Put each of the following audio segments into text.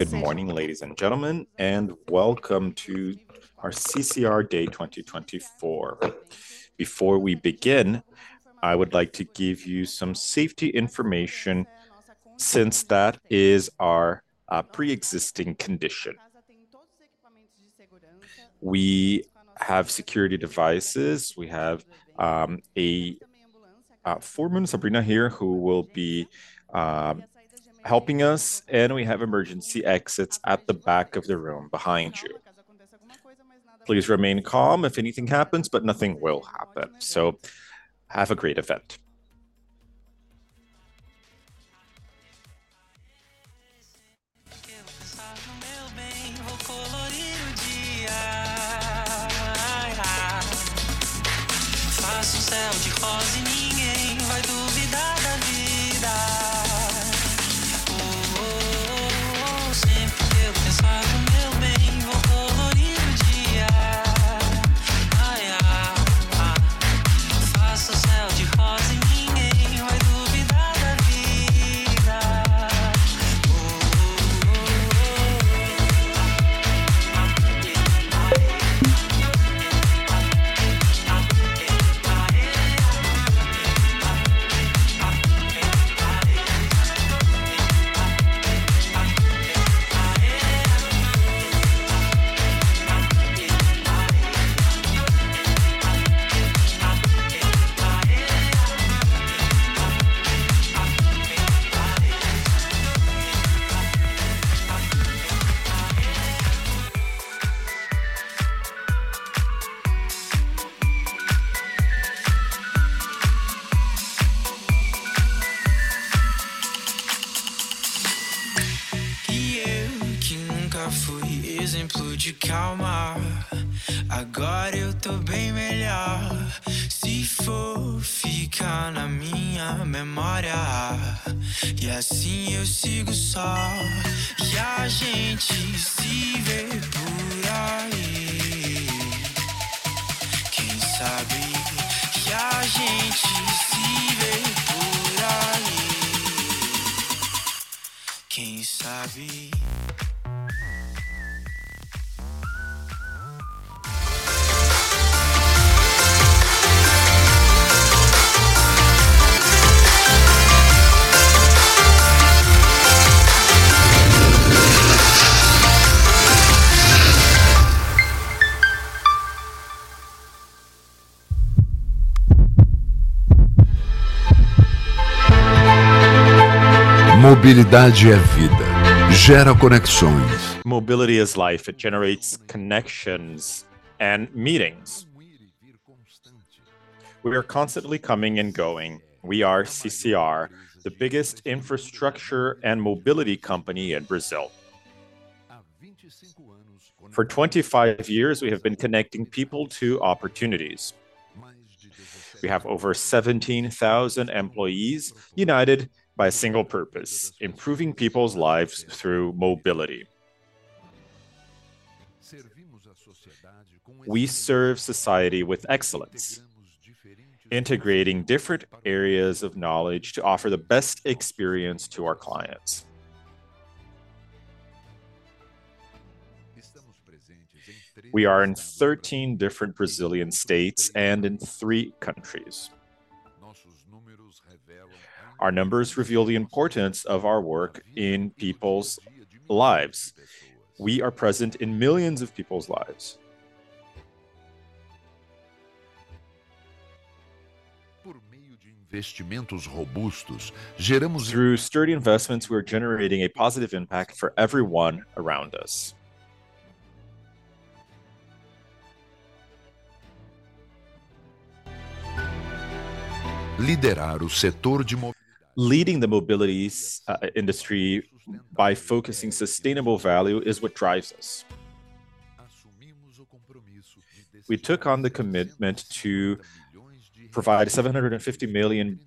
Good morning, ladies and gentlemen, and welcome to our CCR Day 2024. Before we begin, I would like to give you some safety information, since that is our pre-existing condition. We have security devices. We have a fireman, Sabrina, here, who will be helping us, and we have emergency exits at the back of the room behind you. Please remain calm if anything happens, but nothing will happen, so have a great event. Mobility is life. It generates connections and meetings. We are constantly coming and going. We are CCR, the biggest infrastructure and mobility company in Brazil. For 25 years, we have been connecting people to opportunities. We have over 17,000 employees united by a single purpose: improving people's lives through mobility. We serve society with excellence, integrating different areas of knowledge to offer the best experience to our clients. We are in 13 different Brazilian states and in three countries. Our numbers reveal the importance of our work in people's lives. We are present in millions of people's lives. Through sturdy investments, we are generating a positive impact for everyone around us. Leading the mobility industry by focusing sustainable value is what drives us. We took on the commitment to provide 750 million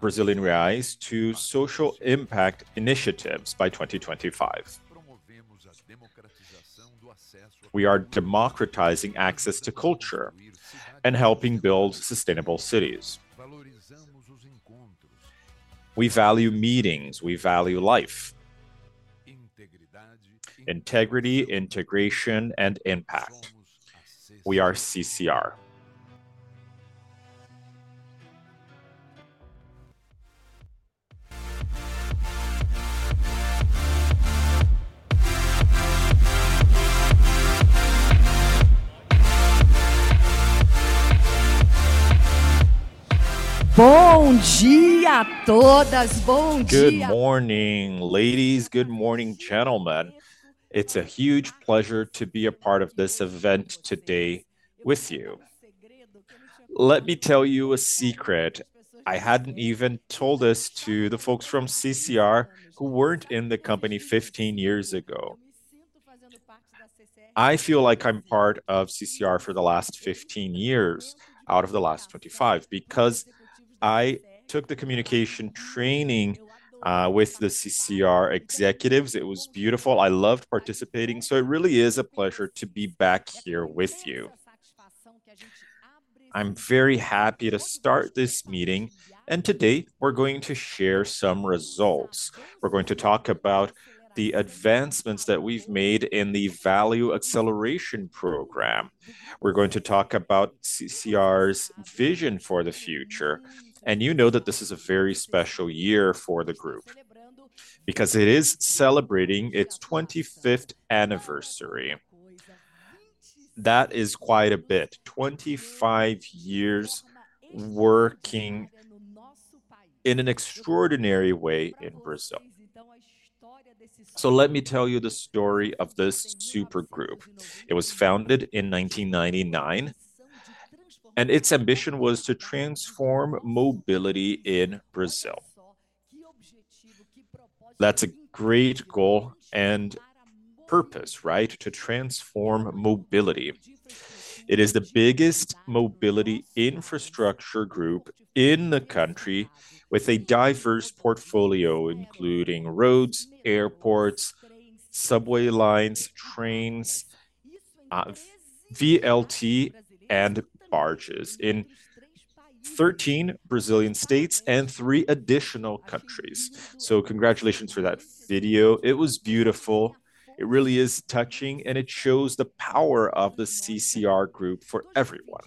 Brazilian reais to social impact initiatives by 2025. We are democratizing access to culture and helping build sustainable cities. We value meetings. We value life. Integrity, integration, and impact. We are CCR. Good morning, ladies. Good morning, gentlemen. It's a huge pleasure to be a part of this event today with you. Let me tell you a secret. I hadn't even told this to the folks from CCR who weren't in the company 15 years ago. I feel like I'm part of CCR for the last 15 years out of the last 25, because I took the communication training with the CCR executives. It was beautiful. I loved participating, so it really is a pleasure to be back here with you. I'm very happy to start this meeting, and today we're going to share some results. We're going to talk about the advancements that we've made in the Value Acceleration Program. We're going to talk about CCR's vision for the future, and you know that this is a very special year for the group, because it is celebrating its 25th anniversary. That is quite a bit, 25 years working in an extraordinary way in Brazil. So let me tell you the story of this super group. It was founded in 1999, and its ambition was to transform mobility in Brazil. That's a great goal and purpose, right? To transform mobility. It is the biggest mobility infrastructure group in the country, with a diverse portfolio, including roads, airports, subway lines, trains, VLT, and barges, in 13 Brazilian states and three additional countries. So congratulations for that video. It was beautiful. It really is touching, and it shows the power of the CCR Group for everyone.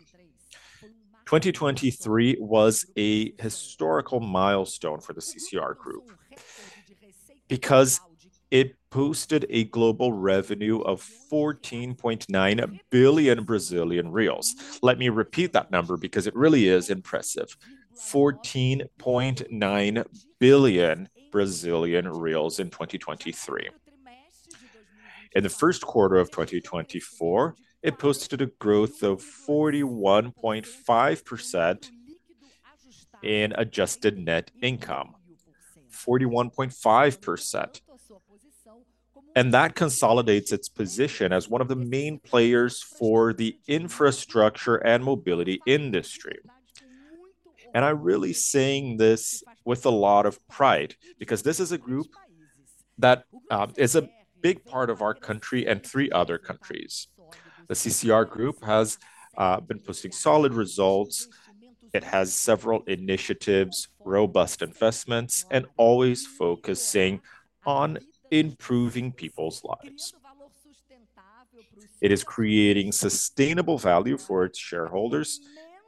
2023 was a historical milestone for the CCR Group, because it boosted a global revenue of 14.9 billion Brazilian reais. Let me repeat that number because it really is impressive, 14.9 billion Brazilian reais in 2023. In the first quarter of 2024, it posted a growth of 41.5% in adjusted net revenue, 41.5%, and that consolidates its position as one of the main players for the infrastructure and mobility industry. I'm really saying this with a lot of pride, because this is a group that is a big part of our country and three other countries. The CCR Group has been posting solid results. It has several initiatives, robust investments, and always focusing on improving people's lives. It is creating sustainable value for its shareholders,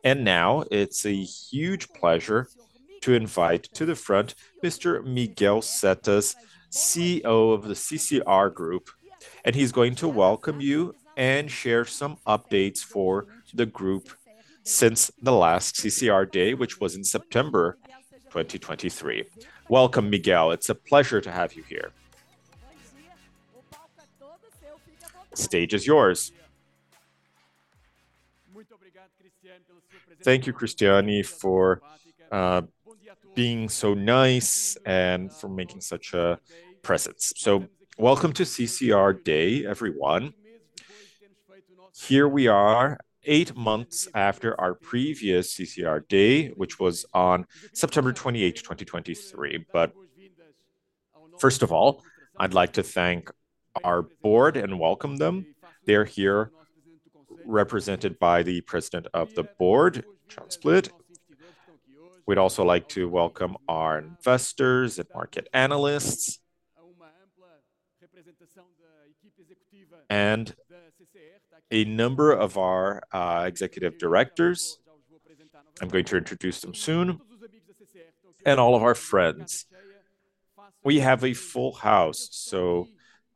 and now it's a huge pleasure to invite to the front Mr. Miguel Setas, CEO of the CCR Group, and he's going to welcome you and share some updates for the group since the last CCR Day, which was in September 2023. Welcome, Miguel. It's a pleasure to have you here. The stage is yours. Thank you, Christiane, for being so nice and for making such a presence. Welcome to CCR Day, everyone. Here we are, eight months after our previous CCR Day, which was on September 28th, 2023. But first of all, I'd like to thank our board and welcome them. They're here, represented by the President of the Board, Fernando Abril-Martorell. We'd also like to welcome our investors and market analysts, and a number of our executive directors, I'm going to introduce them soon, and all of our friends. We have a full house, so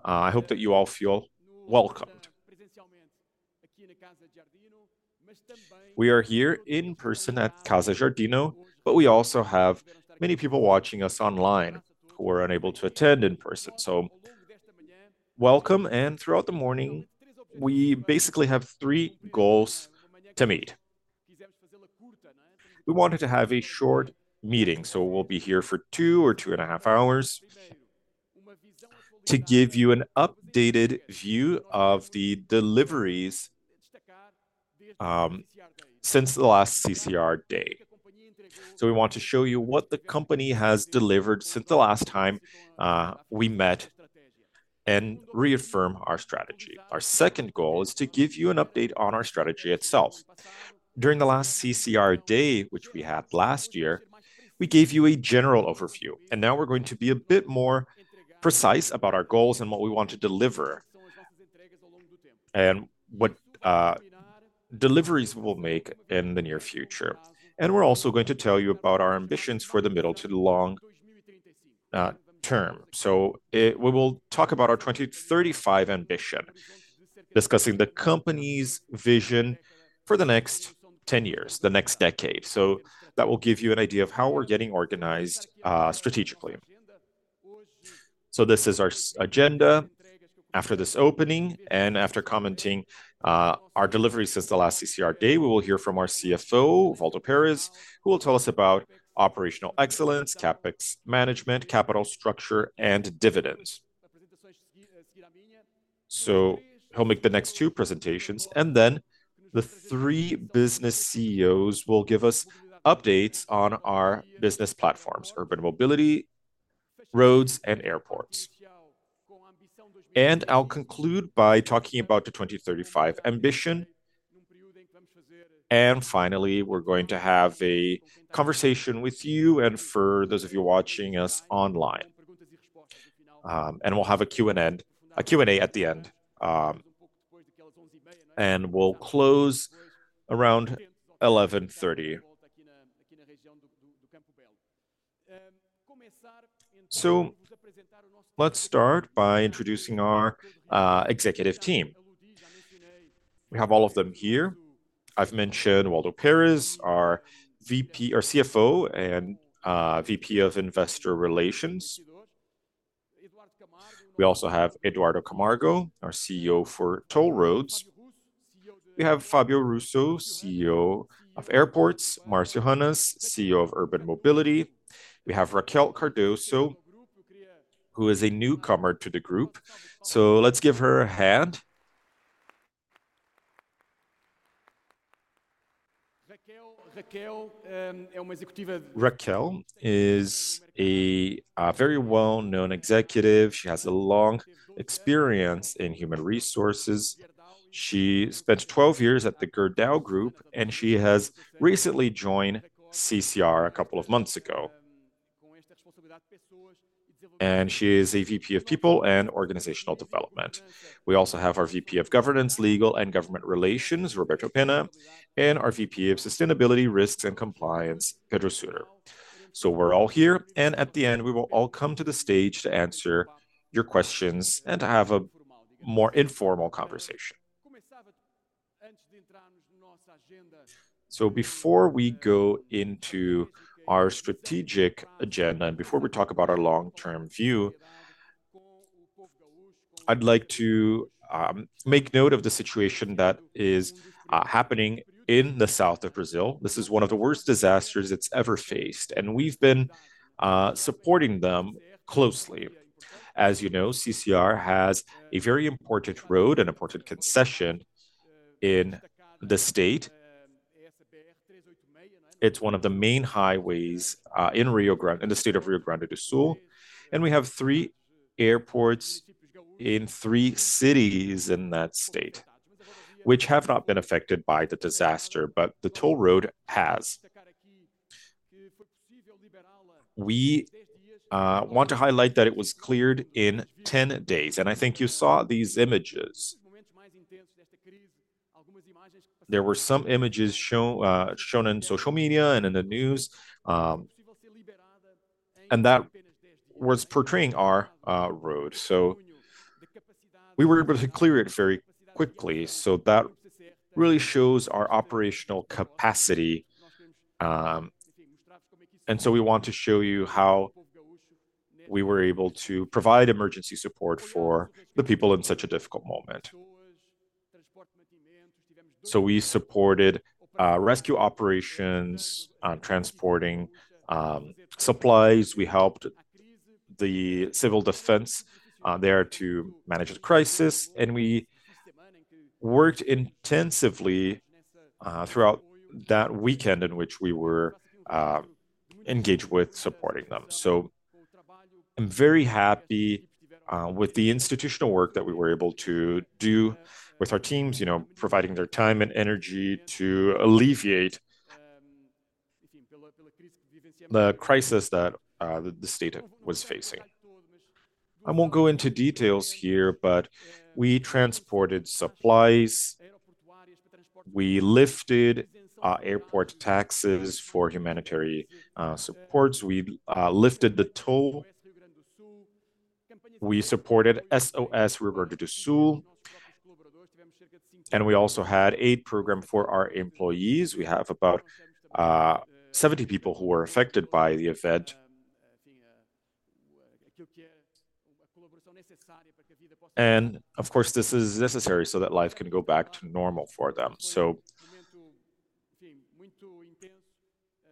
I hope that you all feel welcomed. We are here in person at Casa Giardini, but we also have many people watching us online who were unable to attend in person, so welcome. And throughout the morning, we basically have three goals to meet. We wanted to have a short meeting, so we'll be here for two or 2.5 hours, to give you an updated view of the deliveries since the last CCR Day. So we want to show you what the company has delivered since the last time we met, and reaffirm our strategy. Our second goal is to give you an update on our strategy itself. During the last CCR Day, which we had last year, we gave you a general overview, and now we're going to be a bit more precise about our goals and what we want to deliver, and what deliveries we'll make in the near future. We're also going to tell you about our ambitions for the middle to long term. So we will talk about our 2035 ambition, discussing the company's vision for the next ten years, the next decade. So that will give you an idea of how we're getting organized strategically. So this is our agenda. After this opening and after commenting our delivery since the last CCR Day, we will hear from our CFO, Waldo Perez, who will tell us about operational excellence, CapEx management, capital structure, and dividends. So he'll make the next two presentations, and then the three business CEOs will give us updates on our business platforms, urban mobility, roads, and airports, and I'll conclude by talking about the 2035 ambition. And finally, we're going to have a conversation with you, and for those of you watching us online. And we'll have a Q&A at the end, and we'll close around 11:30 A.M. So let's start by introducing our executive team. We have all of them here. I've mentioned Waldo Perez, our VP—our CFO and VP of Investor Relations. We also have Eduardo Camargo, our CEO for Toll Roads. We have Fábio Russo, CEO of Airports; Márcio Hannas, CEO of Urban Mobility. We have Raquel Cardoso, who is a newcomer to the group, so let's give her a hand. Raquel is a very well-known executive. She has a long experience in human resources. She spent 12 years at the Gerdau Group, and she has recently joined CCR a couple of months ago. And she is a VP of People and Organizational Development. We also have our VP of Governance, Legal and Government Relations, Roberto Penna, and our VP of Sustainability, Risks, and Compliance, Pedro Sutter. So we're all here, and at the end, we will all come to the stage to answer your questions and to have a more informal conversation. So before we go into our strategic agenda, and before we talk about our long-term view, I'd like to make note of the situation that is happening in the south of Brazil. This is one of the worst disasters it's ever faced, and we've been supporting them closely. As you know, CCR has a very important road and important concession in the state. It's one of the main highways in Rio Grande-- in the state of Rio Grande do Sul, and we have three airports in three cities in that state, which have not been affected by the disaster, but the toll road has. We want to highlight that it was cleared in 10 days, and I think you saw these images. There were some images shown on social media and in the news, and that was portraying our road, so we were able to clear it very quickly. So that really shows our operational capacity, and so we want to show you how we were able to provide emergency support for the people in such a difficult moment. So we supported rescue operations, transporting supplies. We helped the civil defense there to manage the crisis, and we worked intensively throughout that weekend in which we were engaged with supporting them. So I'm very happy with the institutional work that we were able to do with our teams, you know, providing their time and energy to alleviate the crisis that the state was facing. I won't go into details here, but we transported supplies, we lifted airport taxes for humanitarian supports. We lifted the toll. We supported SOS Rio Grande do Sul, and we also had a program for our employees. We have about 70 people who were affected by the event. And of course, this is necessary so that life can go back to normal for them. So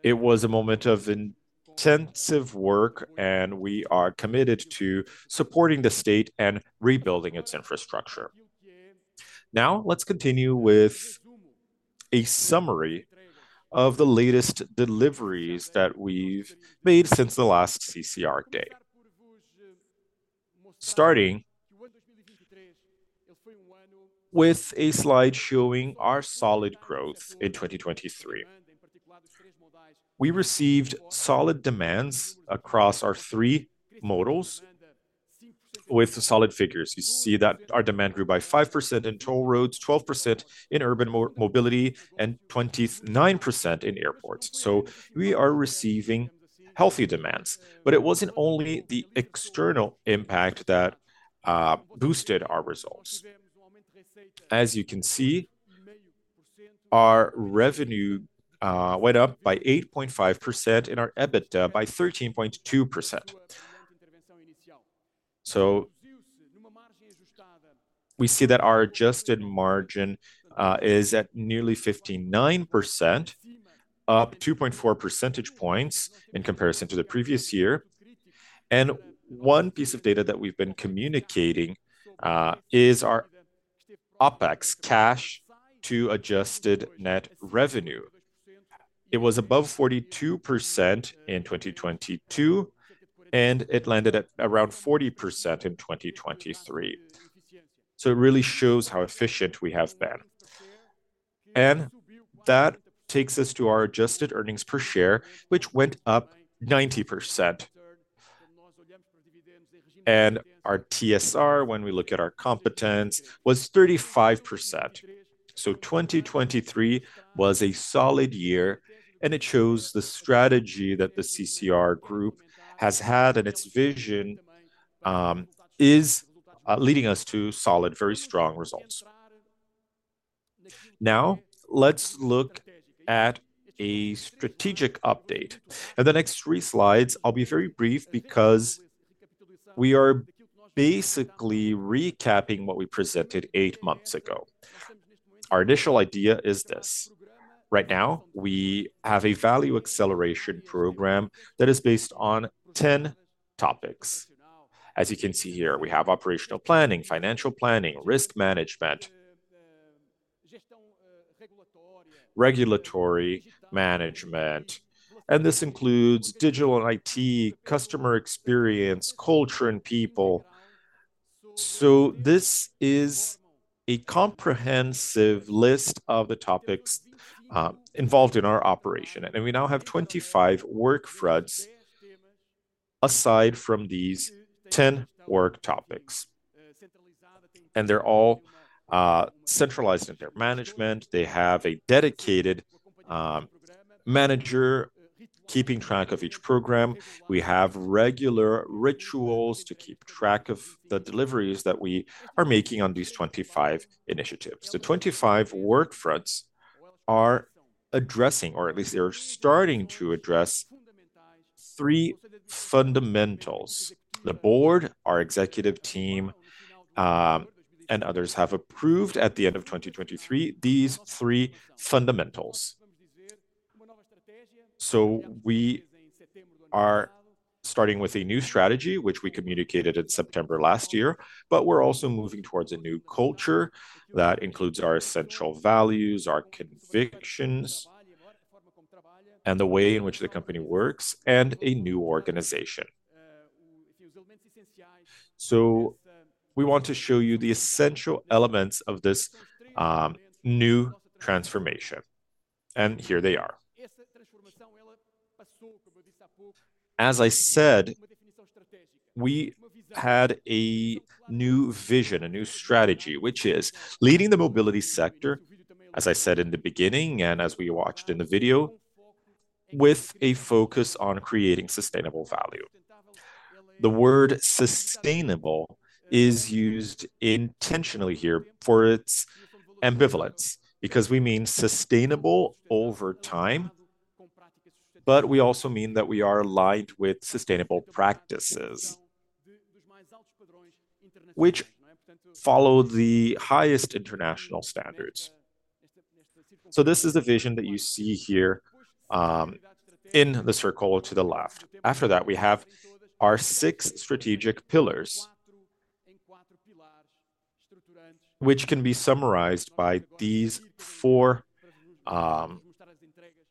it was a moment of intensive work, and we are committed to supporting the state and rebuilding its infrastructure. Now, let's continue with a summary of the latest deliveries that we've made since the last CCR day. Starting with a slide showing our solid growth in 2023. We received solid demands across our three modals, with solid figures. You see that our demand grew by 5% in toll roads, 12% in urban mobility, and 29% in airports. So we are receiving healthy demands. But it wasn't only the external impact that boosted our results. As you can see, our revenue went up by 8.5% and our EBITDA by 13.2%. So we see that our adjusted margin is at nearly 59%, up 2.4 percentage points in comparison to the previous year. And one piece of data that we've been communicating is our OpEx cash to adjusted net revenue. It was above 42% in 2022, and it landed at around 40% in 2023. So it really shows how efficient we have been. And that takes us to our adjusted earnings per share, which went up 90%. And our TSR, when we look at our competence, was 35%. So 2023 was a solid year, and it shows the strategy that the CCR Group has had, and its vision is leading us to solid, very strong results. Now, let's look at a strategic update. In the next three slides, I'll be very brief, because we are basically recapping what we presented eight months ago. Our initial idea is this: right now, we have a Value Acceleration Program that is based on 10 topics. As you can see here, we have operational planning, financial planning, risk management, regulatory management, and this includes digital and IT, customer experience, culture and people. So this is a comprehensive list of the topics involved in our operation, and we now have 25 work fronts, aside from these 10 work topics. And they're all centralized in their management. They have a dedicated manager keeping track of each program. We have regular rituals to keep track of the deliveries that we are making on these 25 initiatives. The 25 work fronts are addressing, or at least they're starting to address, three fundamentals. The board, our executive team, and others have approved at the end of 2023, these three fundamentals. So we are starting with a new strategy, which we communicated in September last year, but we're also moving towards a new culture that includes our essential values, our convictions, and the way in which the company works, and a new organization. So we want to show you the essential elements of this new transformation, and here they are. As I said, we had a new vision, a new strategy, which is leading the mobility sector, as I said in the beginning, and as we watched in the video, with a focus on creating sustainable value. The word sustainable is used intentionally here for its ambivalence, because we mean sustainable over time, but we also mean that we are aligned with sustainable practices, which follow the highest international standards. So this is the vision that you see here, in the circle to the left. After that, we have our six strategic pillars, which can be summarized by these four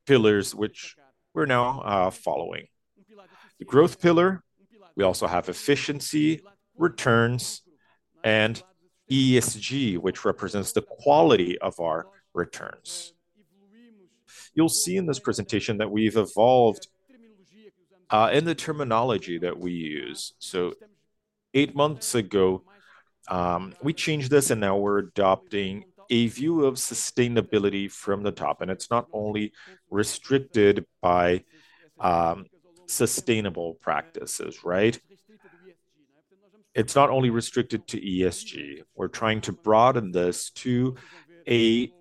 pillars, which we're now following. The growth pillar, we also have efficiency, returns, and ESG, which represents the quality of our returns. You'll see in this presentation that we've evolved in the terminology that we use. So eight months ago, we changed this, and now we're adopting a view of sustainability from the top, and it's not only restricted by sustainable practices, right? It's not only restricted to ESG. We're trying to broaden this to a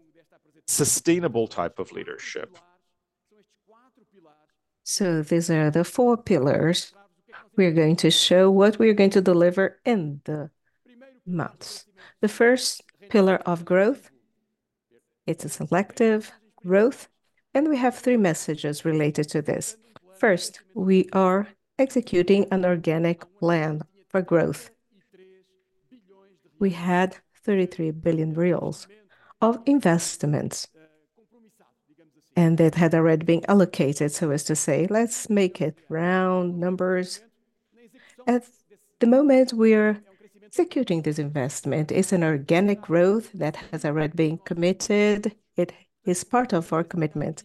sustainable type of leadership. So these are the four pillars. We're going to show what we are going to deliver in the months. The first pillar of growth, it's a selective growth, and we have three messages related to this. First, we are executing an organic plan for growth. We had 33 billion reais of investments, and that had already been allocated, so as to say, let's make it round numbers. At the moment, we're executing this investment. It's an organic growth that has already been committed. It is part of our commitment,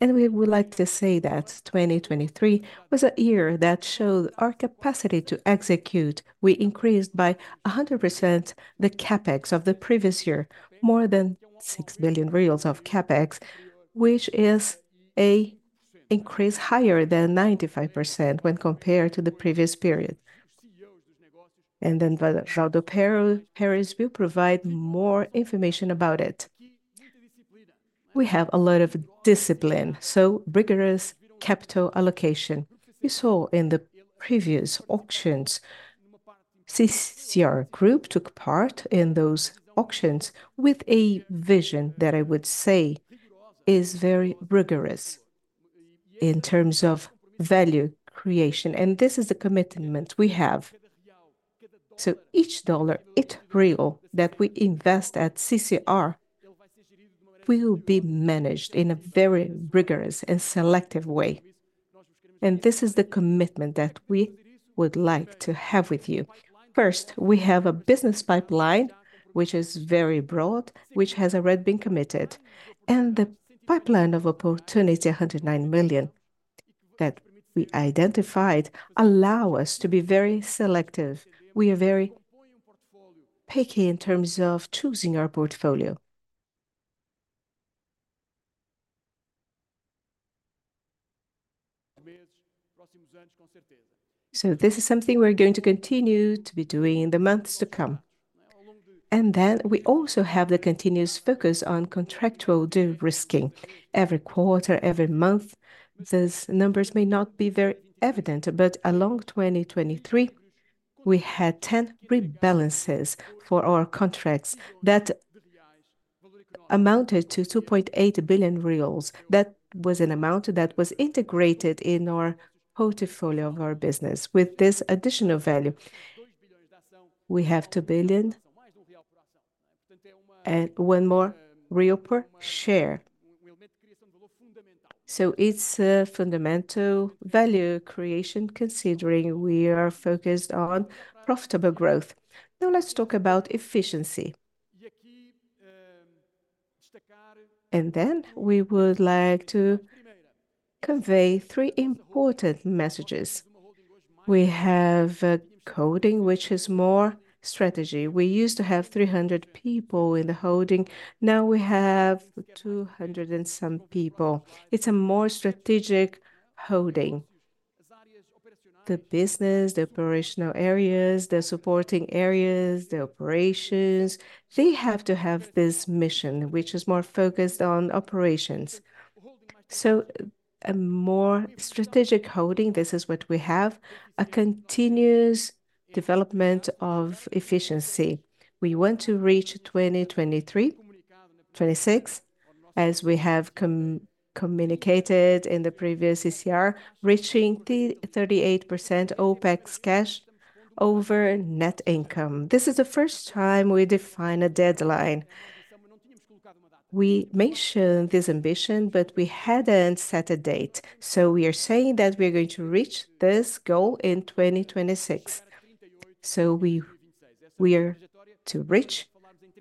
and we would like to say that 2023 was a year that showed our capacity to execute. We increased by 100% the CapEx of the previous year, more than 6 billion reais of CapEx, which is an increase higher than 95% when compared to the previous period. And then Waldo Perez will provide more information about it. We have a lot of discipline, so rigorous capital allocation. We saw in the previous auctions, CCR Group took part in those auctions with a vision that I would say is very rigorous in terms of value creation, and this is the commitment we have.... So each dollar, each real that we invest at CCR, will be managed in a very rigorous and selective way, and this is the commitment that we would like to have with you. First, we have a business pipeline, which is very broad, which has already been committed, and the pipeline of opportunity, 109 billion, that we identified allow us to be very selective. We are very picky in terms of choosing our portfolio. So this is something we're going to continue to be doing in the months to come. And then we also have the continuous focus on contractual de-risking. Every quarter, every month, these numbers may not be very evident, but along 2023, we had 10 rebalances for our contracts that amounted to 2.8 billion reais. That was an amount that was integrated in our portfolio of our business. With this additional value, we have 2 billion and 1 more per share. So it's a fundamental value creation, considering we are focused on profitable growth. Now, let's talk about efficiency. Then we would like to convey three important messages. We have a holding, which is more strategic. We used to have 300 people in the holding. Now we have 200 and some people. It's a more strategic holding. The business, the operational areas, the supporting areas, the operations, they have to have this mission, which is more focused on operations. So a more strategic holding, this is what we have, a continuous development of efficiency. We want to reach 2023-2026, as we have communicated in the previous CCR, reaching the 38% OpEx cash over net income. This is the first time we define a deadline. We mentioned this ambition, but we hadn't set a date, so we are saying that we are going to reach this goal in 2026. So we, we are to reach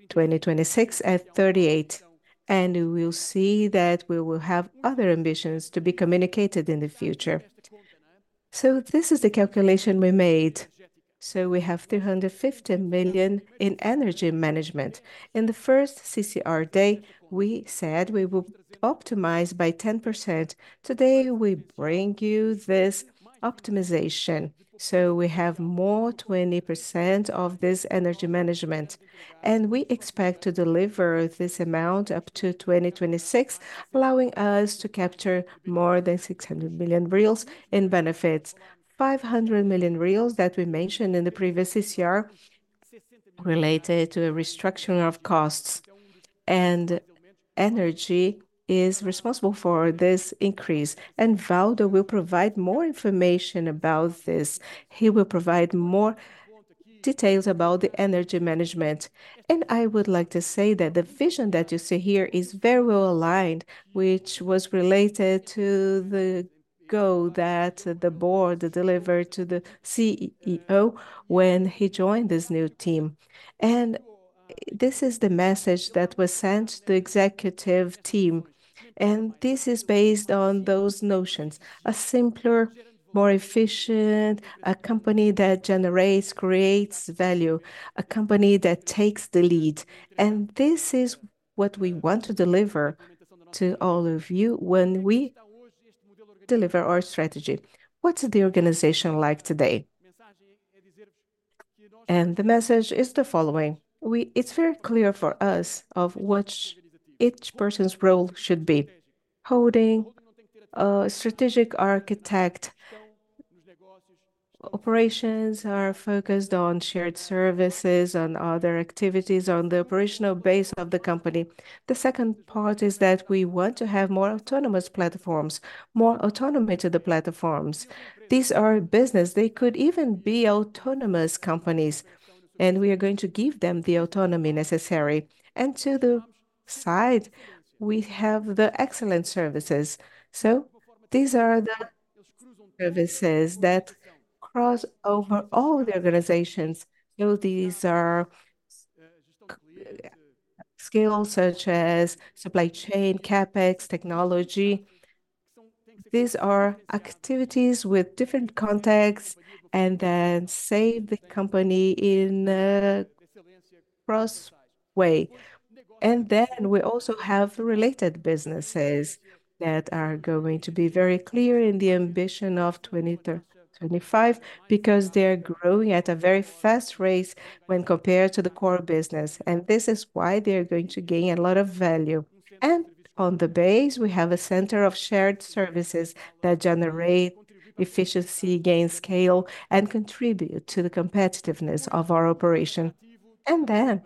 2026 at 38%, and we will see that we will have other ambitions to be communicated in the future. So this is the calculation we made. So we have 350 million in energy management. In the first CCR day, we said we will optimize by 10%. Today, we bring you this optimization, so we have more 20% of this energy management, and we expect to deliver this amount up to 2026, allowing us to capture more than 600 million in benefits. 500 million that we mentioned in the previous CCR, related to a restructuring of costs, and energy is responsible for this increase, and Waldo will provide more information about this. He will provide more details about the energy management. And I would like to say that the vision that you see here is very well aligned, which was related to the goal that the board delivered to the CEO when he joined this new team. This is the message that was sent to the executive team, and this is based on those notions: a simpler, more efficient, a company that generates, creates value, a company that takes the lead. This is what we want to deliver to all of you when we deliver our strategy. What's the organization like today? The message is the following: We... It's very clear for us of what each person's role should be. Holding a strategic architect, operations are focused on shared services and other activities on the operational base of the company. The second part is that we want to have more autonomous platforms, more autonomy to the platforms. These are business. They could even be autonomous companies, and we are going to give them the autonomy necessary. To the side, we have the excellent services. So these are the services that cross over all the organizations. So these are skills such as supply chain, CapEx, technology. These are activities with different contexts, and then save the company in a cross way. And then we also have related businesses that are going to be very clear in the ambition of 25, because they are growing at a very fast rate when compared to the core business, and this is why they are going to gain a lot of value. And on the base, we have a center of shared services that generate efficiency, gain scale, and contribute to the competitiveness of our operation. And then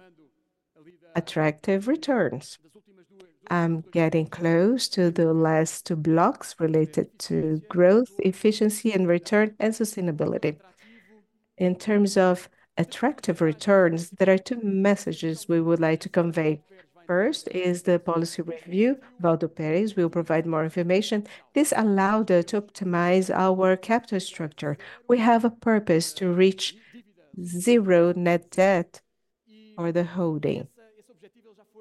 attractive returns. I'm getting close to the last two blocks related to growth, efficiency, and return, and sustainability. In terms of attractive returns, there are two messages we would like to convey. First is the policy review. Waldo Perez will provide more information. This allowed us to optimize our capital structure. We have a purpose to reach zero net debt for the holding,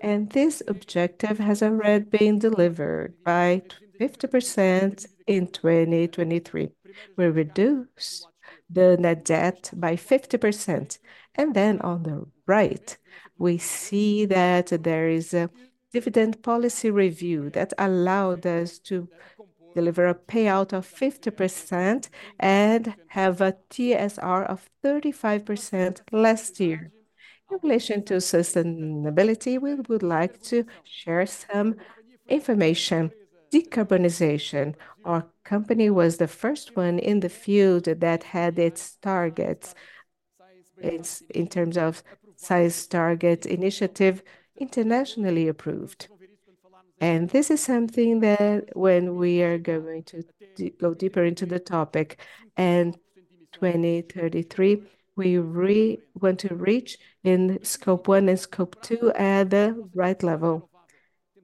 and this objective has already been delivered by 50% in 2023. We reduced the net debt by 50%, and then on the right, we see that there is a dividend policy review that allowed us to deliver a payout of 50% and have a TSR of 35% last year. In relation to sustainability, we would like to share some information. Decarbonization. Our company was the first one in the field that had its targets in terms of Science Based Targets initiative internationally approved. And this is something that when we are going to go deeper into the topic. 2033, we want to reach in Scope 1 and Scope 2 at the right level.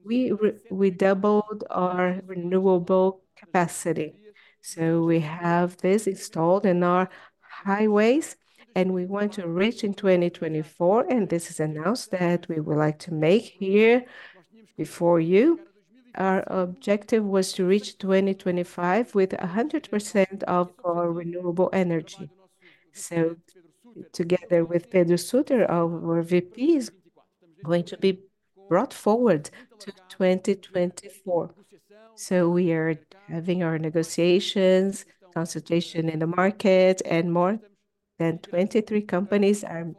We doubled our renewable capacity, so we have this installed in our highways, and we want to reach in 2024, and this is announced that we would like to make here before you. Our objective was to reach 2025 with 100% of our renewable energy. So together with Pedro Sutter, our VP, is going to be brought forward to 2024. So we are having our negotiations, consultation in the market, and more than 23 companies are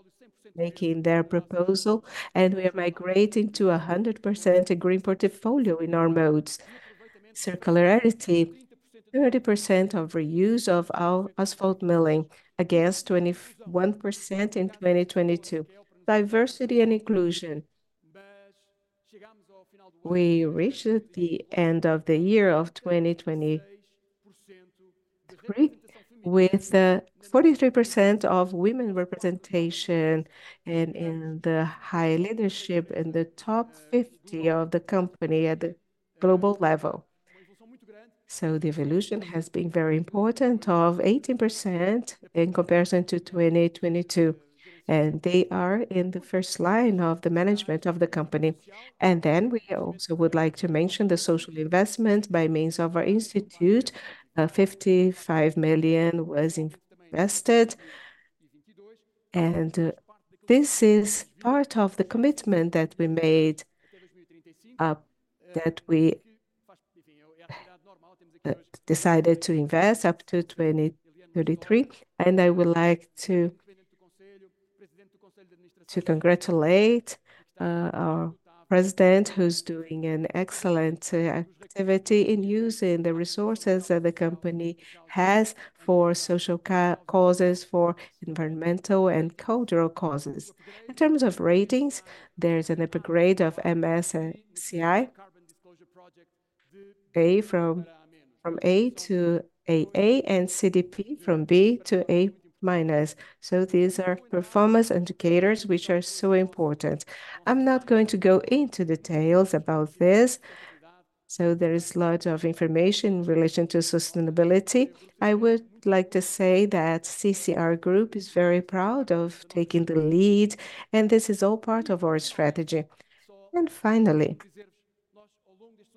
making their proposal, and we are migrating to a 100% green portfolio in our modes. Circularity, 30% of reuse of our asphalt milling, against 21% in 2022. Diversity and inclusion. We reached the end of the year of 2023 with 43% of women representation in the high leadership, in the top 50 of the company at the global level. So the evolution has been very important, of 18% in comparison to 2022, and they are in the first line of the management of the company. And then we also would like to mention the social investment by means of our institute. 55 million was invested, and this is part of the commitment that we made, that we decided to invest up to 2033. And I would like to congratulate our president, who's doing an excellent activity in using the resources that the company has for social causes, for environmental and cultural causes. In terms of ratings, there is an upgrade of MSCI from A to AA, and CDP from B to A-. So these are performance indicators, which are so important. I'm not going to go into details about this, so there is a lot of information in relation to sustainability. I would like to say that CCR Group is very proud of taking the lead, and this is all part of our strategy. And finally,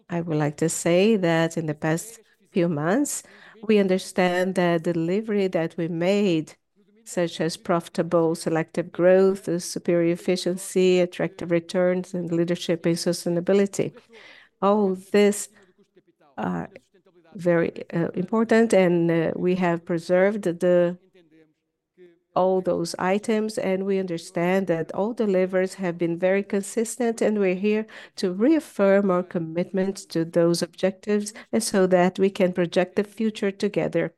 I would like to say that in the past few months, we understand the delivery that we made, such as profitable, selective growth, superior efficiency, attractive returns, and leadership in sustainability, all this, very important, and we have preserved the... all those items, and we understand that all deliveries have been very consistent, and we're here to reaffirm our commitment to those objectives and so that we can project the future together.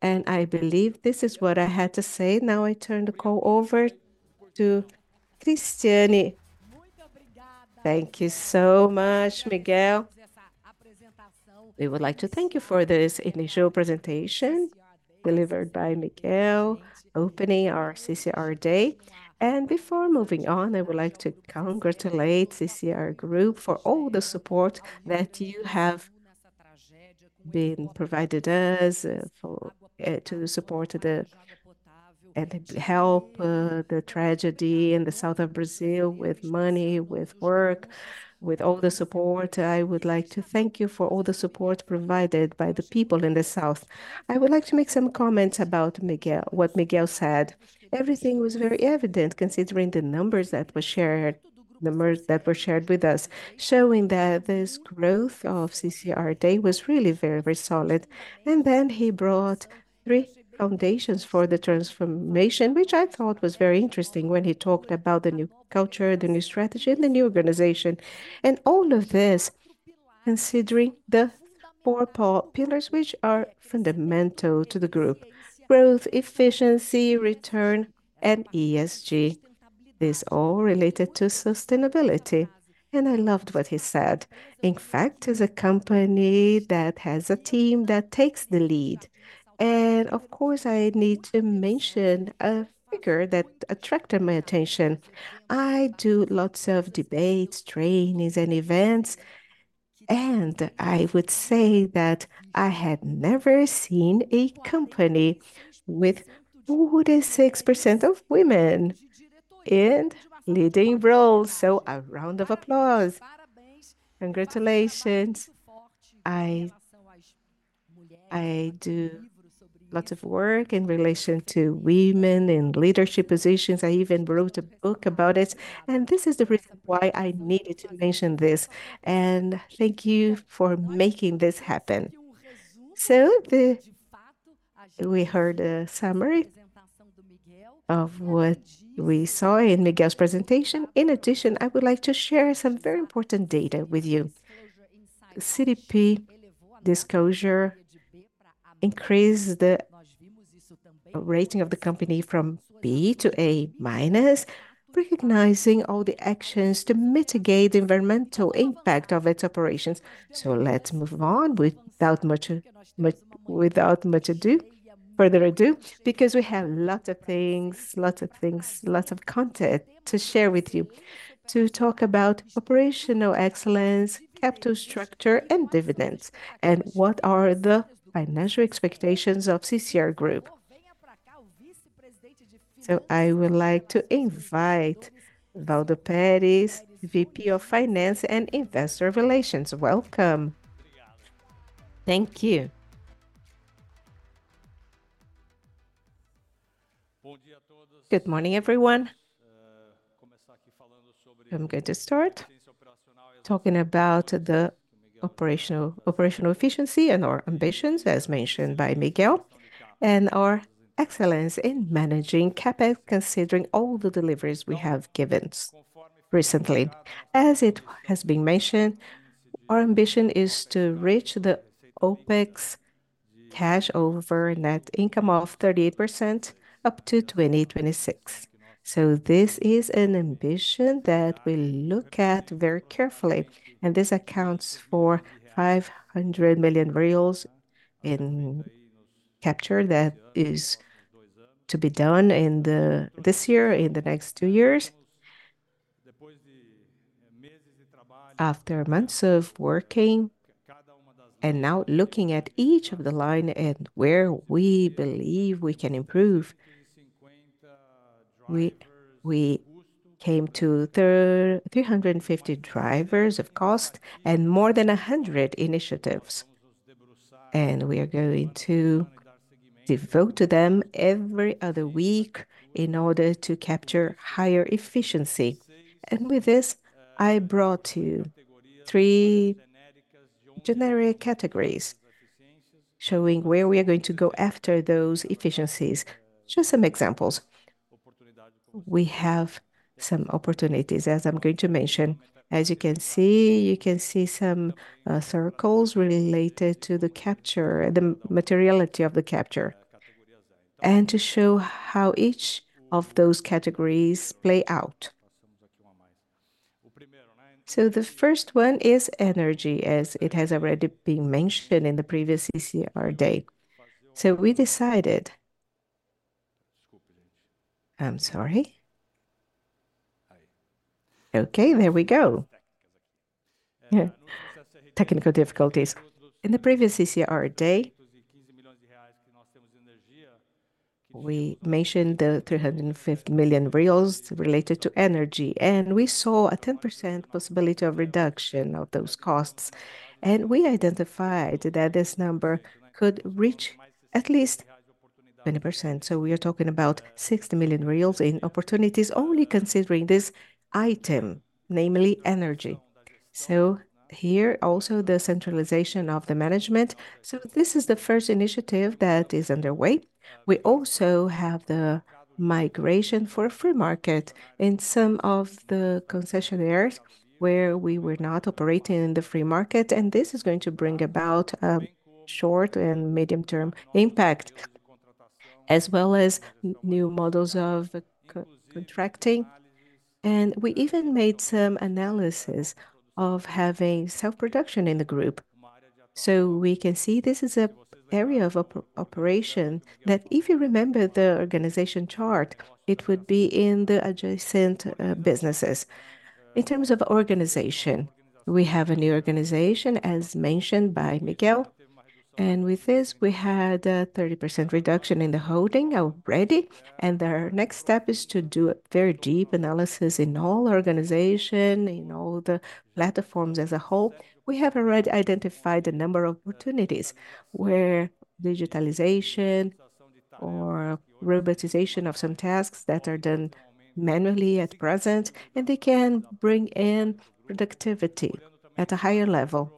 And I believe this is what I had to say. Now, I turn the call over to Christiane. Thank you so much, Miguel. We would like to thank you for this initial presentation delivered by Miguel, opening our CCR Day. Before moving on, I would like to congratulate CCR Group for all the support that you have been provided us for to support the and help the tragedy in the south of Brazil with money, with work, with all the support. I would like to thank you for all the support provided by the people in the south. I would like to make some comments about Miguel, what Miguel said. Everything was very evident, considering the numbers that were shared, numbers that were shared with us, showing that this growth of CCR Day was really very, very solid. Then he brought three foundations for the transformation, which I thought was very interesting when he talked about the new culture, the new strategy, and the new organization. All of this considering the four core pillars which are fundamental to the group: growth, efficiency, return, and ESG. This all related to sustainability, and I loved what he said. In fact, as a company that has a team that takes the lead, and of course, I need to mention a figure that attracted my attention. I do lots of debates, trainings, and events, and I would say that I had never seen a company with 46% of women in leading roles. So a round of applause. Congratulations! I, I do lots of work in relation to women in leadership positions. I even wrote a book about it, and this is the reason why I needed to mention this, and thank you for making this happen. So we heard a summary of what we saw in Miguel's presentation. In addition, I would like to share some very important data with you. CDP disclosure increased the rating of the company from B to A-minus, recognizing all the actions to mitigate the environmental impact of its operations. So let's move on without much ado, without further ado, because we have lots of things, lots of things, lots of content to share with you. To talk about operational excellence, capital structure, and dividends, and what are the financial expectations of CCR Group. So I would like to invite Waldo Perez, VP of Finance and Investor Relations. Welcome. Thank you. Good morning, everyone. I'm going to start talking about the operational efficiency and our ambitions, as mentioned by Miguel, and our excellence in managing CapEx, considering all the deliveries we have given recently. As it has been mentioned, our ambition is to reach the OpEx cash over net income of 38% up to 2026. So this is an ambition that we look at very carefully, and this accounts for 500 million BRL in capture. That is to be done in this year, in the next two years. After months of working and now looking at each of the line and where we believe we can improve, we came to three hundred and fifty drivers of cost and more than a hundred initiatives. And we are going to devote to them every other week in order to capture higher efficiency. And with this, I brought you three generic categories showing where we are going to go after those efficiencies. Just some examples. We have some opportunities, as I'm going to mention. As you can see, you can see some circles related to the capture, the materiality of the capture, and to show how each of those categories play out. So the first one is energy, as it has already been mentioned in the previous CCR day. I'm sorry. Okay, there we go. Yeah, technical difficulties. In the previous CCR day, we mentioned the 350 million related to energy, and we saw a 10% possibility of reduction of those costs. And we identified that this number could reach at least 20%. So we are talking about 60 million reais in opportunities, only considering this item, namely energy. So here, also, the centralization of the management. So this is the first initiative that is underway. We also have the migration for a free flow in some of the concessionaires where we were not operating in the free flow, and this is going to bring about a short- and medium-term impact, as well as new models of contracting. We even made some analysis of having self-production in the group. So we can see this is an area of operation that, if you remember the organization chart, it would be in the adjacent businesses. In terms of organization, we have a new organization, as mentioned by Miguel, and with this, we had a 30% reduction in the holding already. The next step is to do a very deep analysis in all organization, in all the platforms as a whole. We have already identified a number of opportunities where digitalization-... or robotization of some tasks that are done manually at present, and they can bring in productivity at a higher level.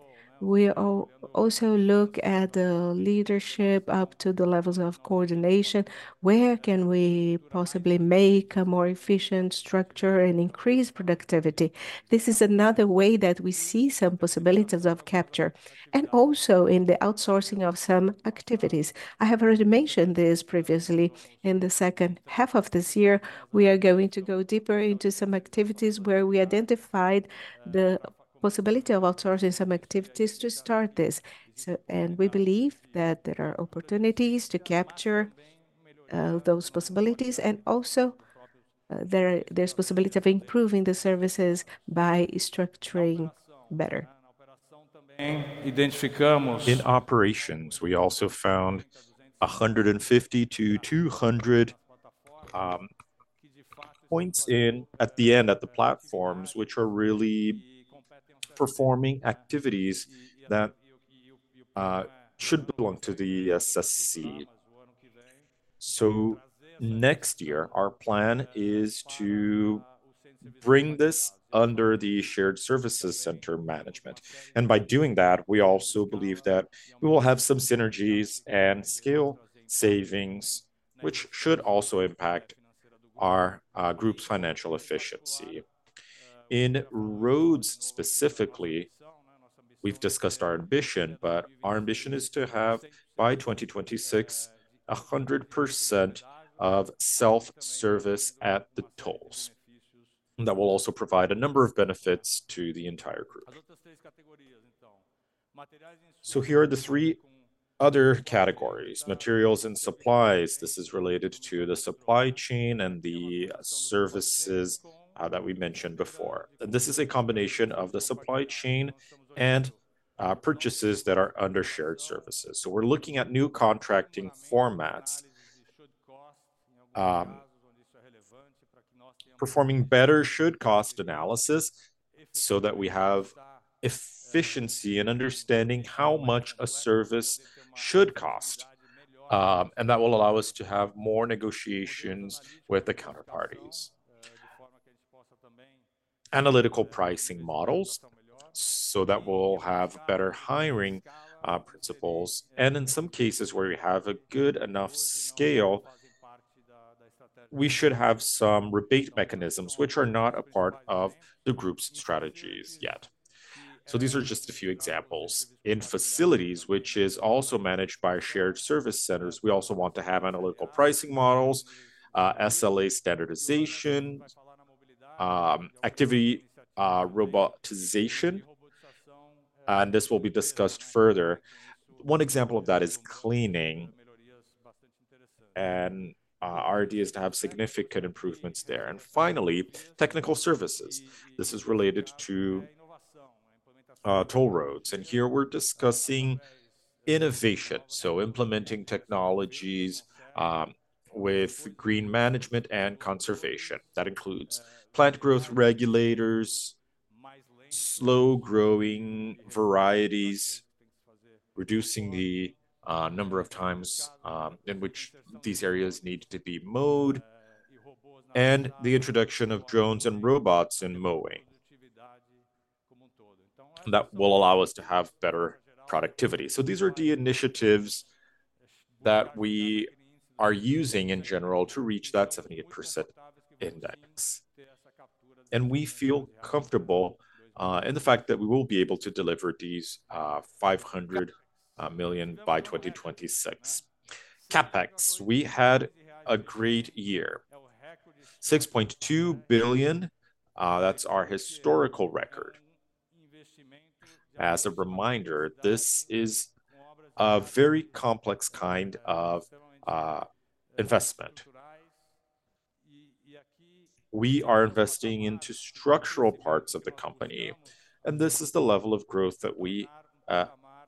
We also look at the leadership up to the levels of coordination. Where can we possibly make a more efficient structure and increase productivity? This is another way that we see some possibilities of capture, and also in the outsourcing of some activities. I have already mentioned this previously. In the second half of this year, we are going to go deeper into some activities where we identified the possibility of outsourcing some activities to start this. So, and we believe that there are opportunities to capture, those possibilities, and also, there, there's possibility of improving the services by structuring better. In operations, we also found 150-200 points in at the end at the platforms, which are really performing activities that should belong to the SSC. Next year, our plan is to bring this under the Shared Services Center management, and by doing that, we also believe that we will have some synergies and scale savings, which should also impact our group's financial efficiency. In roads specifically, we've discussed our ambition, but our ambition is to have, by 2026, 100% of self-service at the tolls. That will also provide a number of benefits to the entire group. Here are the three other categories: materials and supplies. This is related to the supply chain and the services that we mentioned before. This is a combination of the supply chain and purchases that are under shared services. So we're looking at new contracting formats, performing better should-cost analysis, so that we have efficiency in understanding how much a service should cost. And that will allow us to have more negotiations with the counterparties. Analytical pricing models, so that we'll have better hiring principles, and in some cases where we have a good enough scale, we should have some rebate mechanisms which are not a part of the group's strategies yet. So these are just a few examples. In facilities, which is also managed by shared service centers, we also want to have analytical pricing models, SLA standardization, activity robotization, and this will be discussed further. One example of that is cleaning, and our idea is to have significant improvements there. And finally, technical services. This is related to toll roads, and here we're discussing innovation, so implementing technologies with green management and conservation. That includes plant growth regulators, slow-growing varieties, reducing the number of times in which these areas need to be mowed, and the introduction of drones and robots in mowing. That will allow us to have better productivity. So these are the initiatives that we are using in general to reach that 78% index, and we feel comfortable in the fact that we will be able to deliver these 500 million by 2026. CapEx, we had a great year, 6.2 billion. That's our historical record. As a reminder, this is a very complex kind of investment. We are investing into structural parts of the company, and this is the level of growth that we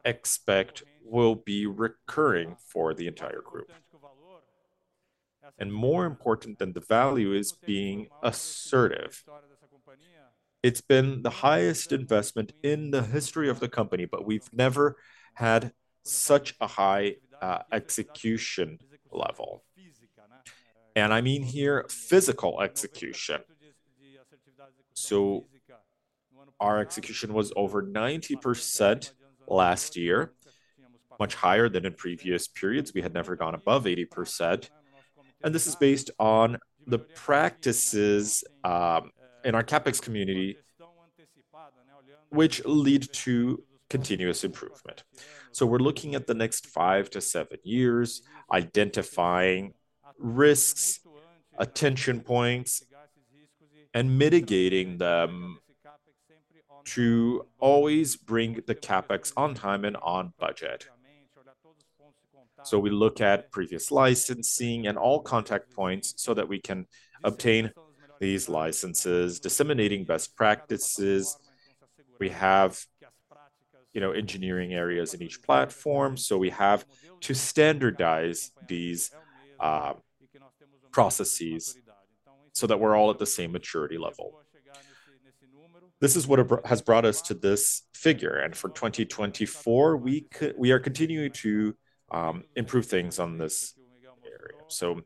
expect will be recurring for the entire group. More important than the value is being assertive. It's been the highest investment in the history of the company, but we've never had such a high execution level, and I mean here, physical execution. Our execution was over 90% last year, much higher than in previous periods. We had never gone above 80%, and this is based on the practices in our CapEx community, which lead to continuous improvement. We're looking at the next five to seven years, identifying risks, attention points, and mitigating them to always bring the CapEx on time and on budget. We look at previous licensing and all contact points so that we can obtain these licenses, disseminating best practices. We have, you know, engineering areas in each platform, so we have to standardize these processes, so that we're all at the same maturity level. This is what it has brought us to this figure, and for 2024, we are continuing to improve things on this area. So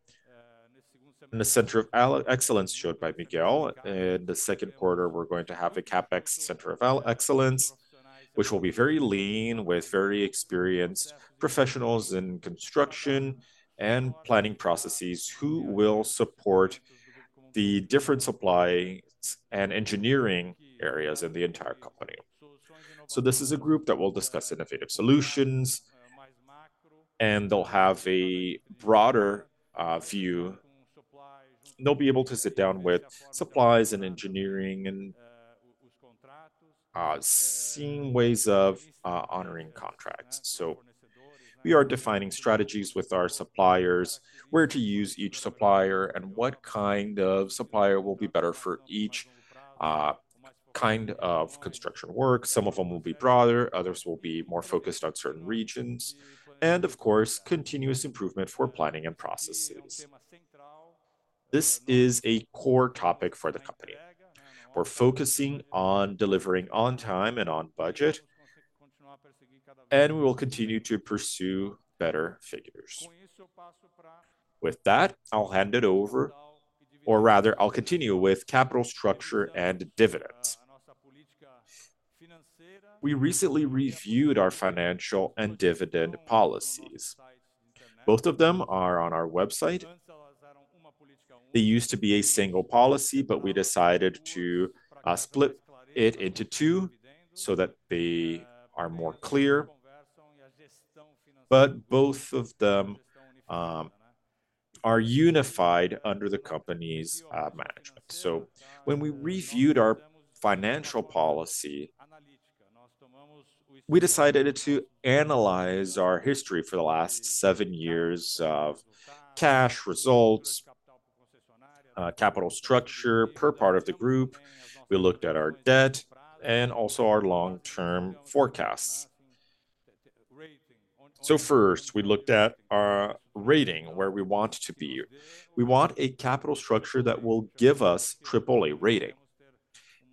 in the Center of Excellence shown by Miguel, in the second quarter, we're going to have a CapEx Center of Excellence, which will be very lean, with very experienced professionals in construction and planning processes, who will support the different supplies and engineering areas in the entire company. So this is a group that will discuss innovative solutions, and they'll have a broader view. They'll be able to sit down with supplies and engineering, and seeing ways of honoring contracts. So we are defining strategies with our suppliers, where to use each supplier, and what kind of supplier will be better for each kind of construction work. Some of them will be broader, others will be more focused on certain regions, and of course, continuous improvement for planning and processes. This is a core topic for the company. We're focusing on delivering on time and on budget, and we will continue to pursue better figures. With that, I'll hand it over, or rather, I'll continue with capital structure and dividends. We recently reviewed our financial and dividend policies. Both of them are on our website. They used to be a single policy, but we decided to split it into two, so that they are more clear. But both of them are unified under the company's management. So when we reviewed our financial policy, we decided to analyze our history for the last seven years of cash results, capital structure per part of the group. We looked at our debt and also our long-term forecasts. So first, we looked at our rating, where we want to be. We want a capital structure that will give us Triple A rating.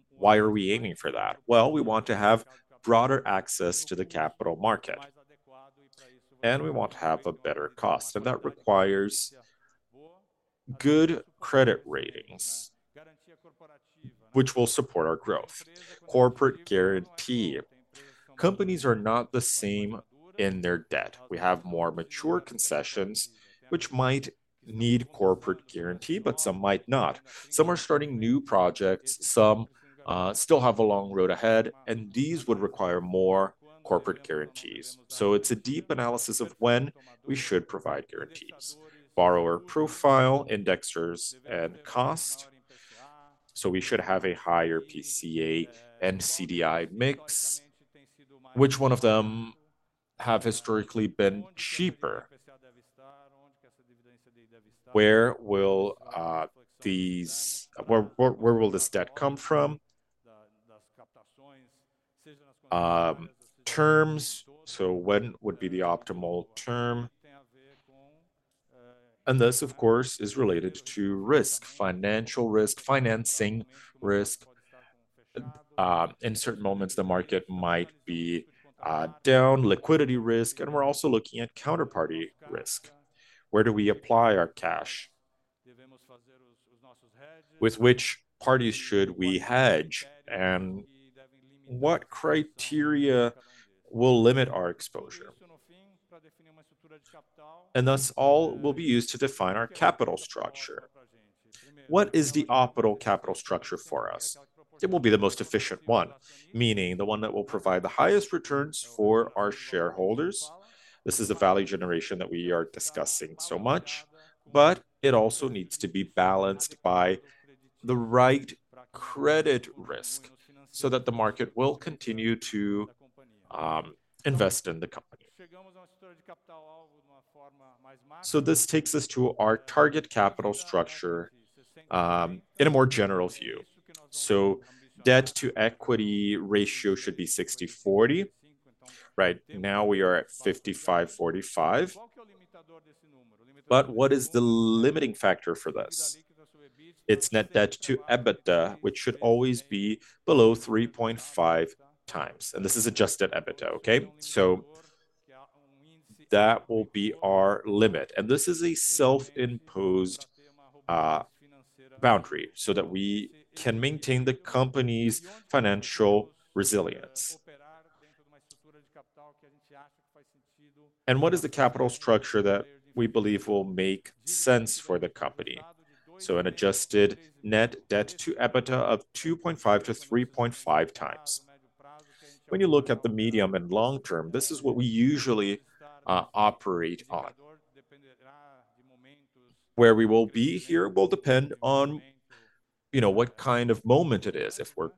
Why are we aiming for that? Well, we want to have broader access to the capital market, and we want to have a better cost, and that requires good credit ratings, which will support our growth. Corporate guarantee. Companies are not the same in their debt. We have more mature concessions, which might need corporate guarantee, but some might not. Some are starting new projects, some still have a long road ahead, and these would require more corporate guarantees. So it's a deep analysis of when we should provide guarantees. Borrower profile, indexers, and cost, so we should have a higher PCA and CDI mix. Which one of them have historically been cheaper? Where will this debt come from? Terms, so when would be the optimal term? And this, of course, is related to risk, financial risk, financing risk. In certain moments, the market might be down, liquidity risk, and we're also looking at counterparty risk. Where do we apply our cash? With which parties should we hedge, and what criteria will limit our exposure? And thus, all will be used to define our capital structure. What is the optimal capital structure for us? It will be the most efficient one, meaning the one that will provide the highest returns for our shareholders. This is a value generation that we are discussing so much, but it also needs to be balanced by the right credit risk, so that the market will continue to invest in the company. So this takes us to our target capital structure, in a more general view. So debt to equity ratio should be 60/40. Right now, we are at 55/45. But what is the limiting factor for this? It's Net Debt to EBITDA, which should always be below 3.5 times, and this is Adjusted EBITDA, okay? So that will be our limit, and this is a self-imposed boundary, so that we can maintain the company's financial resilience. And what is the capital structure that we believe will make sense for the company? So an Adjusted Net Debt to EBITDA of 2.5-3.5 times. When you look at the medium and long term, this is what we usually operate on. Where we will be here will depend on, you know, what kind of moment it is, if we're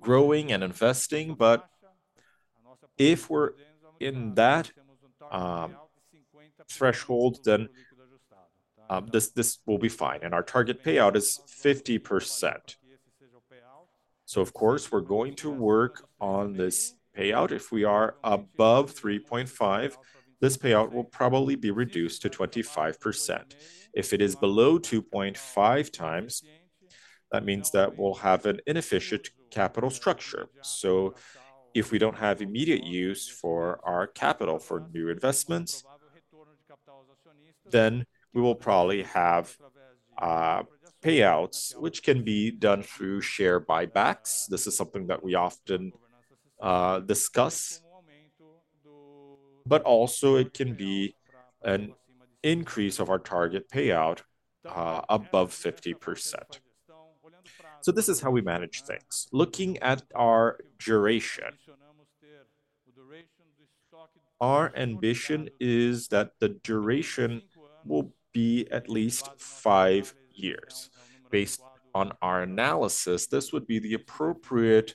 growing and investing. But if we're in that threshold, then this, this will be fine, and our target payout is 50%. So of course, we're going to work on this payout. If we are above 3.5, this payout will probably be reduced to 25%. If it is below 2.5 times, that means that we'll have an inefficient capital structure. So if we don't have immediate use for our capital for new investments, then we will probably have payouts, which can be done through share buybacks. This is something that we often discuss, but also it can be an increase of our target payout above 50%. So this is how we manage things. Looking at our duration, our ambition is that the duration will be at least five years. Based on our analysis, this would be the appropriate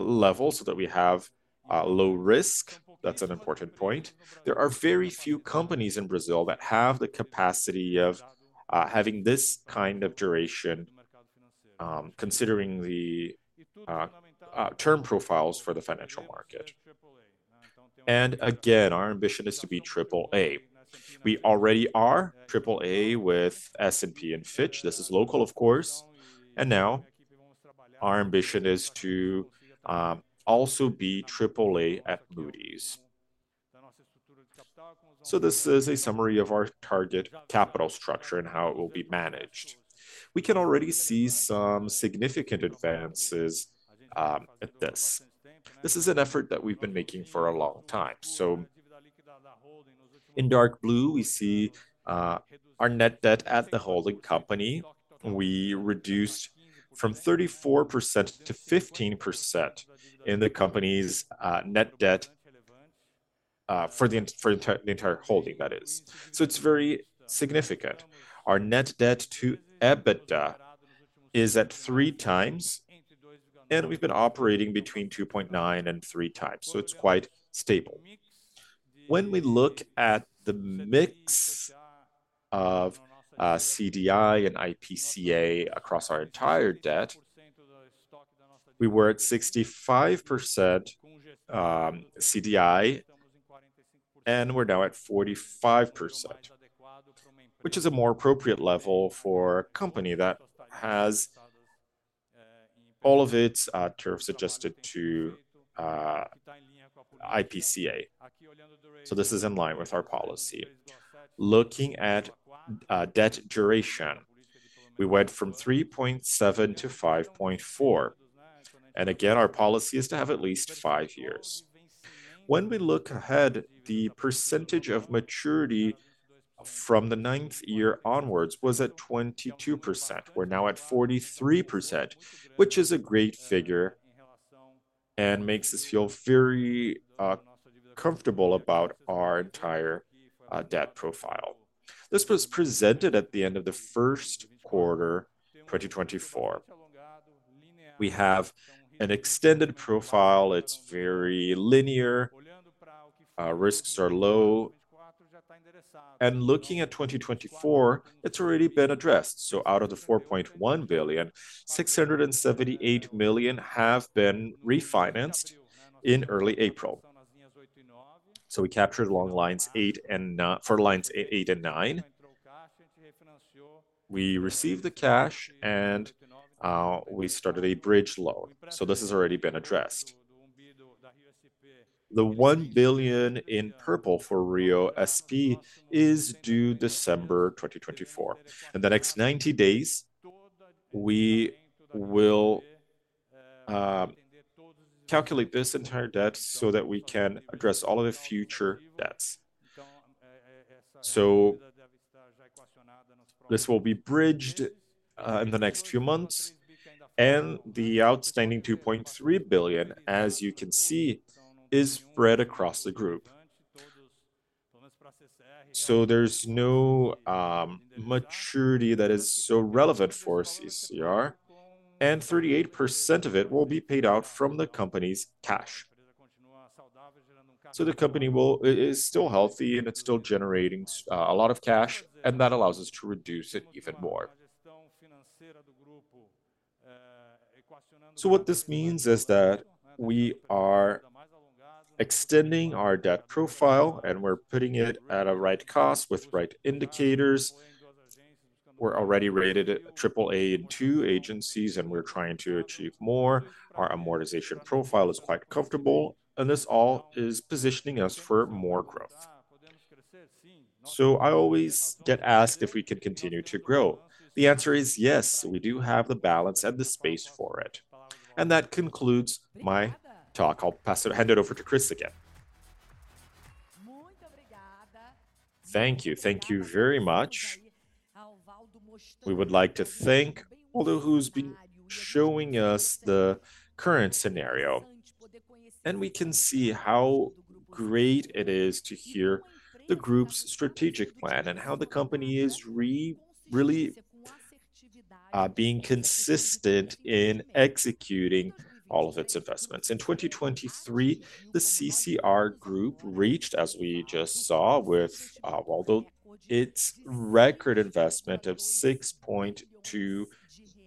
level, so that we have low risk. That's an important point. There are very few companies in Brazil that have the capacity of having this kind of duration, considering the term profiles for the financial market. And again, our ambition is to be Triple A. We already are Triple A with S&P and Fitch. This is local, of course, and now our ambition is to also be Triple A at Moody's. So this is a summary of our target capital structure and how it will be managed. We can already see some significant advances at this. This is an effort that we've been making for a long time. So in dark blue, we see our net debt at the holding company. We reduced from 34% to 15% in the company's net debt for the entire holding, that is. So it's very significant. Our net debt to EBITDA is at 3x, and we've been operating between 2.9x and 3x, so it's quite stable. When we look at the mix of CDI and IPCA across our entire debt, we were at 65% CDI, and we're now at 45%, which is a more appropriate level for a company that has all of its terms adjusted to IPCA. So this is in line with our policy. Looking at debt duration, we went from 3.7 to 5.4, and again, our policy is to have at least five years. When we look ahead, the percentage of maturity from the ninth year onwards was at 22%. We're now at 43%, which is a great figure, and makes us feel very comfortable about our entire debt profile. This was presented at the end of the first quarter, 2024. We have an extended profile. It's very linear. Risks are low, and looking at 2024, it's already been addressed. So out of the 4.1 billion, 678 million have been refinanced in early April. So we captured along Lines Eight and nine. We received the cash, and we started a bridge loan, so this has already been addressed. The 1 billion in purple for Rio-SP is due December 2024. In the next 90 days, we will calculate this entire debt so that we can address all of the future debts. So this will be bridged in the next few months, and the outstanding 2.3 billion, as you can see, is spread across the group. So there's no maturity that is so relevant for CCR, and 38% of it will be paid out from the company's cash. So the company is still healthy, and it's still generating a lot of cash, and that allows us to reduce it even more. So what this means is that we are extending our debt profile, and we're putting it at a right cost with right indicators. We're already rated at triple A in two agencies, and we're trying to achieve more. Our amortization profile is quite comfortable, and this all is positioning us for more growth. So I always get asked if we can continue to grow. The answer is yes, we do have the balance and the space for it. And that concludes my talk. I'll pass it, hand it over to Chris again. Thank you. Thank you very much. We would like to thank Waldo, who's been showing us the current scenario, and we can see how great it is to hear the group's strategic plan and how the company is really being consistent in executing all of its investments. In 2023, the CCR Group reached, as we just saw, with Waldo, its record investment of 6.2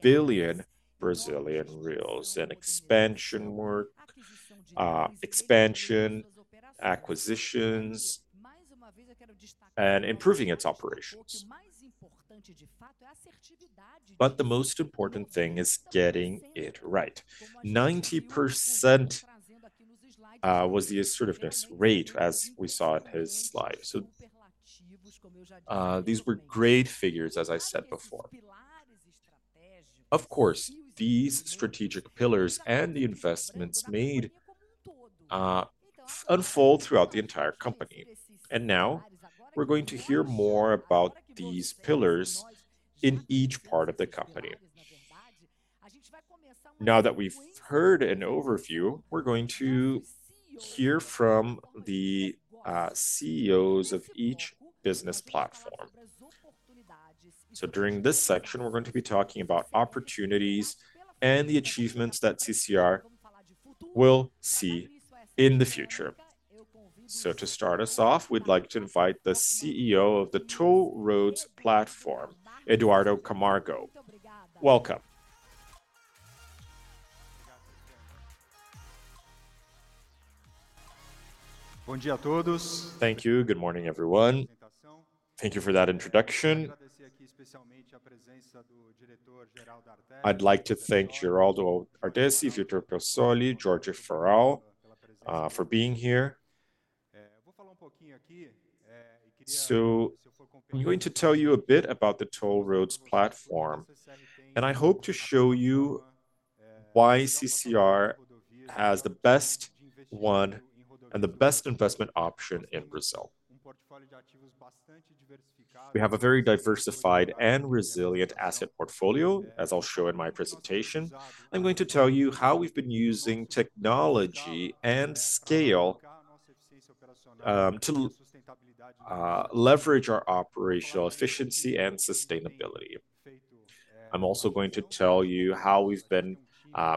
billion Brazilian reais in expansion, acquisitions, and improving its operations. But the most important thing is getting it right. 90% was the assertiveness rate, as we saw in his slides. So, these were great figures, as I said before. Of course, these strategic pillars and the investments made, unfold throughout the entire company. And now we're going to hear more about these pillars in each part of the company. Now that we've heard an overview, we're going to hear from the CEOs of each business platform. So during this section, we're going to be talking about opportunities and the achievements that CCR will see in the future. So to start us off, we'd like to invite the CEO of the Toll Roads Platform, Eduardo Camargo. Welcome. Thank you. Good morning, everyone. Thank you for that introduction. I'd like to thank Geraldo Ardessi, Vitor Piossoli, Jorge Ferral for being here. So I'm going to tell you a bit about the Toll Roads platform, and I hope to show you why CCR has the best one and the best investment option in Brazil. We have a very diversified and resilient asset portfolio, as I'll show in my presentation. I'm going to tell you how we've been using technology and scale to leverage our operational efficiency and sustainability. I'm also going to tell you how we've been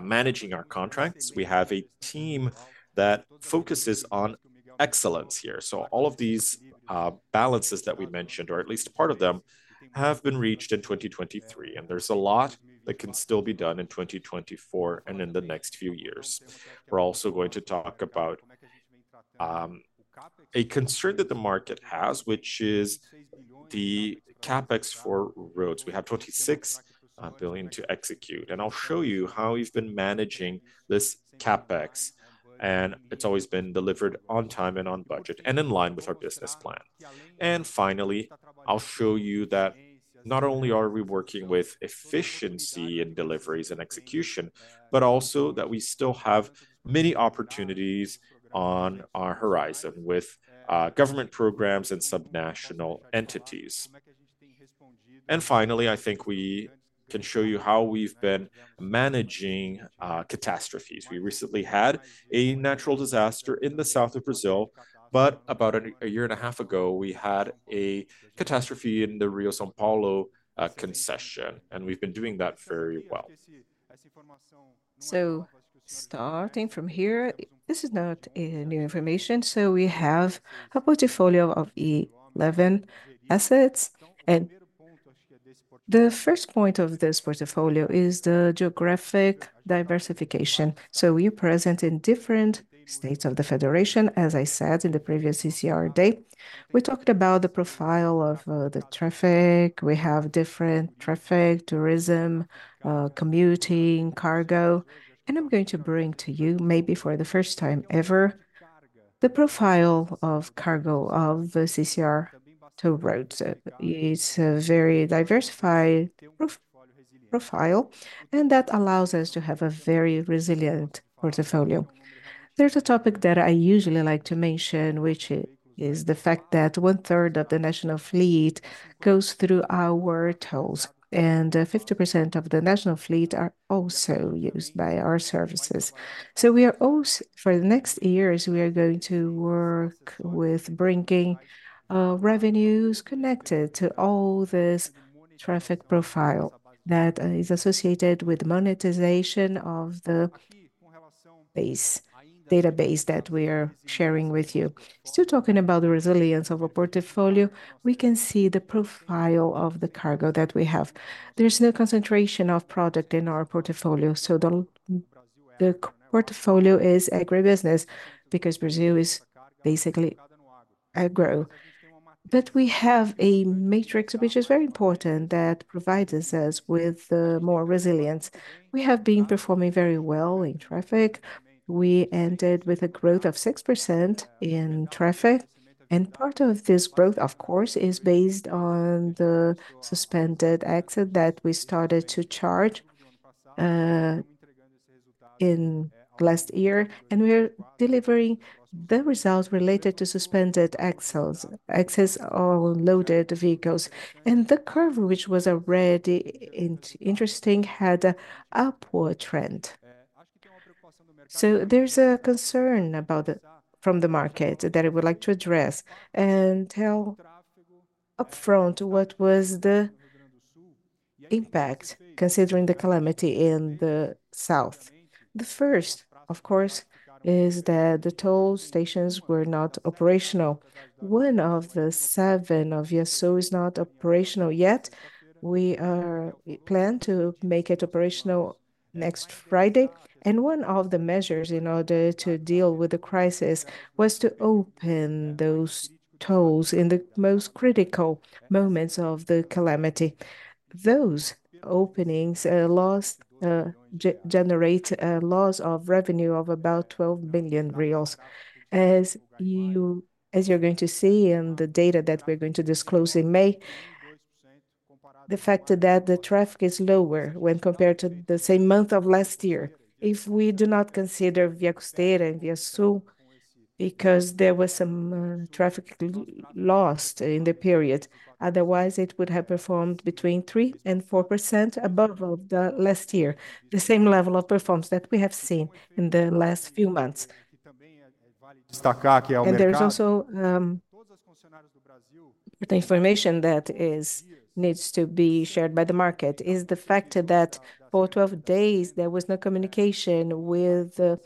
managing our contracts. We have a team that focuses on excellence here. So all of these balances that we mentioned, or at least a part of them, have been reached in 2023, and there's a lot that can still be done in 2024 and in the next few years. We're also going to talk about a concern that the market has, which is the CapEx for roads. We have 26 billion to execute, and I'll show you how we've been managing this CapEx, and it's always been delivered on time and on budget, and in line with our business plan. And finally, I'll show you that not only are we working with efficiency in deliveries and execution, but also that we still have many opportunities on our horizon with government programs and subnational entities. And finally, I think we can show you how we've been managing catastrophes. We recently had a natural disaster in the south of Brazil, but about a year and a half ago, we had a catastrophe in the Rio-São Paulo concession, and we've been doing that very well. So starting from here, this is not a new information, so we have a portfolio of 11 assets, and the first point of this portfolio is the geographic diversification. So we are present in different states of the federation. As I said in the previous CCR date, we talked about the profile of the traffic. We have different traffic, tourism, commuting, cargo, and I'm going to bring to you, maybe for the first time ever, the profile of cargo of the CCR Toll Roads. It's a very diversified profile, and that allows us to have a very resilient portfolio. There's a topic that I usually like to mention, which is the fact that one-third of the national fleet goes through our tolls, and 50% of the national fleet are also used by our services. For the next years, we are going to work with bringing revenues connected to all this traffic profile that is associated with monetization of the base database that we are sharing with you. Still talking about the resilience of a portfolio, we can see the profile of the cargo that we have. There's no concentration of product in our portfolio, so the portfolio is agribusiness, because Brazil is basically agro. But we have a matrix which is very important, that provides us with more resilience. We have been performing very well in traffic. We ended with a growth of 6% in traffic, and part of this growth, of course, is based on the suspended axle that we started to charge in last year, and we are delivering the results related to suspended axles, axles or loaded vehicles. And the curve, which was already interesting, had an upward trend. So there's a concern about the from the market that I would like to address and tell upfront what was the impact, considering the calamity in the south. The first, of course, is that the toll stations were not operational. One of the seven of ViaSul is not operational yet. We plan to make it operational- ... next Friday, and one of the measures in order to deal with the crisis was to open those tolls in the most critical moments of the calamity. Those openings generate a loss of revenue of about 12 million reais. As you, as you're going to see in the data that we're going to disclose in May, the fact that the traffic is lower when compared to the same month of last year, if we do not consider ViaCosteira and ViaSul, because there was some traffic lost in the period. Otherwise, it would have performed between 3% and 4% above of the last year, the same level of performance that we have seen in the last few months. There is also the information that needs to be shared by the market, is the fact that for 12 days there was no communication with the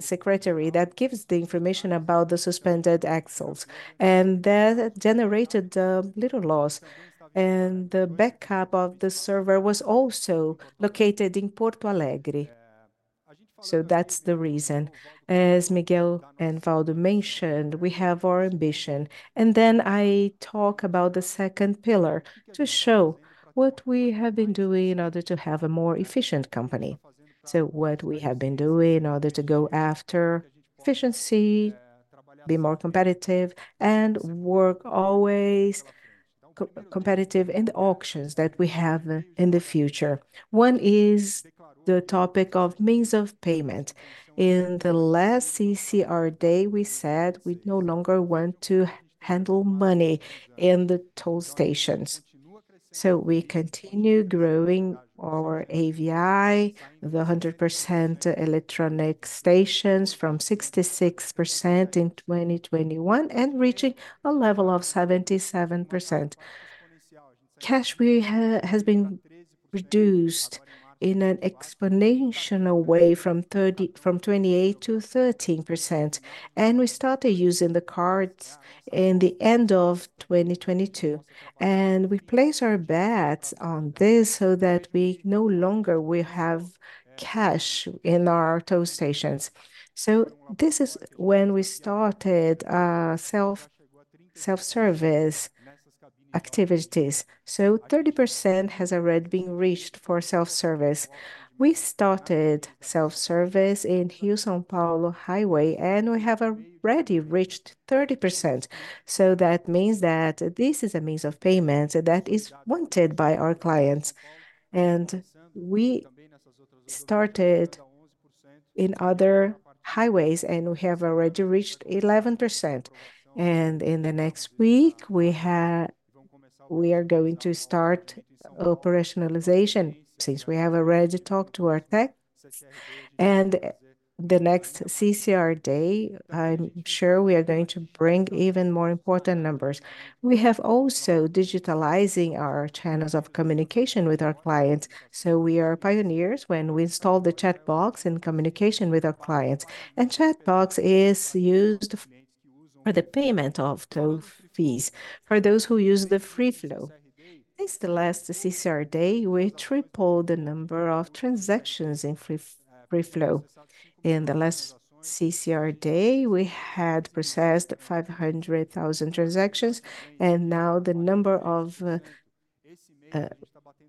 secretary that gives the information about the suspended axles, and that generated little loss. The backup of the server was also located in Porto Alegre. So that's the reason. As Miguel and Waldo mentioned, we have our ambition. Then I talk about the second pillar, to show what we have been doing in order to have a more efficient company. What we have been doing in order to go after efficiency, be more competitive, and work always competitive in the auctions that we have in the future. One is the topic of means of payment. In the last CCR day, we said we'd no longer want to handle money in the toll stations, so we continue growing our AVI, the 100% electronic stations, from 66% in 2021, and reaching a level of 77%. Cash has been reduced in an exponential way from 28% to 13%, and we started using the cards in the end of 2022. And we place our bets on this so that we no longer will have cash in our toll stations. So this is when we started self-service activities. So 30% has already been reached for self-service. We started self-service in Rio-São Paulo highway, and we have already reached 30%, so that means that this is a means of payment that is wanted by our clients. We started in other highways, and we have already reached 11%, and in the next week, we are going to start operationalization, since we have already talked to our techs. And the next CCR day, I'm sure we are going to bring even more important numbers. We have also digitalizing our channels of communication with our clients, so we are pioneers when we installed the chatbot in communication with our clients. And chatbot is used for the payment of toll fees for those who use the free flow. Since the last CCR day, we tripled the number of transactions in free flow. In the last CCR day, we had processed 500,000 transactions, and now the number of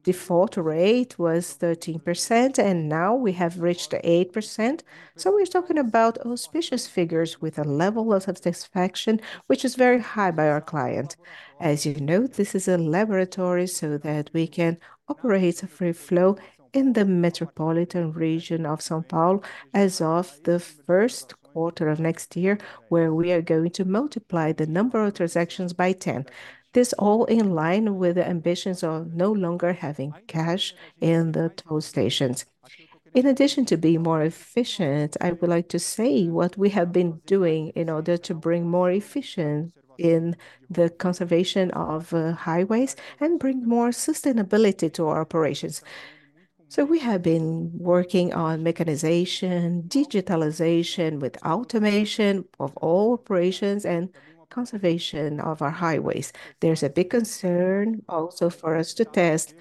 default rate was 13%, and now we have reached 8%. So we're talking about auspicious figures with a level of satisfaction, which is very high by our client. As you know, this is a laboratory so that we can operate a free flow in the metropolitan region of São Paulo as of the first quarter of next year, where we are going to multiply the number of transactions by 10. This all in line with the ambitions of no longer having cash in the toll stations. In addition to being more efficient, I would like to say what we have been doing in order to bring more efficient in the conservation of highways and bring more sustainability to our operations. So we have been working on mechanization, digitalization with automation of all operations, and conservation of our highways. There's a big concern also for us to test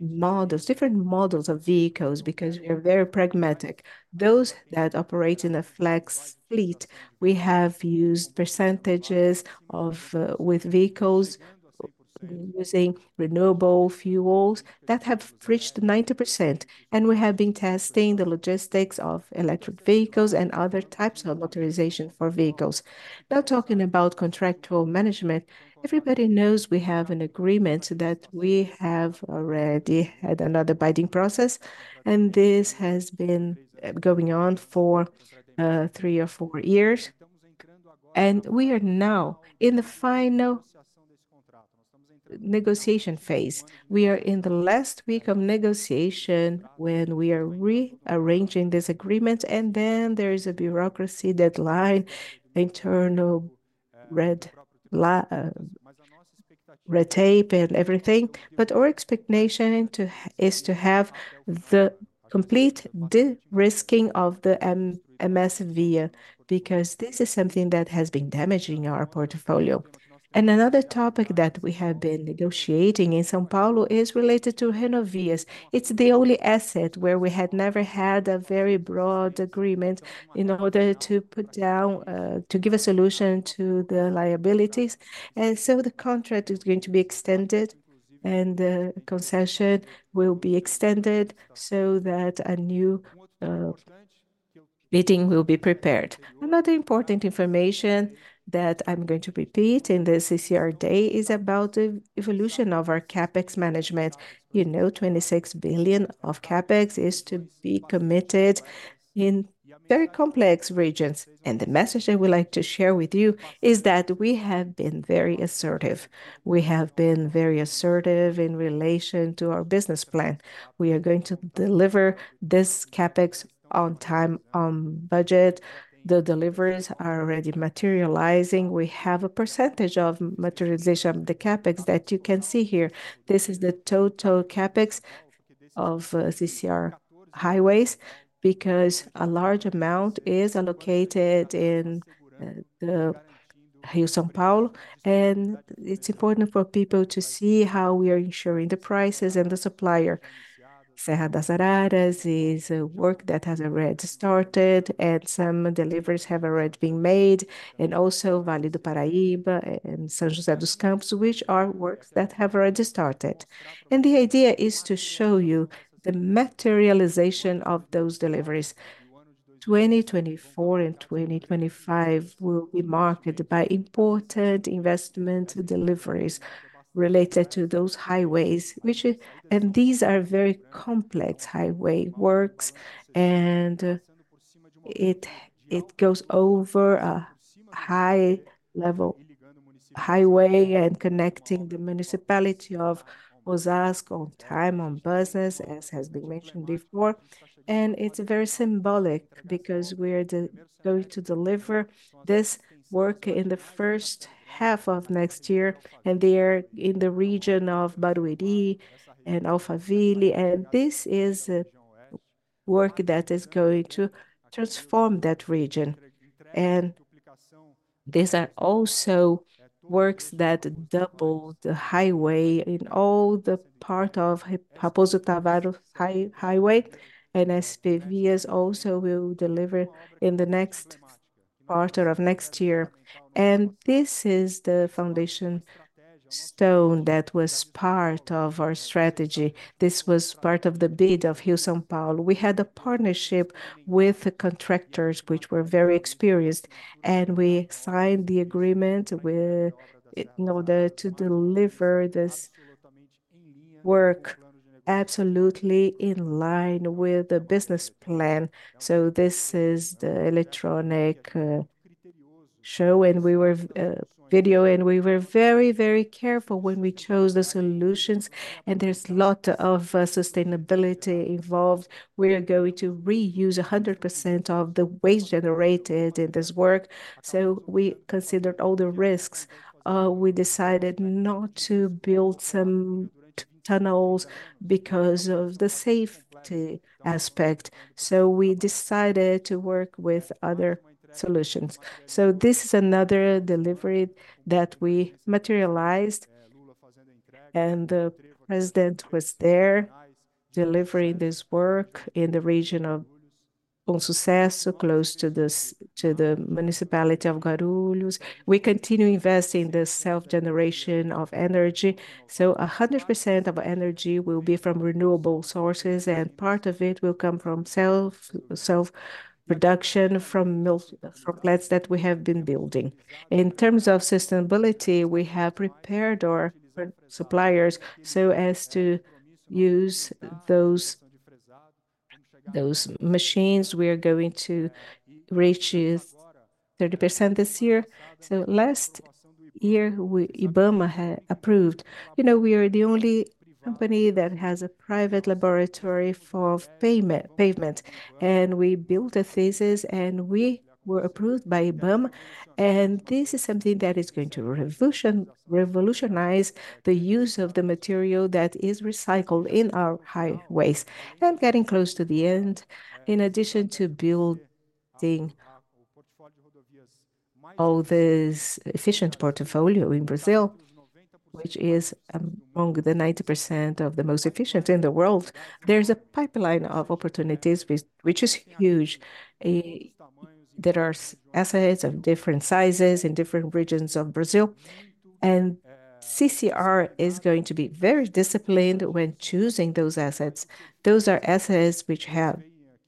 models, different models of vehicles, because we are very pragmatic. Those that operate in a flex fleet, we have used percentages of with vehicles using renewable fuels that have reached 90%, and we have been testing the logistics of electric vehicles and other types of motorization for vehicles. Now, talking about contractual management, everybody knows we have an agreement that we have already had another bidding process, and this has been going on for three or four years. We are now in the final negotiation phase. We are in the last week of negotiation when we are rearranging this agreement, and then there is a bureaucracy deadline, internal red tape and everything, but our expectation is to have the complete de-risking of the MSVia, because this is something that has been damaging our portfolio. Another topic that we have been negotiating in São Paulo is related to Renovias. It's the only asset where we had never had a very broad agreement in order to put down to give a solution to the liabilities. So the contract is going to be extended, and the concession will be extended so that a new meeting will be prepared. Another important information that I'm going to repeat in the CCR day is about the evolution of our CapEx management. You know, 26 billion of CapEx is to be committed in very complex regions. The message I would like to share with you is that we have been very assertive. We have been very assertive in relation to our business plan. We are going to deliver this CapEx on time, on budget. The deliveries are already materializing. We have a percentage of materialization of the CapEx that you can see here. This is the total CapEx of CCR Highways, because a large amount is allocated in the Rio-São Paulo. It's important for people to see how we are ensuring the prices and the supplier. Serra das Araras is a work that has already started, and some deliveries have already been made. Also, Vale do Paraíba and São José dos Campos, which are works that have already started. The idea is to show you the materialization of those deliveries. 2024 and 2025 will be marked by important investment deliveries related to those highways, which, and these are very complex highway works, and it goes over a high-level highway and connecting the municipality of Osasco on time, on budget, as has been mentioned before. It's very symbolic because we're going to deliver this work in the first half of next year, and they are in the region of Barueri and Alphaville, and this is a work that is going to transform that region. These are also works that double the highway in all the part of Raposo Tavares Highway, and SPVias also will deliver in the next quarter of next year. This is the foundation stone that was part of our strategy. This was part of the bid of Rio-São Paulo. We had a partnership with the contractors, which were very experienced, and we signed the agreement with, in order to deliver this work absolutely in line with the business plan. So this is the electronic show, and we were... video, and we were very, very careful when we chose the solutions, and there's a lot of sustainability involved. We are going to reuse 100% of the waste generated in this work, so we considered all the risks. We decided not to build some tunnels because of the safety aspect, so we decided to work with other solutions. So this is another delivery that we materialized, and the president was there, delivering this work in the region of Bonsucesso, close to the municipality of Guarulhos. We continue investing in the self-generation of energy, so 100% of our energy will be from renewable sources, and part of it will come from self-production, from plants that we have been building. In terms of sustainability, we have prepared our suppliers so as to use those machines. We are going to reach 30% this year. So last year, we—IBAMA had approved. You know, we are the only company that has a private laboratory for pavements, and we built a thesis, and we were approved by IBAMA, and this is something that is going to revolutionize the use of the material that is recycled in our highways. And getting close to the end. In addition to building all this efficient portfolio in Brazil, which is among the 90% of the most efficient in the world, there's a pipeline of opportunities, which is huge. There are assets of different sizes in different regions of Brazil, and CCR is going to be very disciplined when choosing those assets. Those are assets which have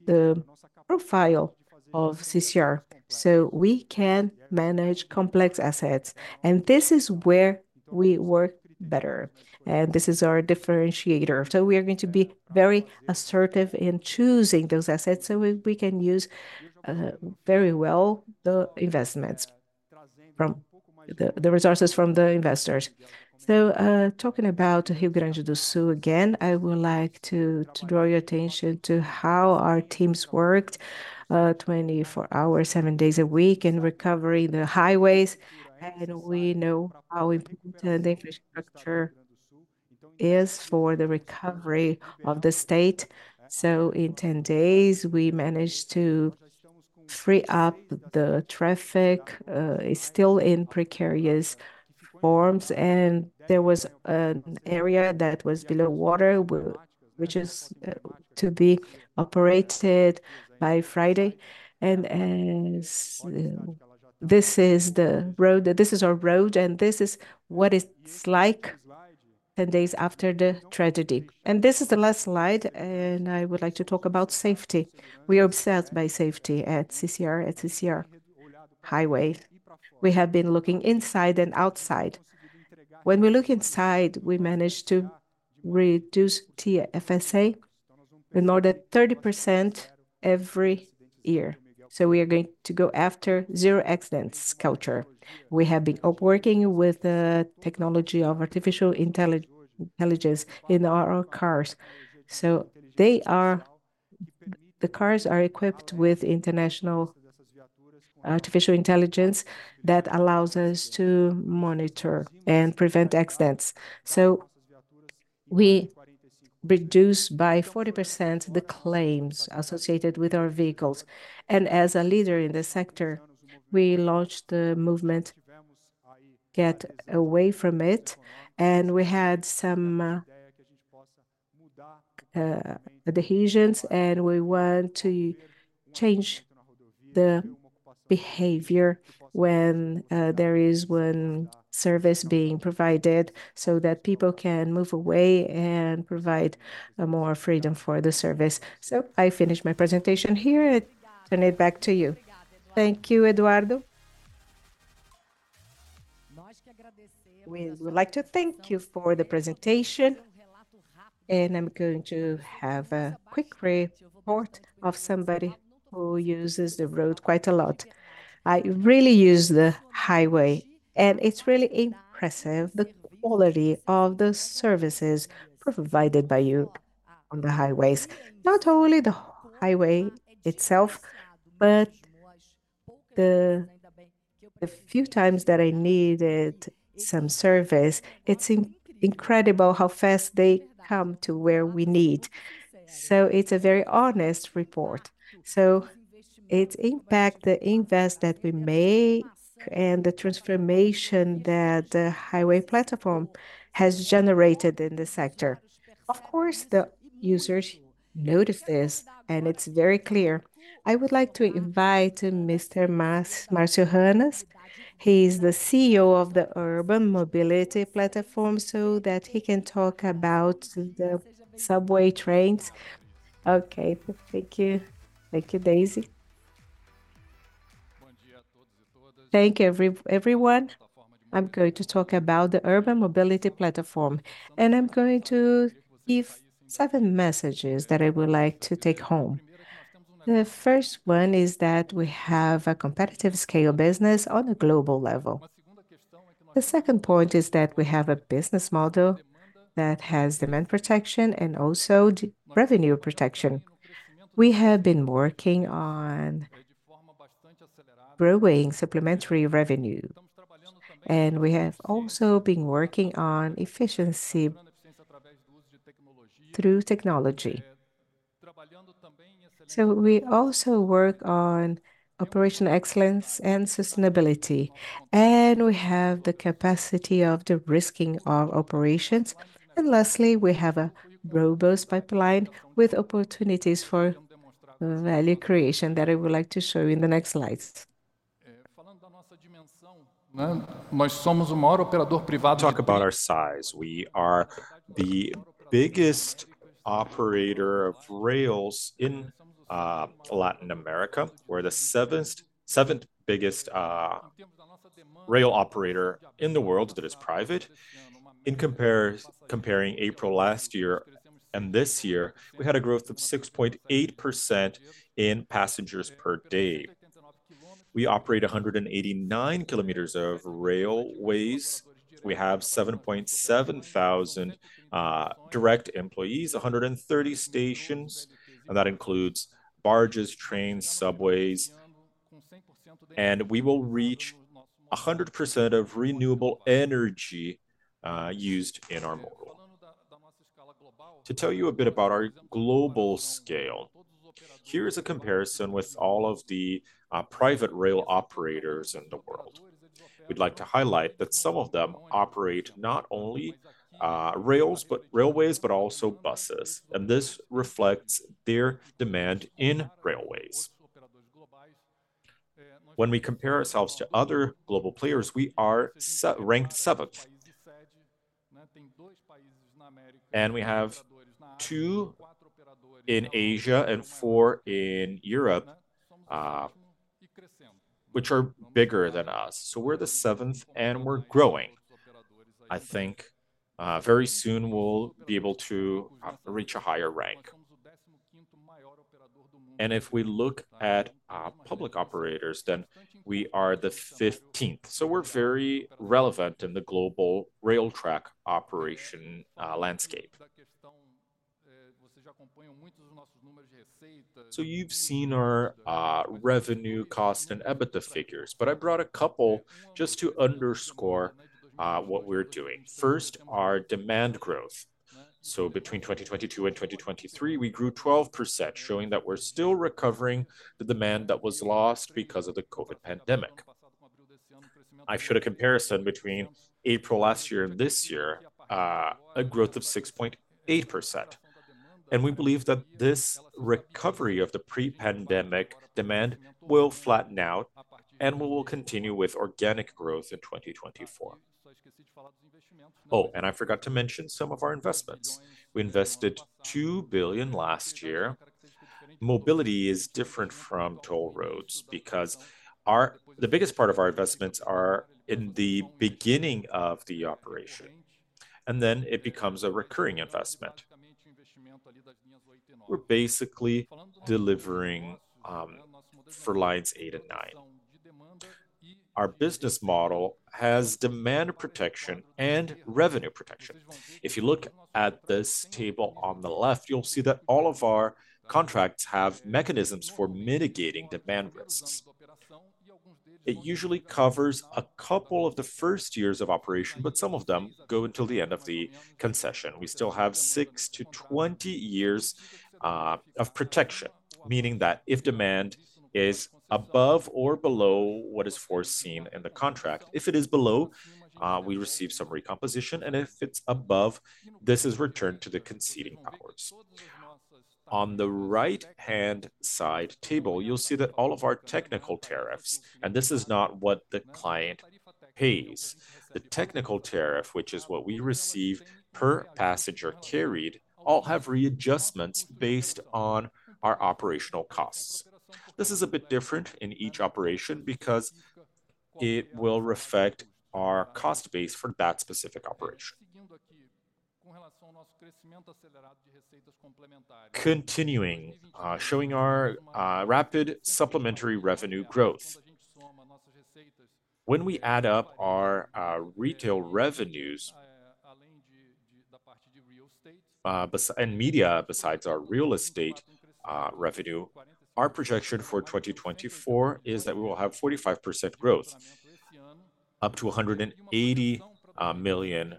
the profile of CCR, so we can manage complex assets, and this is where we work better, and this is our differentiator. So we are going to be very assertive in choosing those assets, so we can use very well the investments from the resources from the investors. So, talking about Rio Grande do Sul again, I would like to draw your attention to how our teams worked 24 hours, seven days a week, in recovering the highways. And we know how important the infrastructure is for the recovery of the state. So in 10 days, we managed to free up the traffic. It's still in precarious forms, and there was an area that was below water, which is to be operated by Friday. As this is the road, this is our road, and this is what it's like 10 days after the tragedy. This is the last slide, and I would like to talk about safety. We are obsessed by safety at CCR, at CCR Highways. We have been looking inside and outside. When we look inside, we managed to reduce TFCA in more than 30% every year, so we are going to go after zero accidents culture. We have been up working with the technology of artificial intelligence in our own cars. So the cars are equipped with international artificial intelligence that allows us to monitor and prevent accidents. So we reduce by 40% the claims associated with our vehicles. As a leader in the sector, we launched the movement, Get Away From It, and we had some adhesions, and we want to change the behavior when there is service being provided, so that people can move away and provide more freedom for the service. So I finish my presentation here and turn it back to you. Thank you, Eduardo. We would like to thank you for the presentation, and I'm going to have a quick report of somebody who uses the road quite a lot. I really use the highway, and it's really impressive, the quality of the services provided by you on the highways. Not only the highway itself, but the few times that I needed some service, it's incredible how fast they come to where we need. So it's a very honest report. So it impacts the investments that we make and the transformation that the highway platform has generated in the sector. Of course, the users notice this, and it's very clear. I would like to invite Mr. Márcio Hannas. He's the CEO of the Urban Mobility Platform, so that he can talk about the subway trains. Okay, thank you. Thank you, Daisy. Thank everyone. I'm going to talk about the Urban Mobility Platform, and I'm going to give seven messages that I would like to take home. The first one is that we have a competitive scale business on a global level. The second point is that we have a business model that has demand protection and also revenue protection. We have been working on growing supplementary revenue, and we have also been working on efficiency through technology. So we also work on operational excellence and sustainability, and we have the capacity of de-risking our operations. And lastly, we have a robust pipeline with opportunities for value creation that I would like to show you in the next slides. To talk about our size, we are the biggest operator of rails in Latin America. We're the 7th, 7th biggest rail operator in the world that is private. In comparing April last year and this year, we had a growth of 6.8% in passengers per day. We operate 189 kilometers of railways. We have 7.7 thousand direct employees, 130 stations, and that includes barges, trains, subways, and we will reach 100% of renewable energy used in our model. To tell you a bit about our global scale, here is a comparison with all of the private rail operators in the world. We'd like to highlight that some of them operate not only rails, but railways, but also buses, and this reflects their demand in railways. When we compare ourselves to other global players, we are ranked 7th. We have two in Asia and four in Europe, which are bigger than us, so we're the seventh, and we're growing. I think, very soon we'll be able to reach a higher rank. If we look at public operators, then we are the fifteenth, so we're very relevant in the global rail track operation landscape. ... So you've seen our revenue cost and EBITDA figures, but I brought a couple just to underscore what we're doing. First, our demand growth. So between 2022 and 2023, we grew 12%, showing that we're still recovering the demand that was lost because of the COVID pandemic. I've showed a comparison between April last year and this year, a growth of 6.8%, and we believe that this recovery of the pre-pandemic demand will flatten out, and we will continue with organic growth in 2024. Oh, and I forgot to mention some of our investments. We invested 2 billion last year. Mobility is different from toll roads because our the biggest part of our investments are in the beginning of the operation, and then it becomes a recurring investment. We're basically delivering for lines eight and nine. Our business model has demand protection and revenue protection. If you look at this table on the left, you'll see that all of our contracts have mechanisms for mitigating demand risks. It usually covers a couple of the first years of operation, but some of them go until the end of the concession. We still have six to 20 years of protection, meaning that if demand is above or below what is foreseen in the contract, if it is below, we receive some recomposition, and if it's above, this is returned to the conceding powers. On the right-hand side table, you'll see that all of our technical tariffs, and this is not what the client pays. The technical tariff, which is what we receive per passenger carried, all have readjustments based on our operational costs. This is a bit different in each operation because it will reflect our cost base for that specific operation. Continuing, showing our rapid supplementary revenue growth. When we add up our retail revenues and media, besides our real estate revenue, our projection for 2024 is that we will have 45% growth, up to 180 million.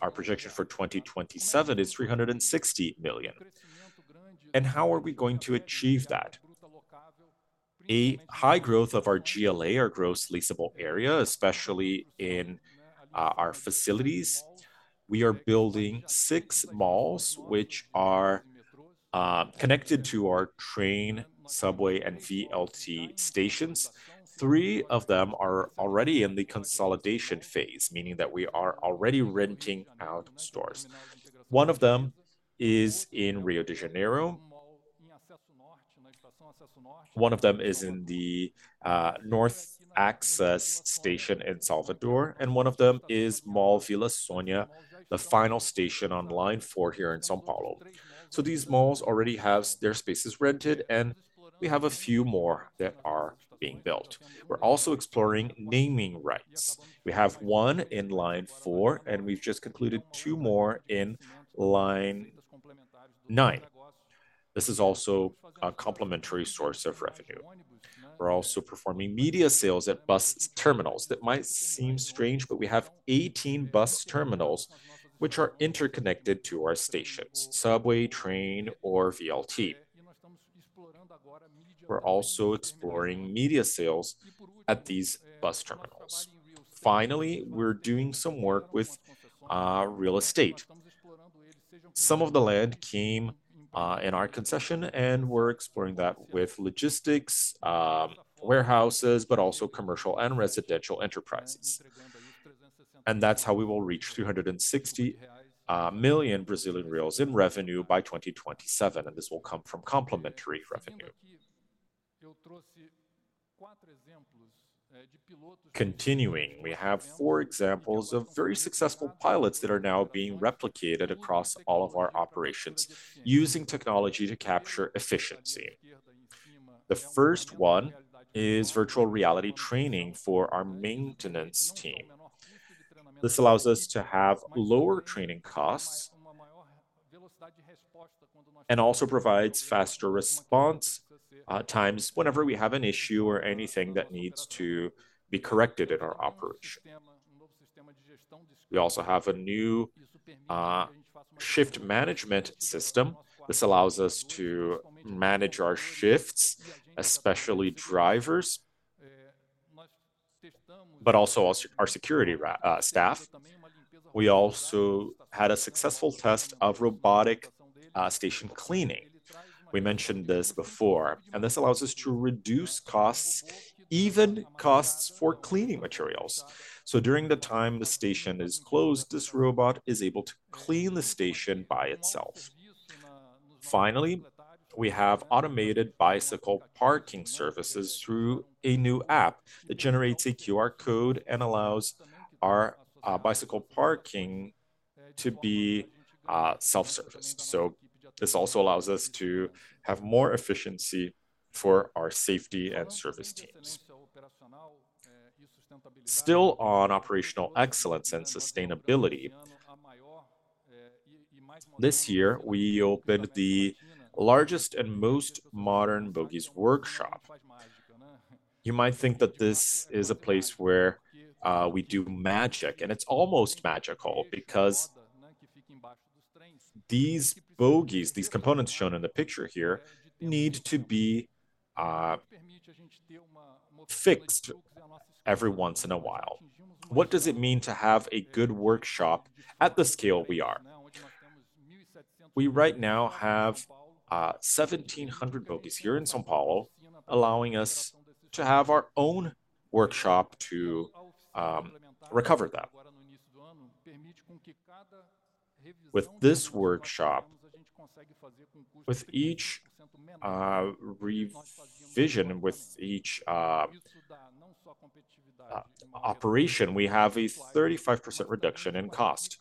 Our projection for 2027 is 360 million. And how are we going to achieve that? A high growth of our GLA, our gross leasable area, especially in our facilities. We are building six malls, which are connected to our train, subway, and VLT stations. Three of them are already in the consolidation phase, meaning that we are already renting out stores. One of them is in Rio de Janeiro. One of them is in the North Access station in Salvador, and one of them is Mall Vila Sônia, the final station on Line Four here in São Paulo. So these malls already have their spaces rented, and we have a few more that are being built. We're also exploring naming rights. We have one in Line Four, and we've just concluded two more in Line Nine. This is also a complementary source of revenue. We're also performing media sales at bus terminals. That might seem strange, but we have 18 bus terminals which are interconnected to our stations, subway, train, or VLT. We're also exploring media sales at these bus terminals. Finally, we're doing some work with real estate. Some of the land came in our concession, and we're exploring that with logistics warehouses, but also commercial and residential enterprises. That's how we will reach 360 million Brazilian reais in revenue by 2027, and this will come from complementary revenue. Continuing, we have four examples of very successful pilots that are now being replicated across all of our operations, using technology to capture efficiency. The first one is virtual reality training for our maintenance team. This allows us to have lower training costs and also provides faster response times whenever we have an issue or anything that needs to be corrected in our operation. We also have a new shift management system. This allows us to manage our shifts, especially drivers, but also our security staff. We also had a successful test of robotic station cleaning. We mentioned this before, and this allows us to reduce costs, even costs for cleaning materials. So during the time the station is closed, this robot is able to clean the station by itself. Finally, we have automated bicycle parking services through a new app that generates a QR code and allows our bicycle parking to be self-serviced. So this also allows us to have more efficiency for our safety and service teams. Still on operational excellence and sustainability, this year, we opened the largest and most modern bogies workshop. You might think that this is a place where we do magic, and it's almost magical, because these bogies, these components shown in the picture here, need to be fixed every once in a while. What does it mean to have a good workshop at the scale we are? We right now have 1,700 bogies here in São Paulo, allowing us to have our own workshop to recover that. With this workshop, with each revision, with each operation, we have a 35% reduction in cost,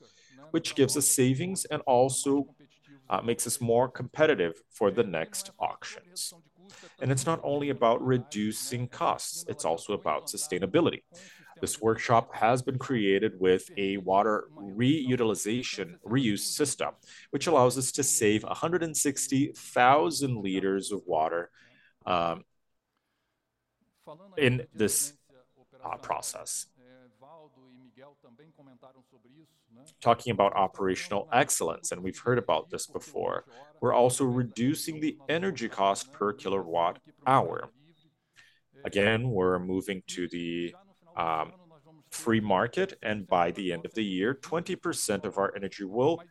which gives us savings and also makes us more competitive for the next auctions. And it's not only about reducing costs, it's also about sustainability. This workshop has been created with a water re-utilization, reuse system, which allows us to save 160,000 liters of water in this process. Talking about operational excellence, and we've heard about this before, we're also reducing the energy cost per kilowatt hour. Again, we're moving to the free market, and by the end of the year, 20% of our energy will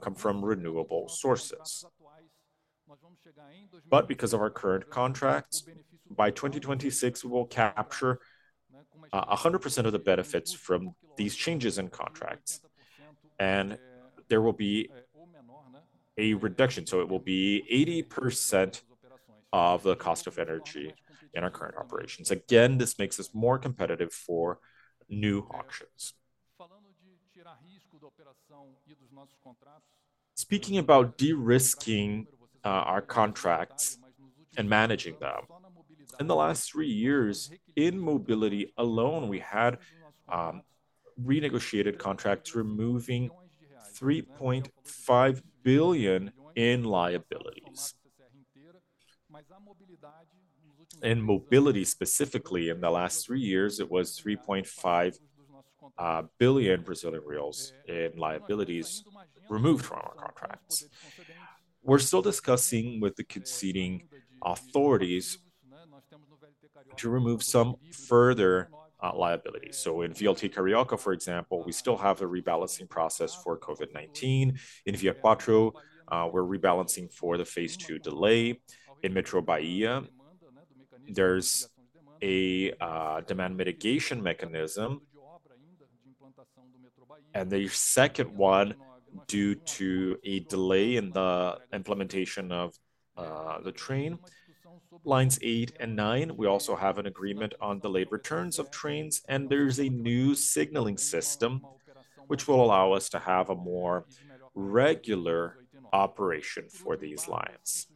come from renewable sources. But because of our current contracts, by 2026, we will capture 100% of the benefits from these changes in contracts, and there will be a reduction. It will be 80% of the cost of energy in our current operations. Again, this makes us more competitive for new auctions. Speaking about de-risking our contracts and managing them, in the last three years, in mobility alone, we had renegotiated contracts, removing 3.5 billion in liabilities. In mobility, specifically, in the last three years, it was 3.5 billion Brazilian reais in liabilities removed from our contracts. We're still discussing with the conceding authorities to remove some further liabilities. In VLT Carioca, for example, we still have the rebalancing process for COVID-19. In ViaQuatro, we're rebalancing for the phase two delay. In Metrô Bahia, there's a demand mitigation mechanism, and the second one, due to a delay in the implementation of the train. Lines Eight and Nine, we also have an agreement on delayed returns of trains, and there's a new signaling system, which will allow us to have a more regular operation for these lines.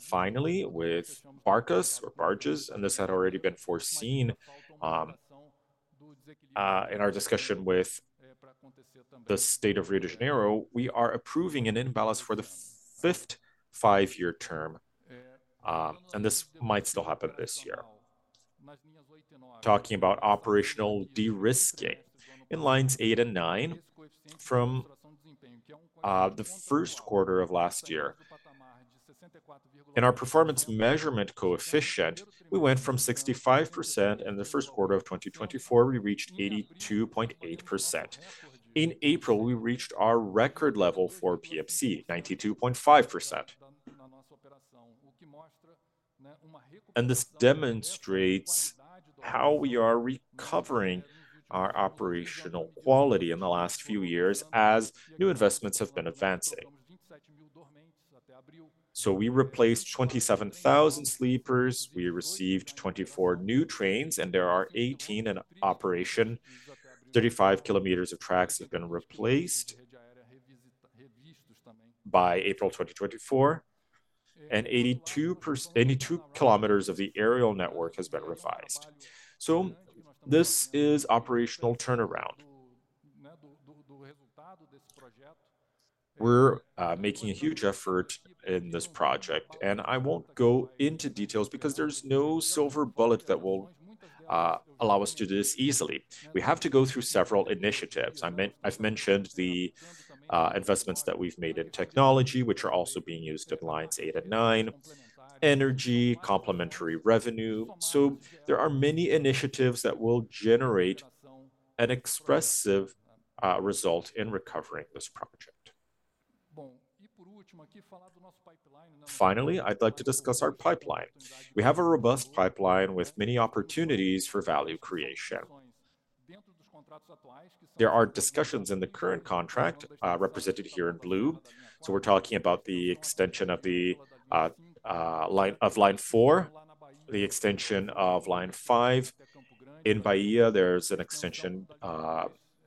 Finally, with Barcas or barges, and this had already been foreseen, in our discussion with the state of Rio de Janeiro, we are approving an imbalance for the fifth five-year term, and this might still happen this year. Talking about operational de-risking, in lines Eight and nine from the first quarter of last year, in our performance measurement coefficient, we went from 65%, in the first quarter of 2024, we reached 82.8%. In April, we reached our record level for PFC, 92.5%. And this demonstrates how we are recovering our operational quality in the last few years as new investments have been advancing. So we replaced 27,000 sleepers, we received 24 new trains, and there are 18 in operation. 35 kilometers of tracks have been replaced by April 2024, and 82 kilometers of the aerial network has been revised. So this is operational turnaround. We're making a huge effort in this project, and I won't go into details because there's no silver bullet that will allow us to do this easily. We have to go through several initiatives. I've mentioned the investments that we've made in technology, which are also being used in lines eight and nine, energy, complementary revenue. So there are many initiatives that will generate an expressive result in recovering this project. Finally, I'd like to discuss our pipeline. We have a robust pipeline with many opportunities for value creation. There are discussions in the current contract, represented here in blue, so we're talking about the extension of the line of Line Four, the extension of Line Five. In Bahia, there's an extension,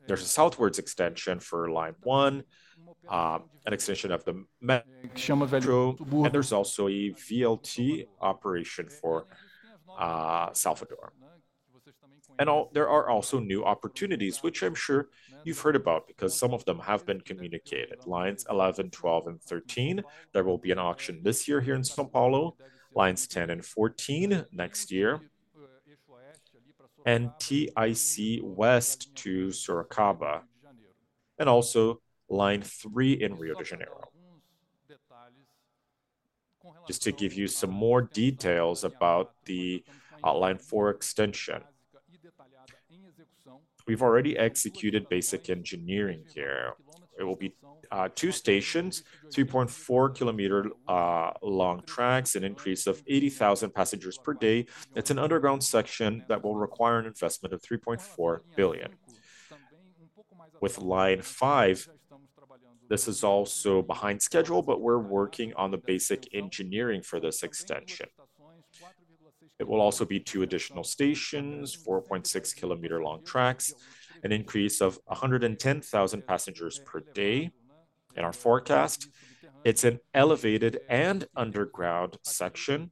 there's a southwards extension for Line One, an extension of the and there's also a VLT operation for Salvador. And there are also new opportunities, which I'm sure you've heard about, because some of them have been communicated. Lines 11, 12, and 13, there will be an auction this year here in São Paulo. Lines 10 and 14 next year, and TIC West to Sorocaba, and also Line Three in Rio de Janeiro. Just to give you some more details about the Line Four extension. We've already executed basic engineering here. It will be two stations, 3.4-kilometer long tracks, an increase of 80,000 passengers per day. It's an underground section that will require an investment of 3.4 billion. With Line Five, this is also behind schedule, but we're working on the basic engineering for this extension. It will also be two additional stations, 4.6-kilometer-long tracks, an increase of 110,000 passengers per day in our forecast. It's an elevated and underground section,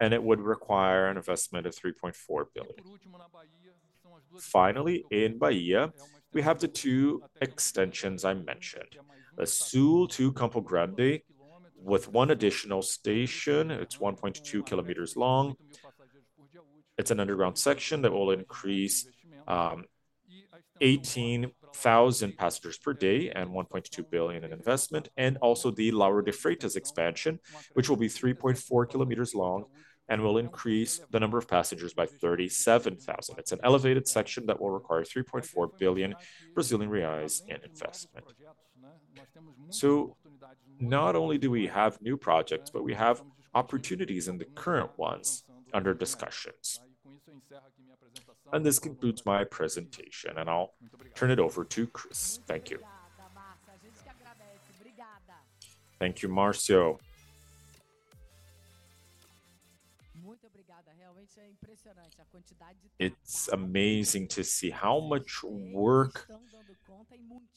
and it would require an investment of 3.4 billion. Finally, in Bahia, we have the two extensions I mentioned. The Sul to Campo Grande, with one additional station, it's 1.2 kilometers long. It's an underground section that will increase 18,000 passengers per day and 1.2 billion in investment. And also the Lauro de Freitas expansion, which will be 3.4 kilometers long and will increase the number of passengers by 37,000. It's an elevated section that will require 3.4 billion Brazilian reais in investment. So not only do we have new projects, but we have opportunities in the current ones under discussions. This concludes my presentation, and I'll turn it over to Chris. Thank you. Thank you, Márcio. It's amazing to see how much work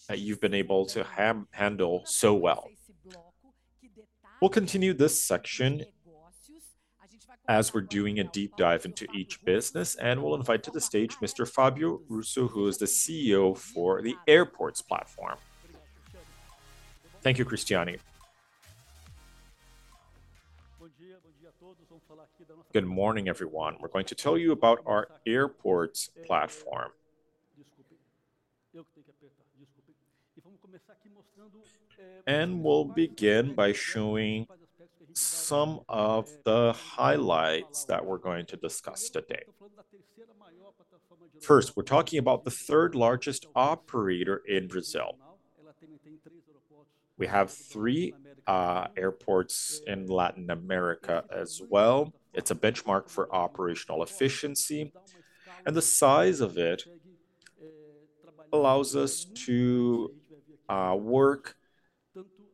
that you've been able to handle so well. We'll continue this section as we're doing a deep dive into each business, and we'll invite to the stage Mr. Fábio Russo, who is the CEO for the airports platform. Thank you, Christiane. Good morning, everyone. We're going to tell you about our airports platform. We'll begin by showing some of the highlights that we're going to discuss today. First, we're talking about the third-largest operator in Brazil. We have three airports in Latin America as well. It's a benchmark for operational efficiency, and the size of it allows us to work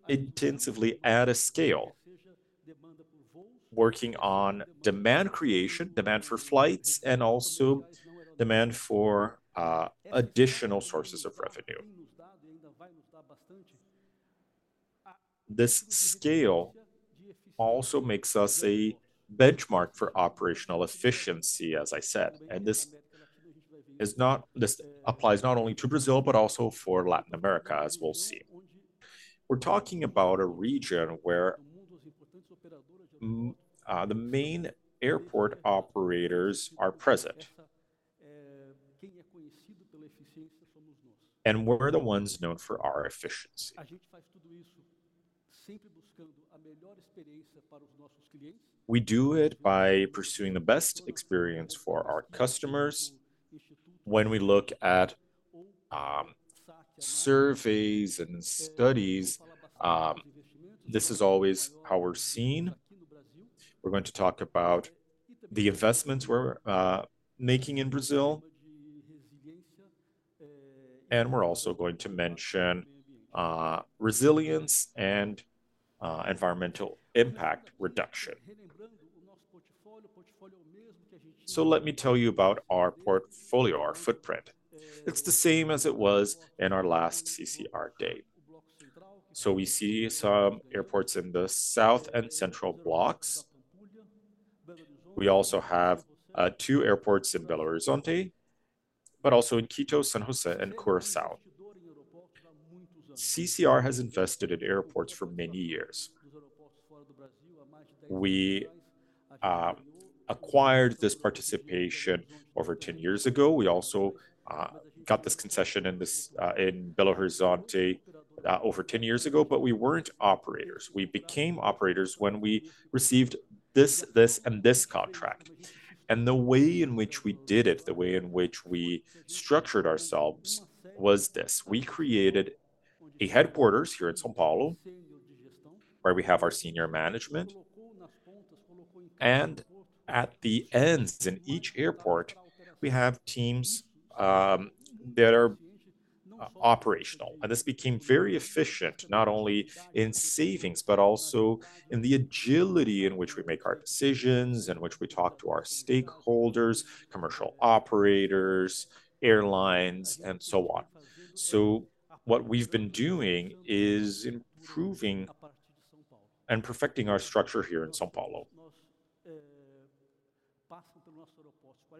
intensively at a scale, working on demand creation, demand for flights, and also demand for additional sources of revenue. This scale also makes us a benchmark for operational efficiency, as I said, and this applies not only to Brazil, but also for Latin America, as we'll see. We're talking about a region where the main airport operators are present, and we're the ones known for our efficiency. We do it by pursuing the best experience for our customers. When we look at surveys and studies, this is always how we're seen. We're going to talk about the investments we're making in Brazil, and we're also going to mention resilience and environmental impact reduction. So let me tell you about our portfolio, our footprint. It's the same as it was in our last CCR day. So we see some airports in the south and central blocks. We also have two airports in Belo Horizonte, but also in Quito, San José, and Curaçao. CCR has invested in airports for many years. We acquired this participation over 10 years ago. We also got this concession in Belo Horizonte over 10 years ago, but we weren't operators. We became operators when we received this, this, and this contract. And the way in which we did it, the way in which we structured ourselves, was this: We created a headquarters here in São Paulo, where we have our senior management, and at the ends in each airport, we have teams that are operational. This became very efficient, not only in savings, but also in the agility in which we make our decisions, in which we talk to our stakeholders, commercial operators, airlines, and so on. What we've been doing is improving and perfecting our structure here in São Paulo.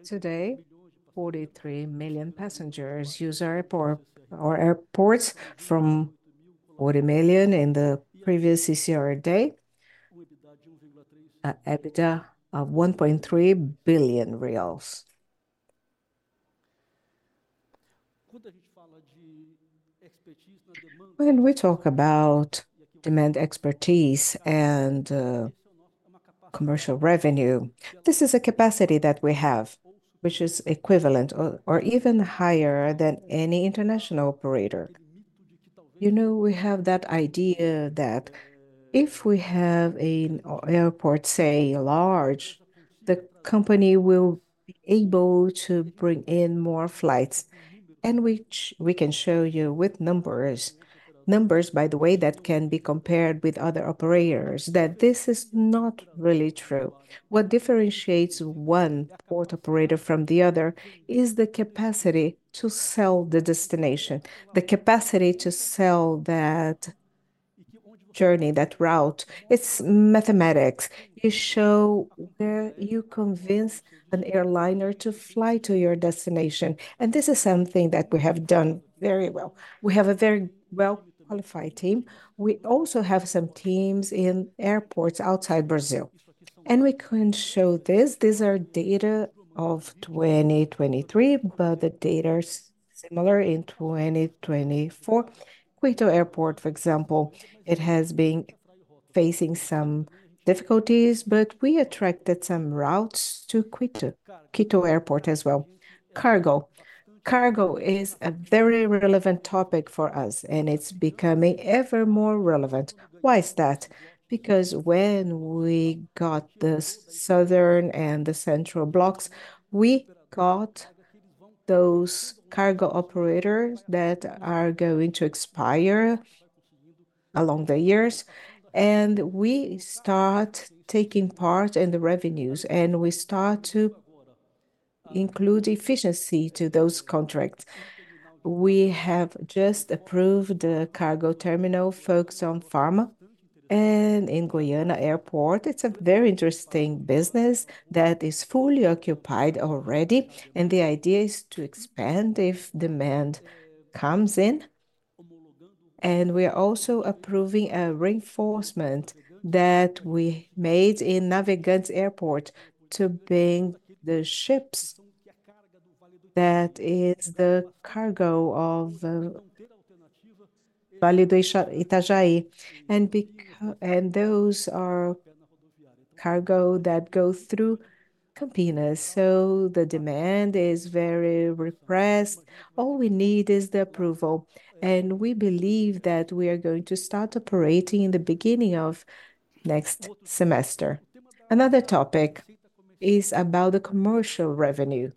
Today, 43 million passengers use our airport, our airports, from 40 million in the previous CCR day, at EBITDA of 1.3 billion reais. When we talk about demand expertise and commercial revenue, this is a capacity that we have, which is equivalent or even higher than any international operator. You know, we have that idea that if we have an airport, say, large, the company will be able to bring in more flights, and which we can show you with numbers. Numbers, by the way, that can be compared with other operators, that this is not really true. What differentiates one port operator from the other is the capacity to sell the destination, the capacity to sell that journey, that route. It's mathematics. You show where you convince an airliner to fly to your destination, and this is something that we have done very well. We have a very well-qualified team. We also have some teams in airports outside Brazil, and we can show this. These are data of 2023, but the data's similar in 2024. Quito Airport, for example, it has been facing some difficulties, but we attracted some routes to Quito, Quito Airport as well. Cargo. Cargo is a very relevant topic for us, and it's becoming ever more relevant. Why is that? Because when we got the Southern and the Central blocks, we got those cargo operators that are going to expire along the years, and we start taking part in the revenues, and we start to include efficiency to those contracts. We have just approved the cargo terminal focused on pharma and in Goiânia Airport. It's a very interesting business that is fully occupied already, and the idea is to expand if demand comes in. And we are also approving a reinforcement that we made in Navegantes Airport to bring the ships. That is the cargo of Vale do Itajaí. And those are cargo that go through Campinas, so the demand is very repressed. All we need is the approval, and we believe that we are going to start operating in the beginning of next semester. Another topic is about the commercial revenue.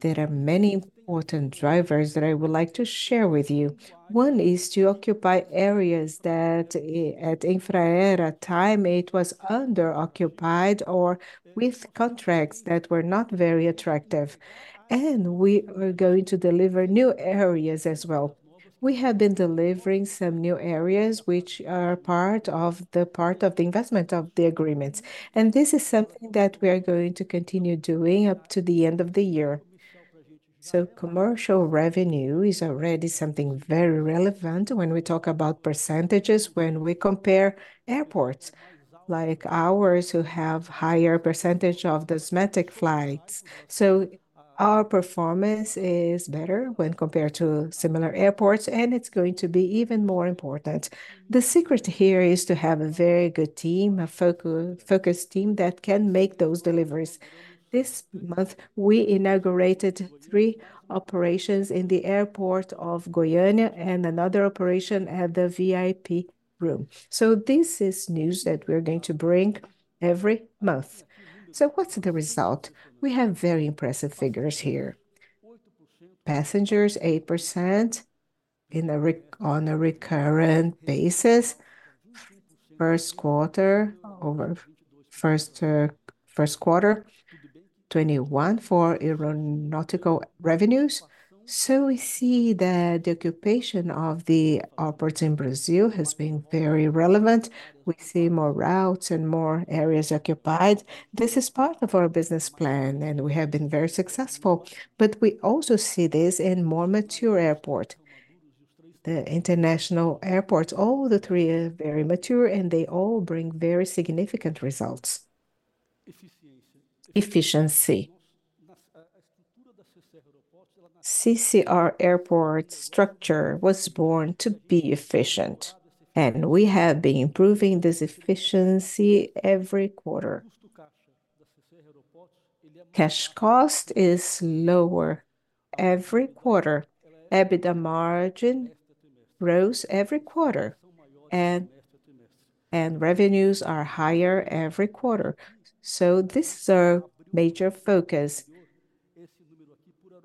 There are many important drivers that I would like to share with you. One is to occupy areas that, at Infraero time, it was under-occupied or with contracts that were not very attractive, and we are going to deliver new areas as well. We have been delivering some new areas, which are part of the... part of the investment of the agreements, and this is something that we are going to continue doing up to the end of the year. So commercial revenue is already something very relevant when we talk about percentages, when we compare airports like ours, who have higher percentage of the commercial flights. So our performance is better when compared to similar airports, and it's going to be even more important. The secret here is to have a very good team, a focus, focused team that can make those deliveries. This month, we inaugurated three operations in the airport of Goiânia and another operation at the VIP room. So this is news that we're going to bring every month. So what's the result? We have very impressive figures here. Passengers, 8% on a recurrent basis. First quarter, over first, first quarter, 21 for aeronautical revenues. So we see that the occupation of the airports in Brazil has been very relevant. We see more routes and more areas occupied. This is part of our business plan, and we have been very successful. But we also see this in more mature airport. The international airports, all the three are very mature, and they all bring very significant results. Efficiency. CCR Aeroportos' structure was born to be efficient, and we have been improving this efficiency every quarter. Cash cost is lower every quarter. EBITDA margin grows every quarter, and revenues are higher every quarter. So this is our major focus,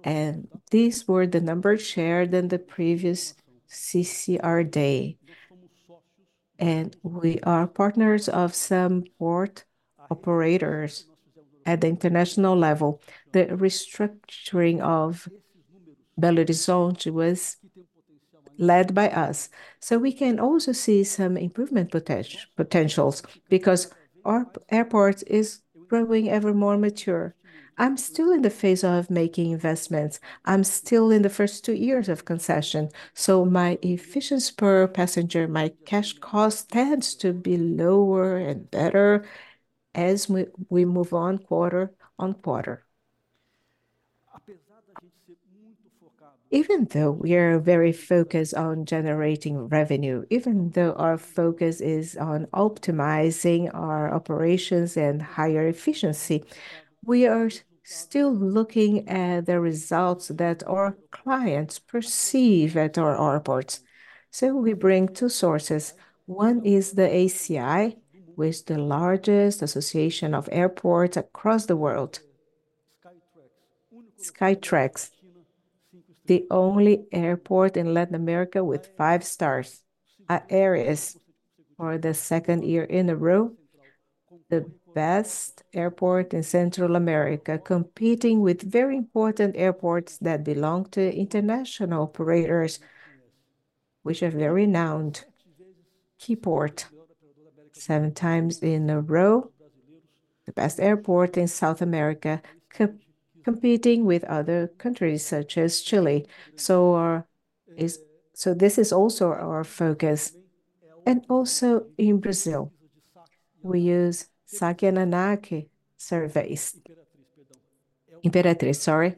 and these were the numbers shared in the previous CCR Day. We are partners of some port operators at the international level. The restructuring of Belo Horizonte was led by us. So we can also see some improvement potentials, because our airport is growing ever more mature. I'm still in the phase of making investments. I'm still in the first two years of concession, so my efficiency per passenger, my cash cost, tends to be lower and better as we move on quarter-over-quarter. Even though we are very focused on generating revenue, even though our focus is on optimizing our operations and higher efficiency, we are still looking at the results that our clients perceive at our airports. So we bring two sources. One is the ACI, which the largest association of airports across the world. Skytrax, the only airport in Latin America with five stars. AERIS, for the second year in a row, the best airport in Central America, competing with very important airports that belong to international operators, which are very renowned. Quiport, seven times in a row, the best airport in South America, competing with other countries, such as Chile. So this is also our focus. Also in Brazil, we use SAC and ANAC surveys. Imperatriz, sorry.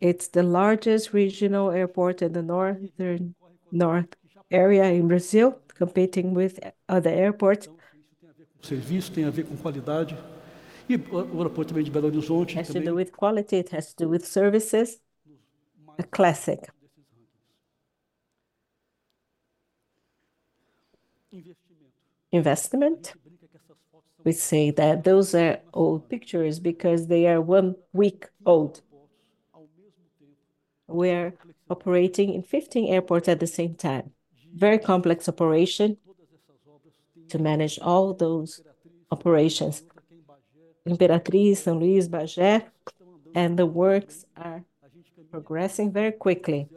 It's the largest regional airport in the northern north area in Brazil, competing with other airports. It has to do with quality, it has to do with services, a classic. Investment. We say that those are old pictures because they are one week old. We're operating in 15 airports at the same time. Very complex operation to manage all those operations. Imperatriz, São Luís, Bagé, and the works are progressing very quickly.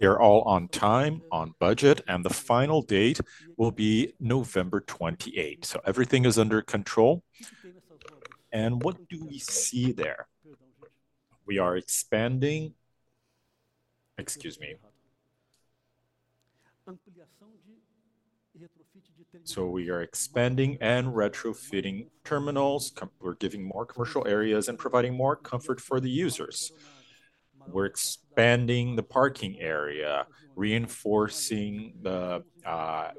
They're all on time, on budget, and the final date will be November 28. So everything is under control. And what do we see there? We are expanding... Excuse me. So we are expanding and retrofitting terminals, we're giving more commercial areas and providing more comfort for the users. We're expanding the parking area, reinforcing the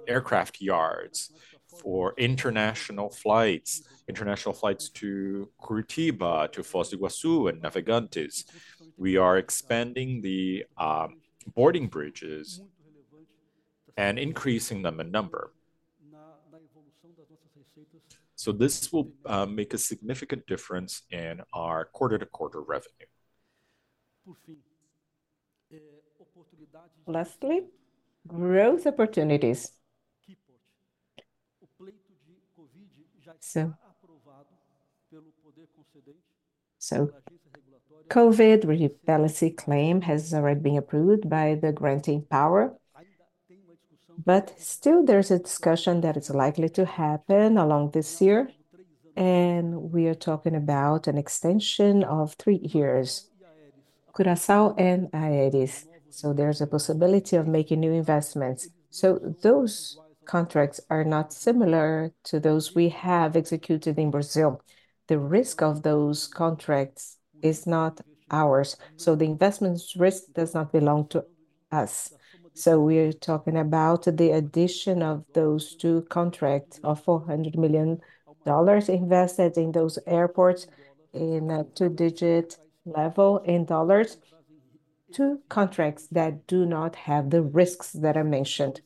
aircraft yards for international flights, international flights to Curitiba, to Foz do Iguaçu, and Navegantes. We are expanding the boarding bridges and increasing them in number. So this will make a significant difference in our quarter-to-quarter revenue. Lastly, growth opportunities. So, COVID rebalancing claim has already been approved by the granting power, but still there's a discussion that is likely to happen along this year, and we are talking about an extension of three years, Curaçao and AERIS. So there's a possibility of making new investments. So those contracts are not similar to those we have executed in Brazil. The risk of those contracts is not ours, so the investment's risk does not belong to us. So we're talking about the addition of those two contracts of $400 million invested in those airports in a two-digit level in dollars, two contracts that do not have the risks that I mentioned.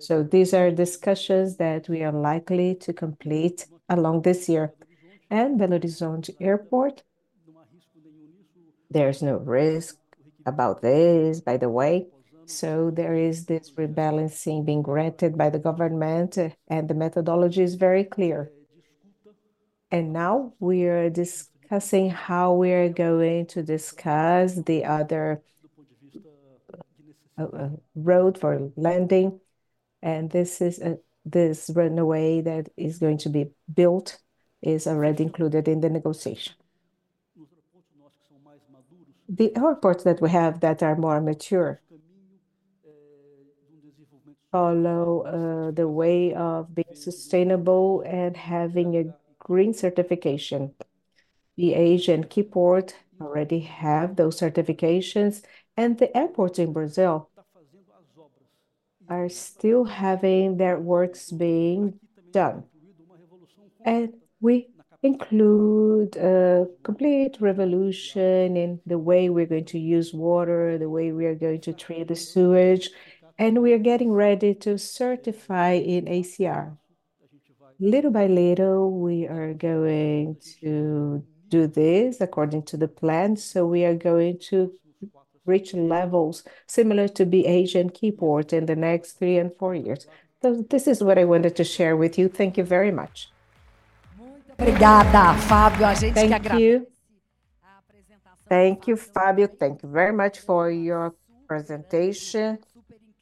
So these are discussions that we are likely to complete along this year. Belo Horizonte Airport, there is no risk about this, by the way, so there is this rebalancing being granted by the government, and the methodology is very clear. Now we are discussing how we are going to discuss the other runway, and this runway that is going to be built is already included in the negotiation. The airports that we have that are more mature follow the way of being sustainable and having a green certification. The San José airport already have those certifications, and the airports in Brazil are still having their works being done. We include a complete revolution in the way we're going to use water, the way we are going to treat the sewage, and we are getting ready to certify in ACA. Little by little, we are going to do this according to the plan, so we are going to reach levels similar to the Aeris and Quiport in the next three and four years. So this is what I wanted to share with you. Thank you very much. Thank you, Fábio. Thank you!... Thank you, Fabio. Thank you very much for your presentation.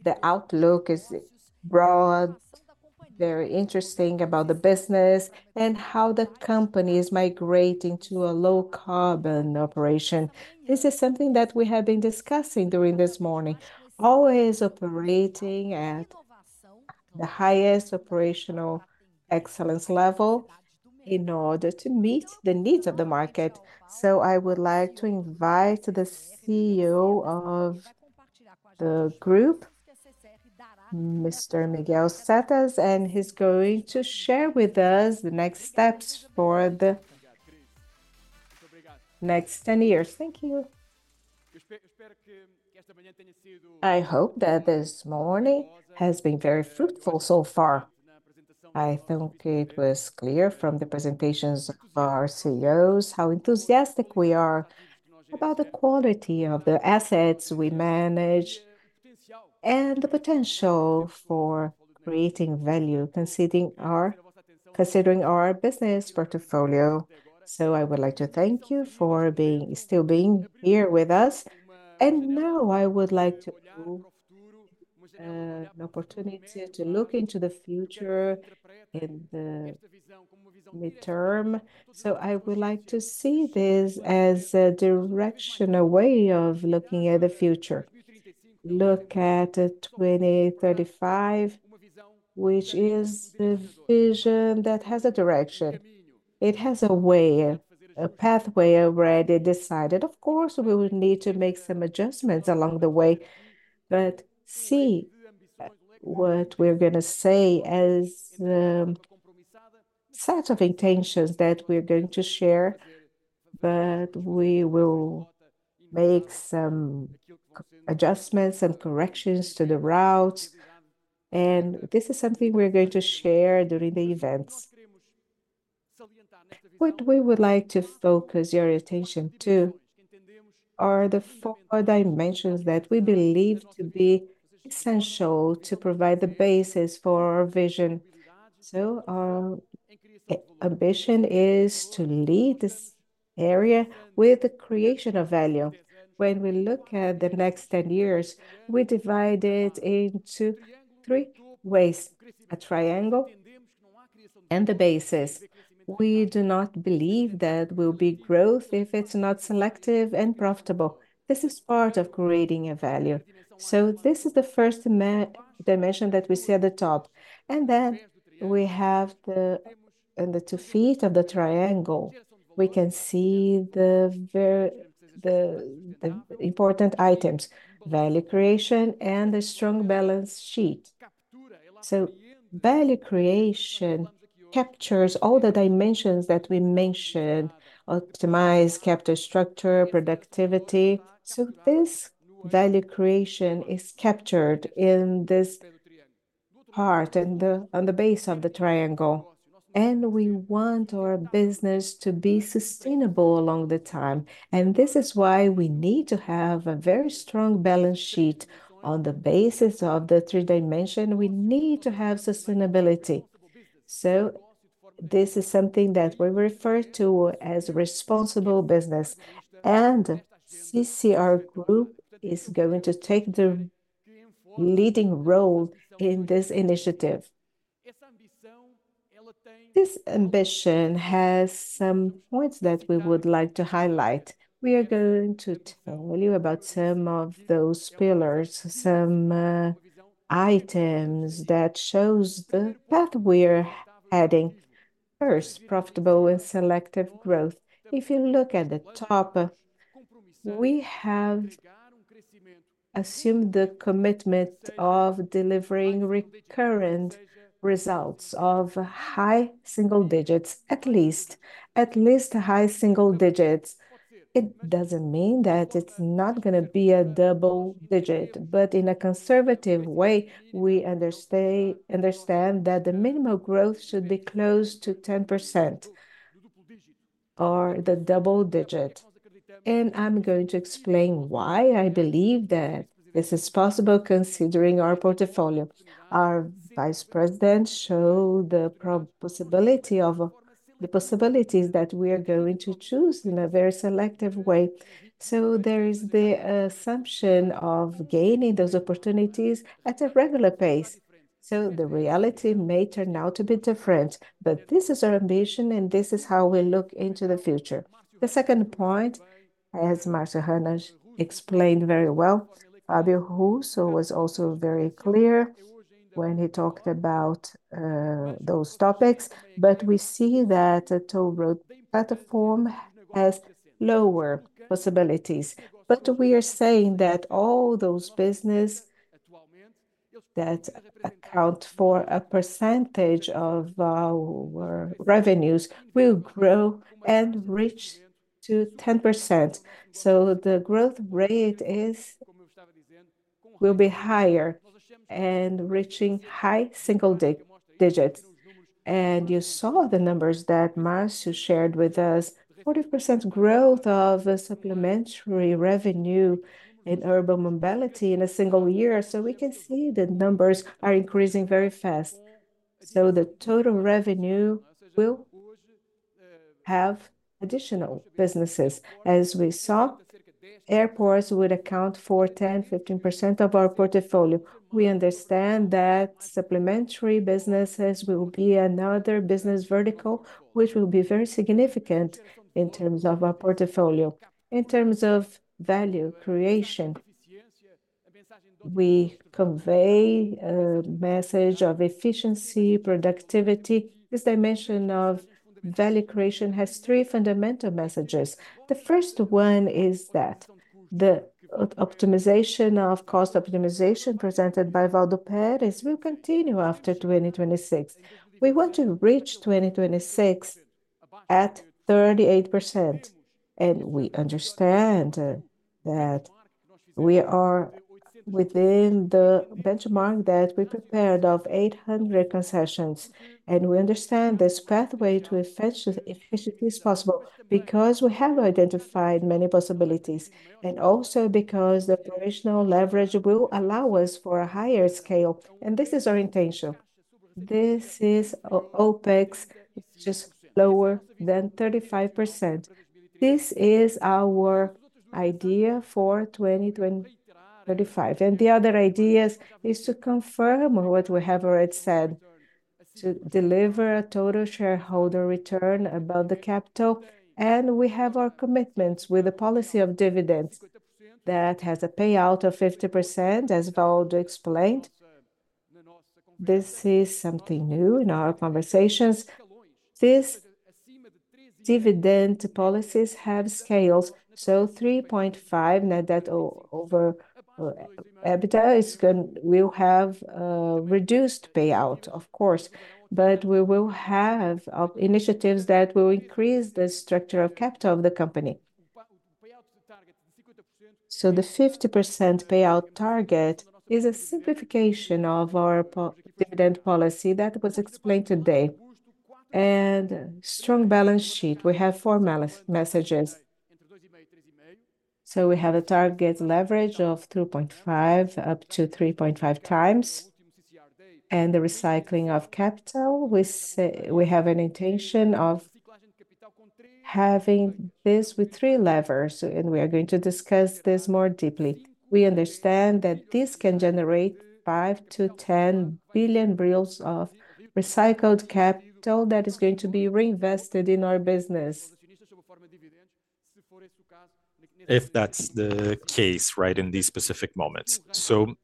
The outlook is broad, very interesting about the business, and how the company is migrating to a low carbon operation. This is something that we have been discussing during this morning. Always operating at the highest operational excellence level in order to meet the needs of the market. So I would like to invite the CEO of the group, Mr. Miguel Setas, and he's going to share with us the next steps for the next 10 years. Thank you. I hope that this morning has been very fruitful so far. I think it was clear from the presentations of our CEOs how enthusiastic we are about the quality of the assets we manage, and the potential for creating value, considering our, considering our business portfolio. So I would like to thank you for being, still being here with us. Now I would like to an opportunity to look into the future in the midterm. So I would like to see this as a direction, a way of looking at the future. Look at 2035, which is the vision that has a direction. It has a way, a pathway already decided. Of course, we will need to make some adjustments along the way, but see what we're gonna say as the set of intentions that we're going to share, but we will make some adjustments and corrections to the routes, and this is something we're going to share during the events. What we would like to focus your attention to are the four dimensions that we believe to be essential to provide the basis for our vision. So our ambition is to lead this area with the creation of value. When we look at the next 10 years, we divide it into three ways: a triangle and the bases. We do not believe there will be growth if it's not selective and profitable. This is part of creating a value. So this is the first main dimension that we see at the top, and then we have the... In the two feet of the triangle, we can see the very important items: value creation and a strong balance sheet. So value creation captures all the dimensions that we mentioned: optimize, capital structure, productivity. So this value creation is captured in this part, on the base of the triangle, and we want our business to be sustainable along the time, and this is why we need to have a very strong balance sheet. On the basis of the three dimension, we need to have sustainability. So this is something that we refer to as responsible business, and CCR Group is going to take the leading role in this initiative. This ambition has some points that we would like to highlight. We are going to tell you about some of those pillars, some items that shows the path we're heading. First, profitable and selective growth. If you look at the top, we have assumed the commitment of delivering recurrent results of high single digits, at least. At least high single digits. It doesn't mean that it's not gonna be a double digit, but in a conservative way, we understand that the minimum growth should be close to 10% or the double digit. And I'm going to explain why I believe that this is possible, considering our portfolio. Our vice president showed the possibility of... the possibilities that we are going to choose in a very selective way. So there is the assumption of gaining those opportunities at a regular pace, so the reality may turn out to be different. But this is our ambition, and this is how we look into the future. The second point, as Márcio Hannas explained very well, Fábio Russo was also very clear when he talked about those topics, but we see that the toll road platform has lower possibilities. But we are saying that all those businesses that account for a percentage of our revenues will grow and reach 10%, so the growth rate is, will be higher and reaching high single digits. You saw the numbers that Márcio shared with us, 40% growth of supplementary revenue in urban mobility in a single year, so we can see the numbers are increasing very fast... The total revenue will have additional businesses. As we saw, airports would account for 10%-15% of our portfolio. We understand that supplementary businesses will be another business vertical, which will be very significant in terms of our portfolio. In terms of value creation, we convey a message of efficiency, productivity. This dimension of value creation has three fundamental messages. The first one is that the optimization of cost, optimization presented by Waldo Perez will continue after 2026. We want to reach 2026 at 38%, and we understand that we are within the benchmark that we prepared of 800 concessions. We understand this pathway to efficient, efficiency is possible because we have identified many possibilities, and also because the operational leverage will allow us for a higher scale, and this is our intention. This is OpEx, it's just lower than 35%. This is our idea for 2025. And the other ideas is to confirm what we have already said, to deliver a total shareholder return about the capital, and we have our commitments with a policy of dividends that has a payout of 50%, as Waldo explained. This is something new in our conversations. These dividend policies have scales, so 3.5 net debt over EBITDA will have reduced payout, of course, but we will have initiatives that will increase the structure of capital of the company. The 50% payout target is a simplification of our dividend policy that was explained today. And strong balance sheet, we have four messages. We have a target leverage of 2.5, up to 3.5 times, and the recycling of capital, we have an intention of having this with three levers, and we are going to discuss this more deeply. We understand that this can generate 5 billion-10 billion of recycled capital that is going to be reinvested in our business. If that's the case, right, in these specific moments. So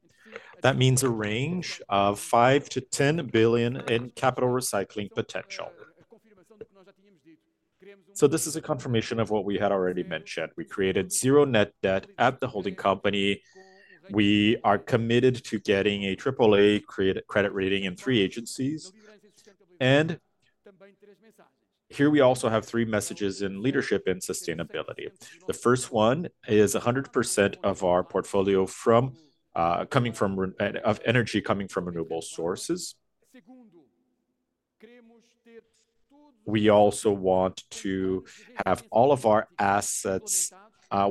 that means a range of 5 billion-10 billion in capital recycling potential. So this is a confirmation of what we had already mentioned. We created zero net debt at the holding company. We are committed to getting a triple-A credit rating in three agencies. And here we also have three messages in leadership and sustainability. The first one is 100% of our portfolio energy coming from renewable sources. We also want to have all of our assets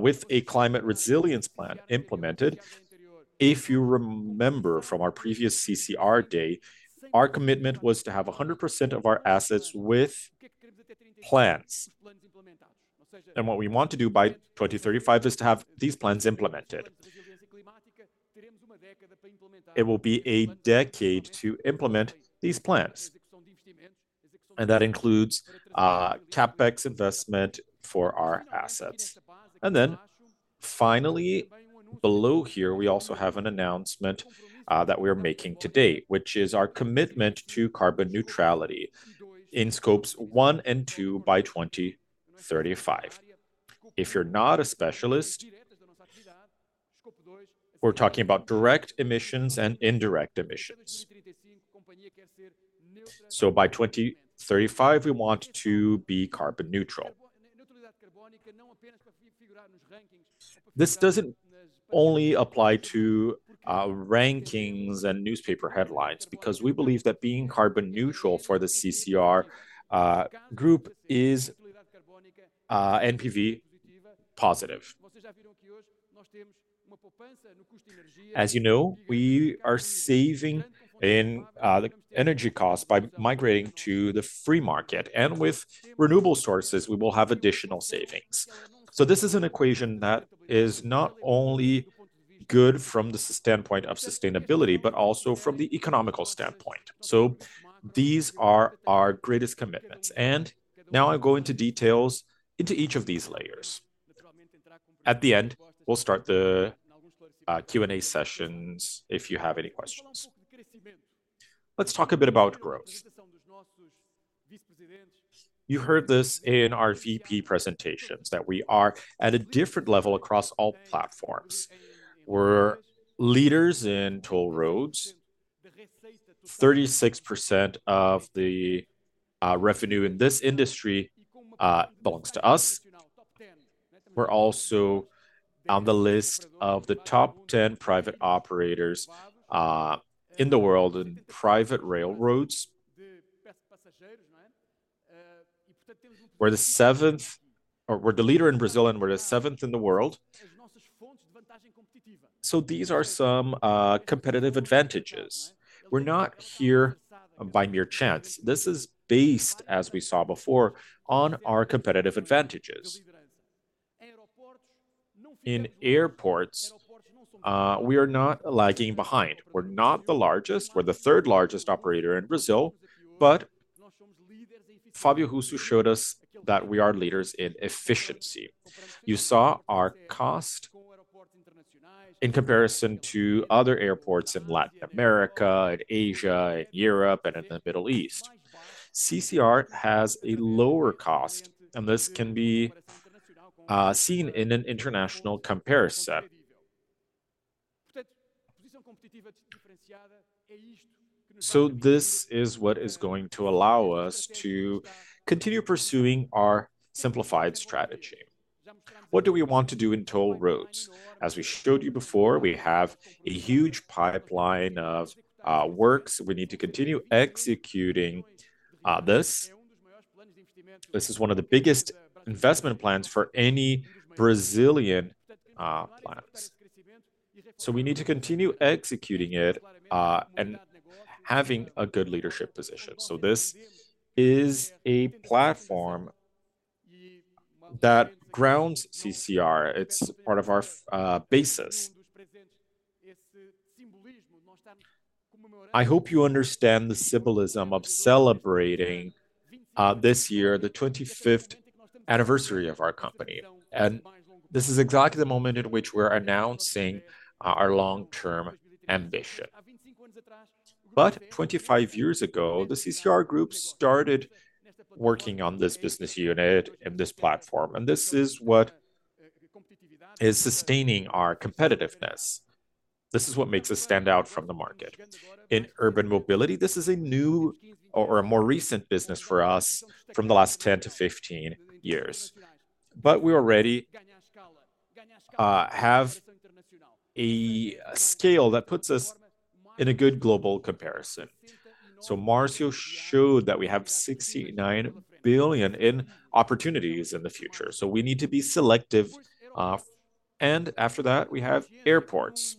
with a climate resilience plan implemented. If you remember from our previous CCR day, our commitment was to have 100% of our assets with plans, and what we want to do by 2035 is to have these plans implemented. It will be a decade to implement these plans, and that includes CapEx investment for our assets. Then finally, below here, we also have an announcement that we are making today, which is our commitment to carbon neutrality in Scope 1 and 2 by 2035. If you're not a specialist, we're talking about direct emissions and indirect emissions. So by 2035, we want to be carbon neutral. This doesn't only apply to rankings and newspaper headlines, because we believe that being carbon neutral for the CCR group is NPV positive. As you know, we are saving in the energy costs by migrating to the free market, and with renewable sources, we will have additional savings. So this is an equation that is not only good from the standpoint of sustainability, but also from the economic standpoint. So these are our greatest commitments, and now I'll go into details into each of these layers. At the end, we'll start the Q&A sessions if you have any questions. Let's talk a bit about growth. You heard this in our VP presentations, that we are at a different level across all platforms. We're leaders in toll roads. 36% of the revenue in this industry belongs to us. We're also on the list of the top 10 private operators in the world, in private railroads. We're the seventh... We're the leader in Brazil, and we're the seventh in the world.... So these are some competitive advantages. We're not here by mere chance. This is based, as we saw before, on our competitive advantages. In airports, we are not lagging behind. We're not the largest, we're the third largest operator in Brazil, but Fábio Russo showed us that we are leaders in efficiency. You saw our cost in comparison to other airports in Latin America, in Asia, in Europe, and in the Middle East. CCR has a lower cost, and this can be seen in an international comparison. So this is what is going to allow us to continue pursuing our simplified strategy. What do we want to do in toll roads? As we showed you before, we have a huge pipeline of works. We need to continue executing this. This is one of the biggest investment plans for any Brazilian plans. So we need to continue executing it and having a good leadership position. So this is a platform that grounds CCR. It's part of our basis. I hope you understand the symbolism of celebrating this year, the 25th anniversary of our company, and this is exactly the moment in which we're announcing our long-term ambition. But 25 years ago, the CCR Group started working on this business unit and this platform, and this is what is sustaining our competitiveness. This is what makes us stand out from the market. In urban mobility, this is a new or a more recent business for us from the last 10-15 years, but we already have a scale that puts us in a good global comparison. So Márcio showed that we have 69 billion in opportunities in the future, so we need to be selective. And after that, we have airports.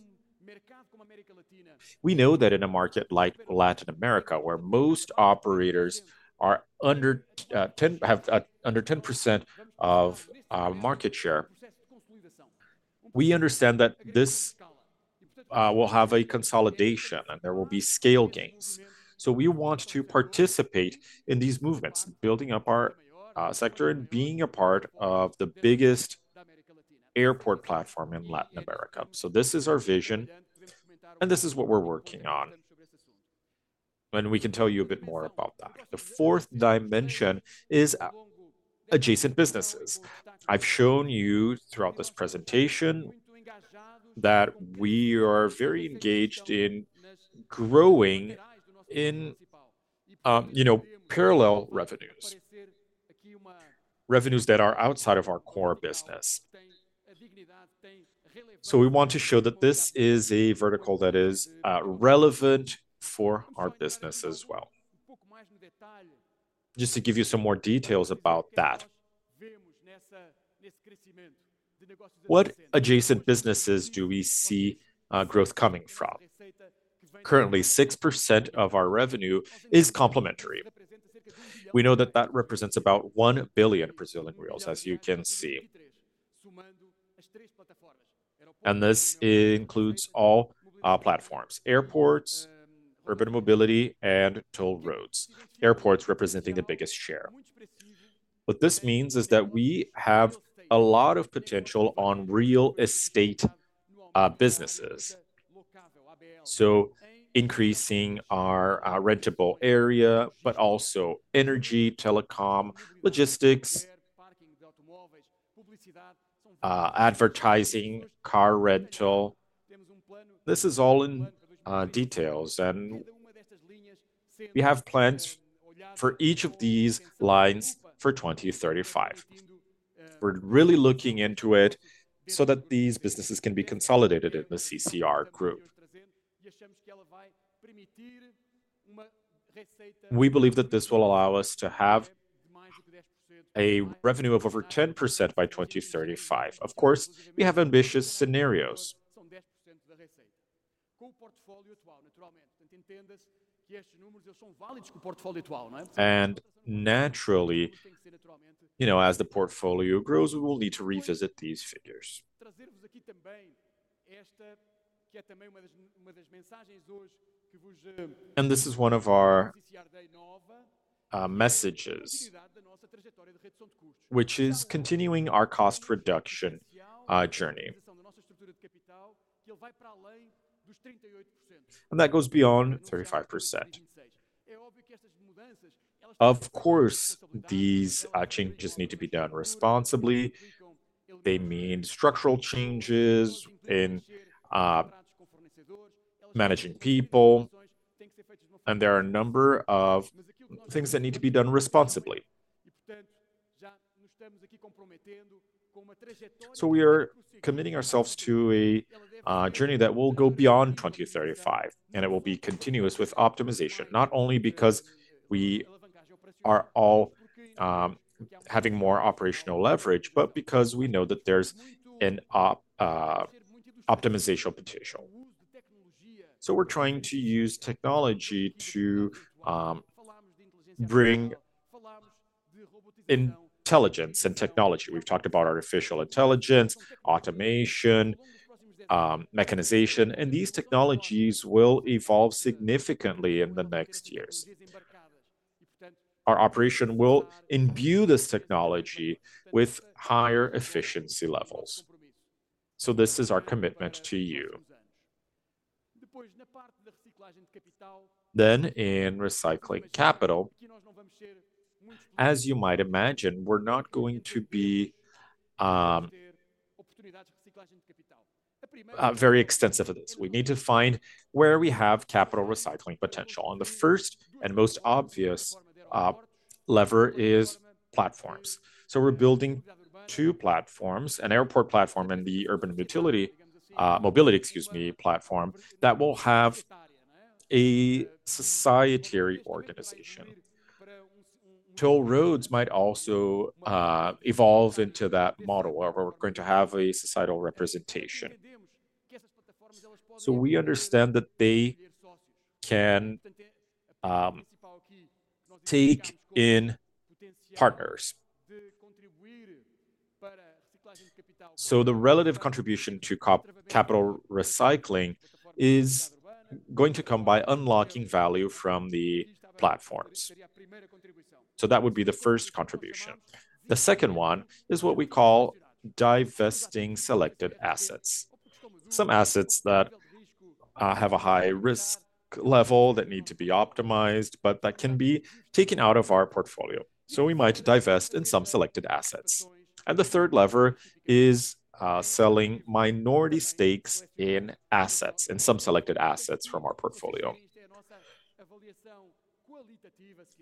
We know that in a market like Latin America, where most operators are under 10% of market share, we understand that this will have a consolidation, and there will be scale gains. So we want to participate in these movements, building up our sector and being a part of the biggest airport platform in Latin America. So this is our vision, and this is what we're working on, and we can tell you a bit more about that. The fourth dimension is adjacent businesses. I've shown you throughout this presentation that we are very engaged in growing in, you know, parallel revenues, revenues that are outside of our core business. So we want to show that this is a vertical that is relevant for our business as well. Just to give you some more details about that, what adjacent businesses do we see growth coming from? Currently, 6% of our revenue is complementary. We know that that represents about 1 billion Brazilian reais, as you can see. And this includes all our platforms: airports, urban mobility, and toll roads, airports representing the biggest share. What this means is that we have a lot of potential on real estate businesses. So increasing our rentable area, but also energy, telecom, logistics, advertising, car rental, this is all in details, and we have plans for each of these lines for 2035. We're really looking into it so that these businesses can be consolidated in the CCR Group. We believe that this will allow us to have a revenue of over 10% by 2035. Of course, we have ambitious scenarios. And naturally, you know, as the portfolio grows, we will need to revisit these figures. This is one of our messages, which is continuing our cost reduction journey. That goes beyond 35%. Of course, these changes need to be done responsibly. They mean structural changes in managing people, and there are a number of things that need to be done responsibly. We are committing ourselves to a journey that will go beyond 2035, and it will be continuous with optimization, not only because we are all having more operational leverage, but because we know that there's an optimization potential. We're trying to use technology to bring intelligence and technology. We've talked about artificial intelligence, automation, mechanization, and these technologies will evolve significantly in the next years. Our operation will imbue this technology with higher efficiency levels, so this is our commitment to you. Then, in recycling capital, as you might imagine, we're not going to be very extensive at this. We need to find where we have capital recycling potential, and the first and most obvious lever is platforms. So we're building two platforms: an airport platform and the urban utility mobility, excuse me, platform, that will have a societary organization. Toll roads might also evolve into that model, where we're going to have a societal representation. So we understand that they can take in partners. So the relative contribution to capital recycling is going to come by unlocking value from the platforms, so that would be the first contribution. The second one is what we call divesting selected assets. Some assets that have a high-risk level that need to be optimized, but that can be taken out of our portfolio, so we might divest in some selected assets. And the third lever is selling minority stakes in assets, in some selected assets from our portfolio.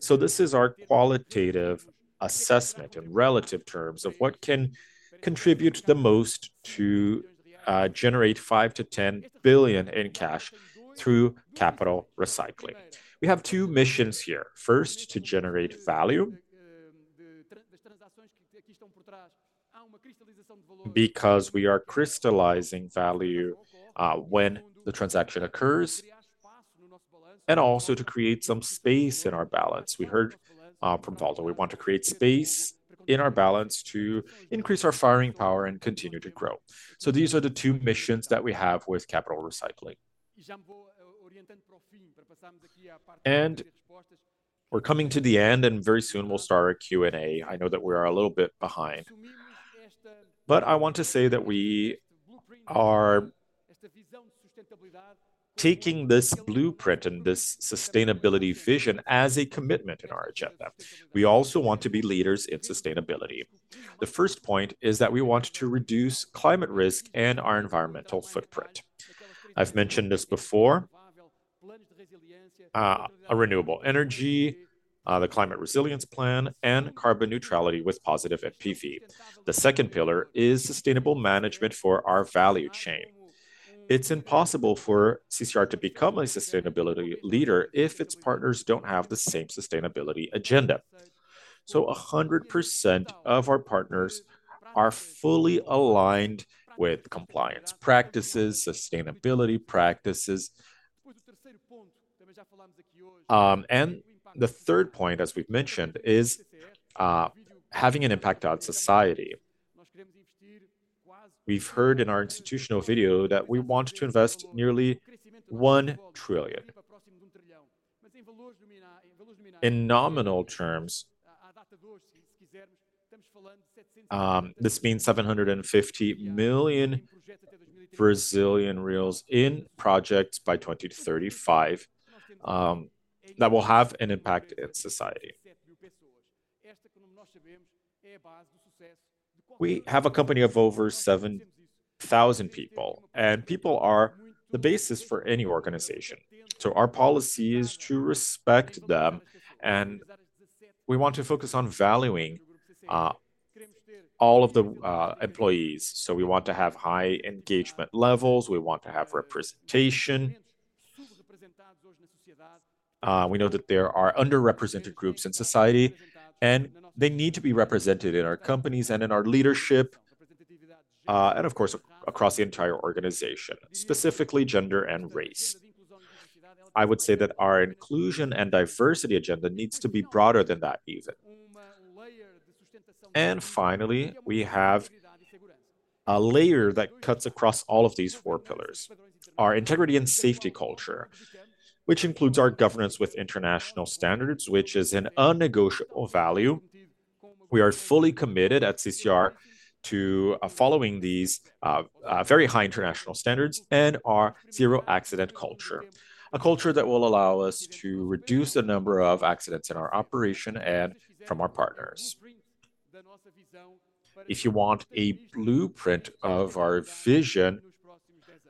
So this is our qualitative assessment in relative terms of what can contribute the most to generate 5 billion-10 billion in cash through capital recycling. We have two missions here. First, to generate value, because we are crystallizing value when the transaction occurs, and also to create some space in our balance. We heard from Waldo, we want to create space in our balance to increase our firing power and continue to grow. So these are the two missions that we have with capital recycling. And we're coming to the end, and very soon we'll start our Q&A. I know that we are a little bit behind, but I want to say that we are taking this blueprint and this sustainability vision as a commitment in our agenda. We also want to be leaders in sustainability. The first point is that we want to reduce climate risk and our environmental footprint. I've mentioned this before, a renewable energy, the climate resilience plan, and carbon neutrality with positive NPV. The second pillar is sustainable management for our value chain. It's impossible for CCR to become a sustainability leader if its partners don't have the same sustainability agenda. So 100% of our partners are fully aligned with compliance practices, sustainability practices. The third point, as we've mentioned, is having an impact on society. We've heard in our institutional video that we want to invest nearly 1 trillion. In nominal terms, this means BRL 750 million in projects by 2020-2035, that will have an impact in society. We have a company of over 7,000 people, and people are the basis for any organization, so our policy is to respect them, and we want to focus on valuing all of the employees. So we want to have high engagement levels. We want to have representation. We know that there are underrepresented groups in society, and they need to be represented in our companies and in our leadership, and of course, across the entire organization, specifically gender and race. I would say that our inclusion and diversity agenda needs to be broader than that even. And finally, we have a layer that cuts across all of these four pillars, our integrity and safety culture, which includes our governance with international standards, which is an unnegotiable value. We are fully committed at CCR to following these very high international standards and our zero-accident culture, a culture that will allow us to reduce the number of accidents in our operation and from our partners. If you want a blueprint of our vision,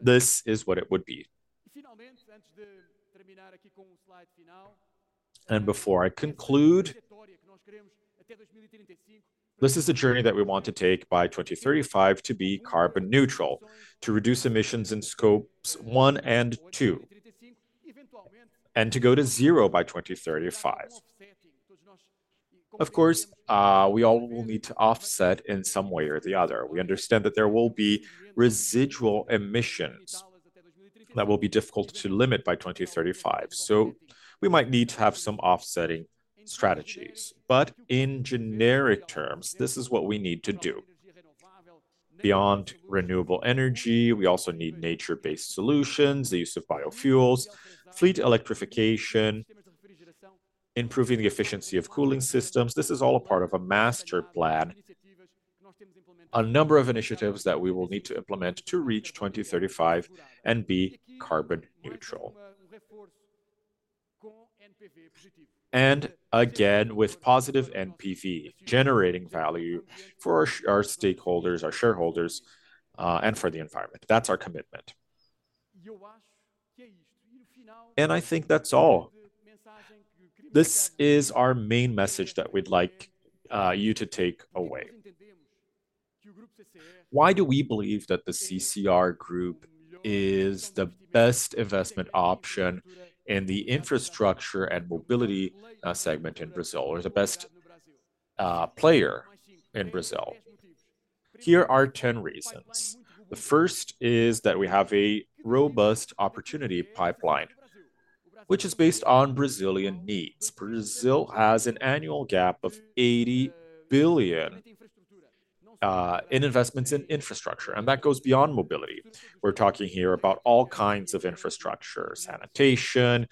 this is what it would be. And before I conclude. This is the journey that we want to take by 2035 to be carbon neutral, to reduce emissions in Scope 1 and 2, and to go to zero by 2035. Of course, we all will need to offset in some way or the other. We understand that there will be residual emissions that will be difficult to limit by 2035, so we might need to have some offsetting strategies. But in generic terms, this is what we need to do. Beyond renewable energy, we also need nature-based solutions, the use of biofuels, fleet electrification, improving the efficiency of cooling systems: this is all a part of a master plan, a number of initiatives that we will need to implement to reach 2035 and be carbon neutral. And again, with positive NPV, generating value for our stakeholders, our shareholders, and for the environment. That's our commitment. And I think that's all. This is our main message that we'd like you to take away. Why do we believe that the CCR Group is the best investment option in the infrastructure and mobility segment in Brazil, or the best player in Brazil? Here are 10 reasons. The first is that we have a robust opportunity pipeline, which is based on Brazilian needs. Brazil has an annual gap of 80 billion in investments in infrastructure, and that goes beyond mobility. We're talking here about all kinds of infrastructure: sanitation,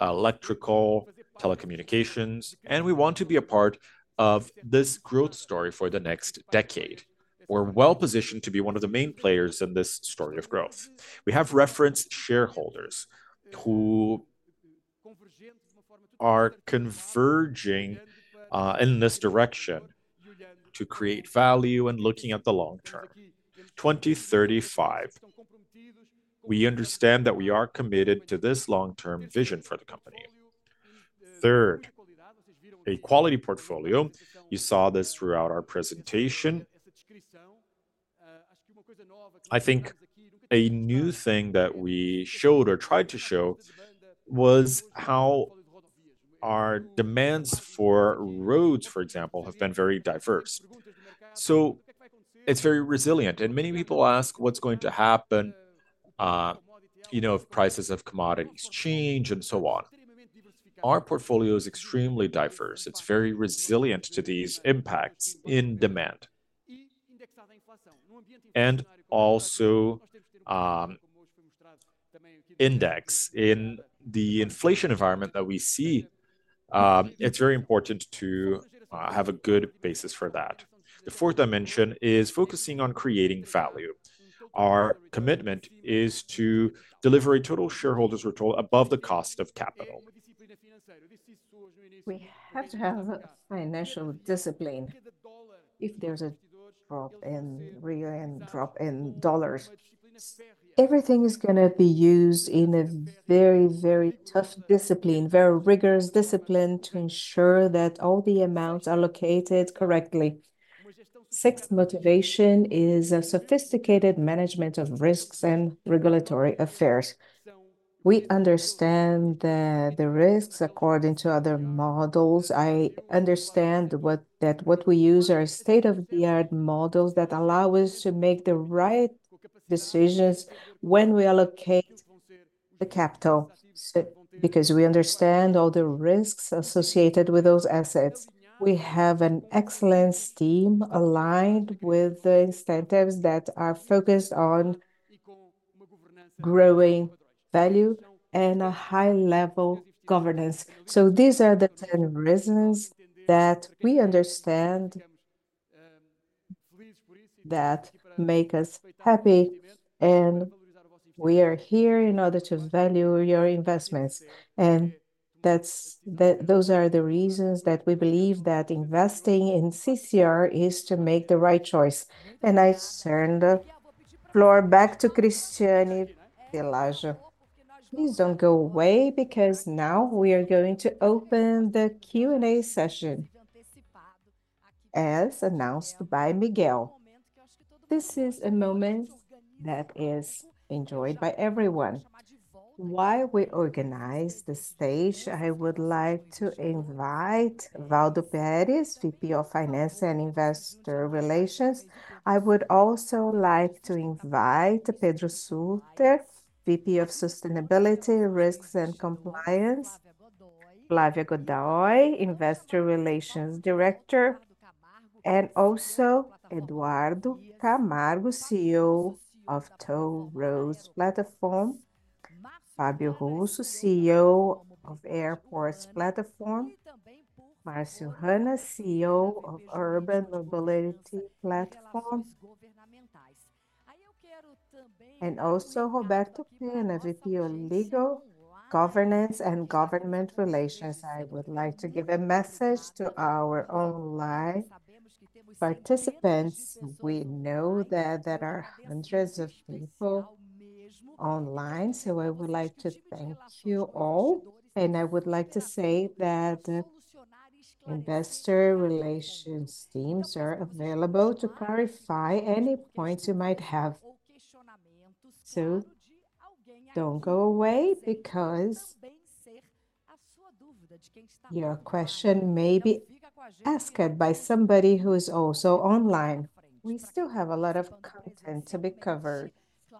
electrical, telecommunications, and we want to be a part of this growth story for the next decade. We're well-positioned to be one of the main players in this story of growth. We have referenced shareholders who are converging in this direction to create value and looking at the long term, 2035. We understand that we are committed to this long-term vision for the company. Third, a quality portfolio. You saw this throughout our presentation. I think a new thing that we showed or tried to show was how our demands for roads, for example, have been very diverse, so it's very resilient. And many people ask: "What's going to happen, you know, if prices of commodities change?" and so on. Our portfolio is extremely diverse. It's very resilient to these impacts in demand. And also, index. In the inflation environment that we see, it's very important to, have a good basis for that. The fourth dimension is focusing on creating value. Our commitment is to deliver a total shareholders' return above the cost of capital. We have to have financial discipline. If there's a drop in real and drop in dollars, everything is gonna be used in a very, very tough discipline, very rigorous discipline, to ensure that all the amounts are allocated correctly. Sixth motivation is a sophisticated management of risks and regulatory affairs. We understand the risks according to other models. That what we use are state-of-the-art models that allow us to make the right decisions when we allocate the capital, so, because we understand all the risks associated with those assets. We have an excellent team aligned with the incentives that are focused on growing value and a high-level governance. So these are the ten reasons that we understand that make us happy, and we are here in order to value your investments. And those are the reasons that we believe that investing in CCR is to make the right choice. And I turn the floor back to Christiane Pelajo. Please don't go away, because now we are going to open the Q&A session, as announced by Miguel. This is a moment that is enjoyed by everyone. While we organize the stage, I would like to invite Waldo Perez, VP of Finance and Investor Relations. I would also like to invite Pedro Sutter, VP of Sustainability, Risks, and Compliance, Flávia Godoy, Investor Relations Director, and also Eduardo Camargo, CEO of Toll Roads Platform; Fábio Russo, CEO of Airports Platform; Márcio Hannas, CEO of Urban Mobility Platform; and also Roberto Penna, VP of Legal, Governance, and Government Relations. I would like to give a message to our online-... Participants, we know that there are hundreds of people online, so I would like to thank you all, and I would like to say that investor relations teams are available to clarify any points you might have. So don't go away, because your question may be asked by somebody who is also online. We still have a lot of content to be covered.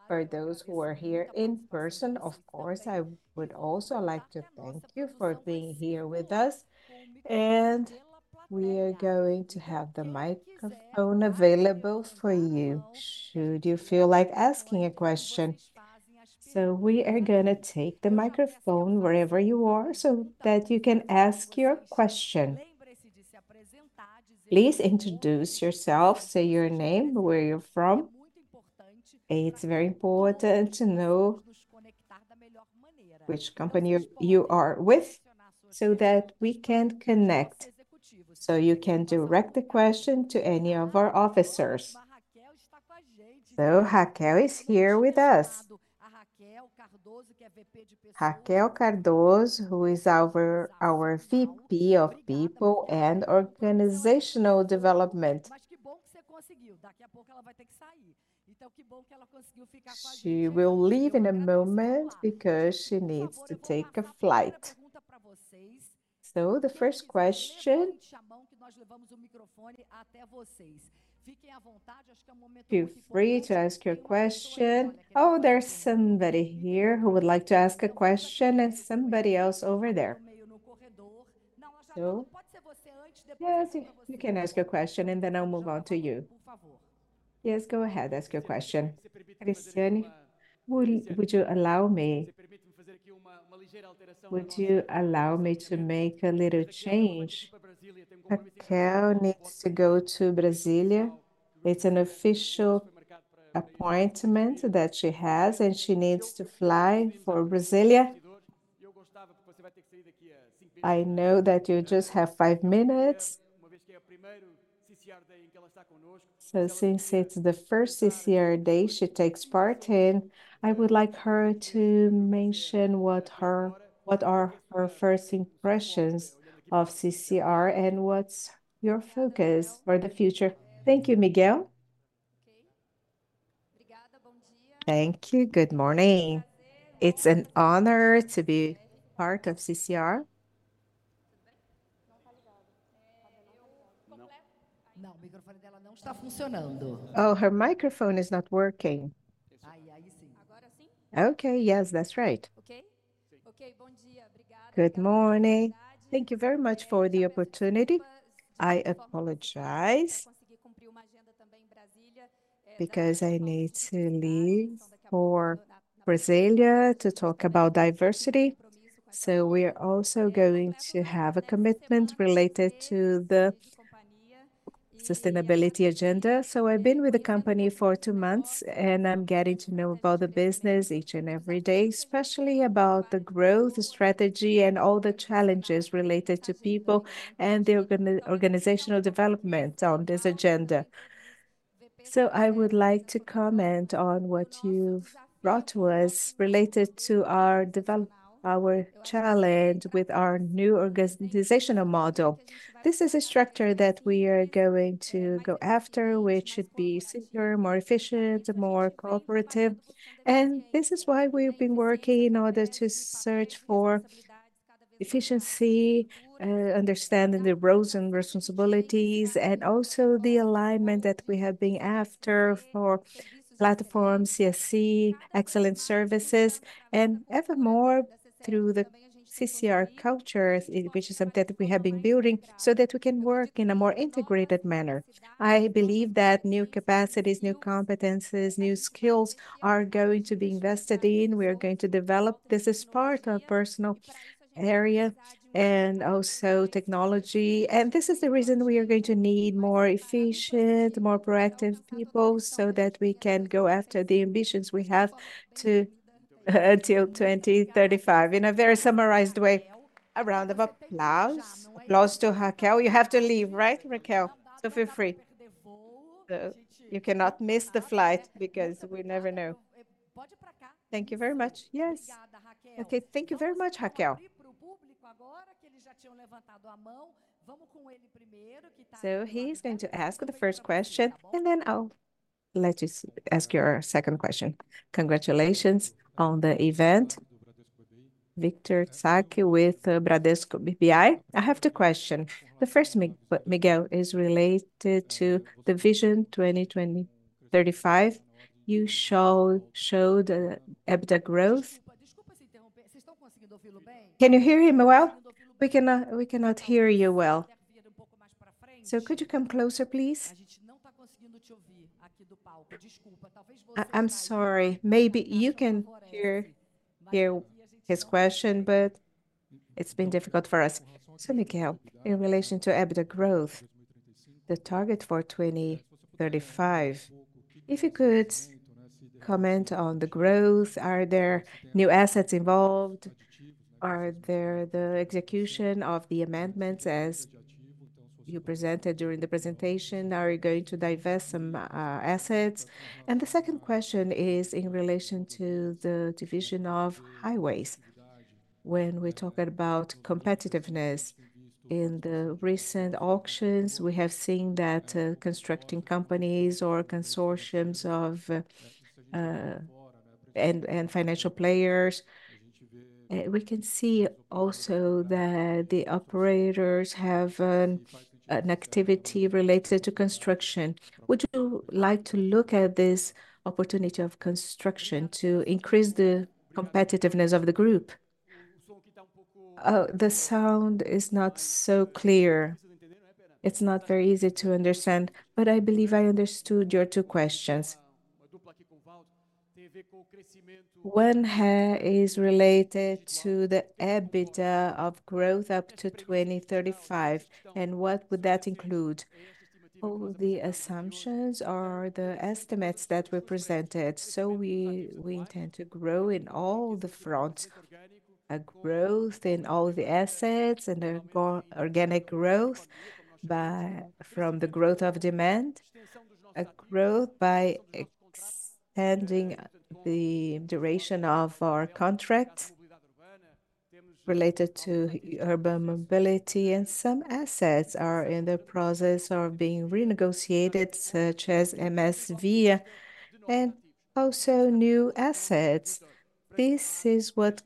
For those who are here in person, of course, I would also like to thank you for being here with us, and we are going to have the microphone available for you should you feel like asking a question. So we are gonna take the microphone wherever you are, so that you can ask your question. Please introduce yourself, say your name, where you're from. It's very important to know which company you, you are with, so that we can connect, so you can direct the question to any of our officers. So Raquel is here with us. Raquel Cardoso, who is our, our VP of People and Organizational Development. She will leave in a moment, because she needs to take a flight. So the first question... Feel free to ask your question. Oh, there's somebody here who would like to ask a question, and somebody else over there. So, yes, you, you can ask your question, and then I'll move on to you. Yes, go ahead, ask your question. Christiane, would, would you allow me... Would you allow me to make a little change? Raquel needs to go to Brasília. It's an official appointment that she has, and she needs to fly for Brasília. I know that you just have 5 minutes, so since it's the first CCR day she takes part in, I would like her to mention what her, what are her first impressions of CCR, and what's your focus for the future? Thank you, Miguel. Thank you. Good morning. It's an honor to be part of CCR. Oh, her microphone is not working. Okay. Yes, that's right. Okay. Good morning. Thank you very much for the opportunity. I apologize, because I need to leave for Brasília to talk about diversity, so we're also going to have a commitment related to the sustainability agenda. So I've been with the company for 2 months, and I'm getting to know about the business each and every day, especially about the growth, strategy, and all the challenges related to people and the organizational development on this agenda. I would like to comment on what you've brought to us related to our challenge with our new organizational model. This is a structure that we are going to go after, which should be simpler, more efficient, more cooperative, and this is why we've been working in order to search for efficiency, understanding the roles and responsibilities, and also the alignment that we have been after for platform, CSC, excellent services, and evermore through the CCR culture, which is something that we have been building so that we can work in a more integrated manner. I believe that new capacities, new competences, new skills are going to be invested in. We are going to develop. This is part of personal area and also technology, and this is the reason we are going to need more efficient, more proactive people, so that we can go after the ambitions we have to, until 2035, in a very summarized way. A round of applause. Applause to Raquel. You have to leave, right, Raquel? So feel free. You cannot miss the flight, because we never know. Thank you very much. Yes. Okay, thank you very much, Raquel. So he's going to ask the first question, and then I'll let you ask your second question. Congratulations on the event. Victor Mizusaki with, uh, Bradesco BBI. I have two question. The first, Miguel, is related to the vision 2035. You show, showed the EBITDA growth— Can you hear him well? We cannot, we cannot hear you well. So could you come closer, please? I'm sorry. Maybe you can hear his question, but it's been difficult for us. So Miguel, in relation to EBITDA growth, the target for 2035, if you could comment on the growth. Are there new assets involved? Are there the execution of the amendments as you presented during the presentation, are you going to divest some assets? And the second question is in relation to the division of highways. When we talked about competitiveness in the recent auctions, we have seen that constructing companies or consortiums of and financial players, we can see also that the operators have an activity related to construction. Would you like to look at this opportunity of construction to increase the competitiveness of the group? The sound is not so clear. It's not very easy to understand, but I believe I understood your two questions. One is related to the EBITDA of growth up to 2035, and what would that include? All the assumptions are the estimates that were presented, so we intend to grow in all the fronts. A growth in all the assets and a more organic growth from the growth of demand, a growth by extending the duration of our contracts related to urban mobility, and some assets are in the process of being renegotiated, such as MSVia, and also new assets. This is what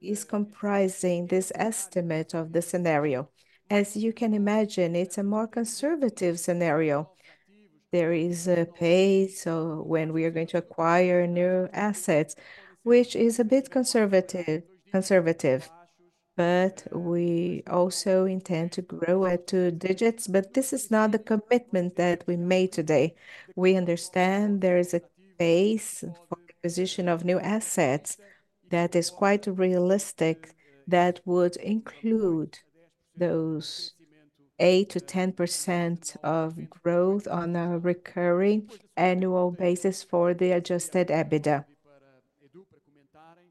is comprising this estimate of the scenario. As you can imagine, it's a more conservative scenario. There is a pace of when we are going to acquire new assets, which is a bit conservative, but we also intend to grow at two digits. But this is not the commitment that we made today. We understand there is a base for acquisition of new assets that is quite realistic, that would include those 8%-10% of growth on a recurring annual basis for the Adjusted EBITDA.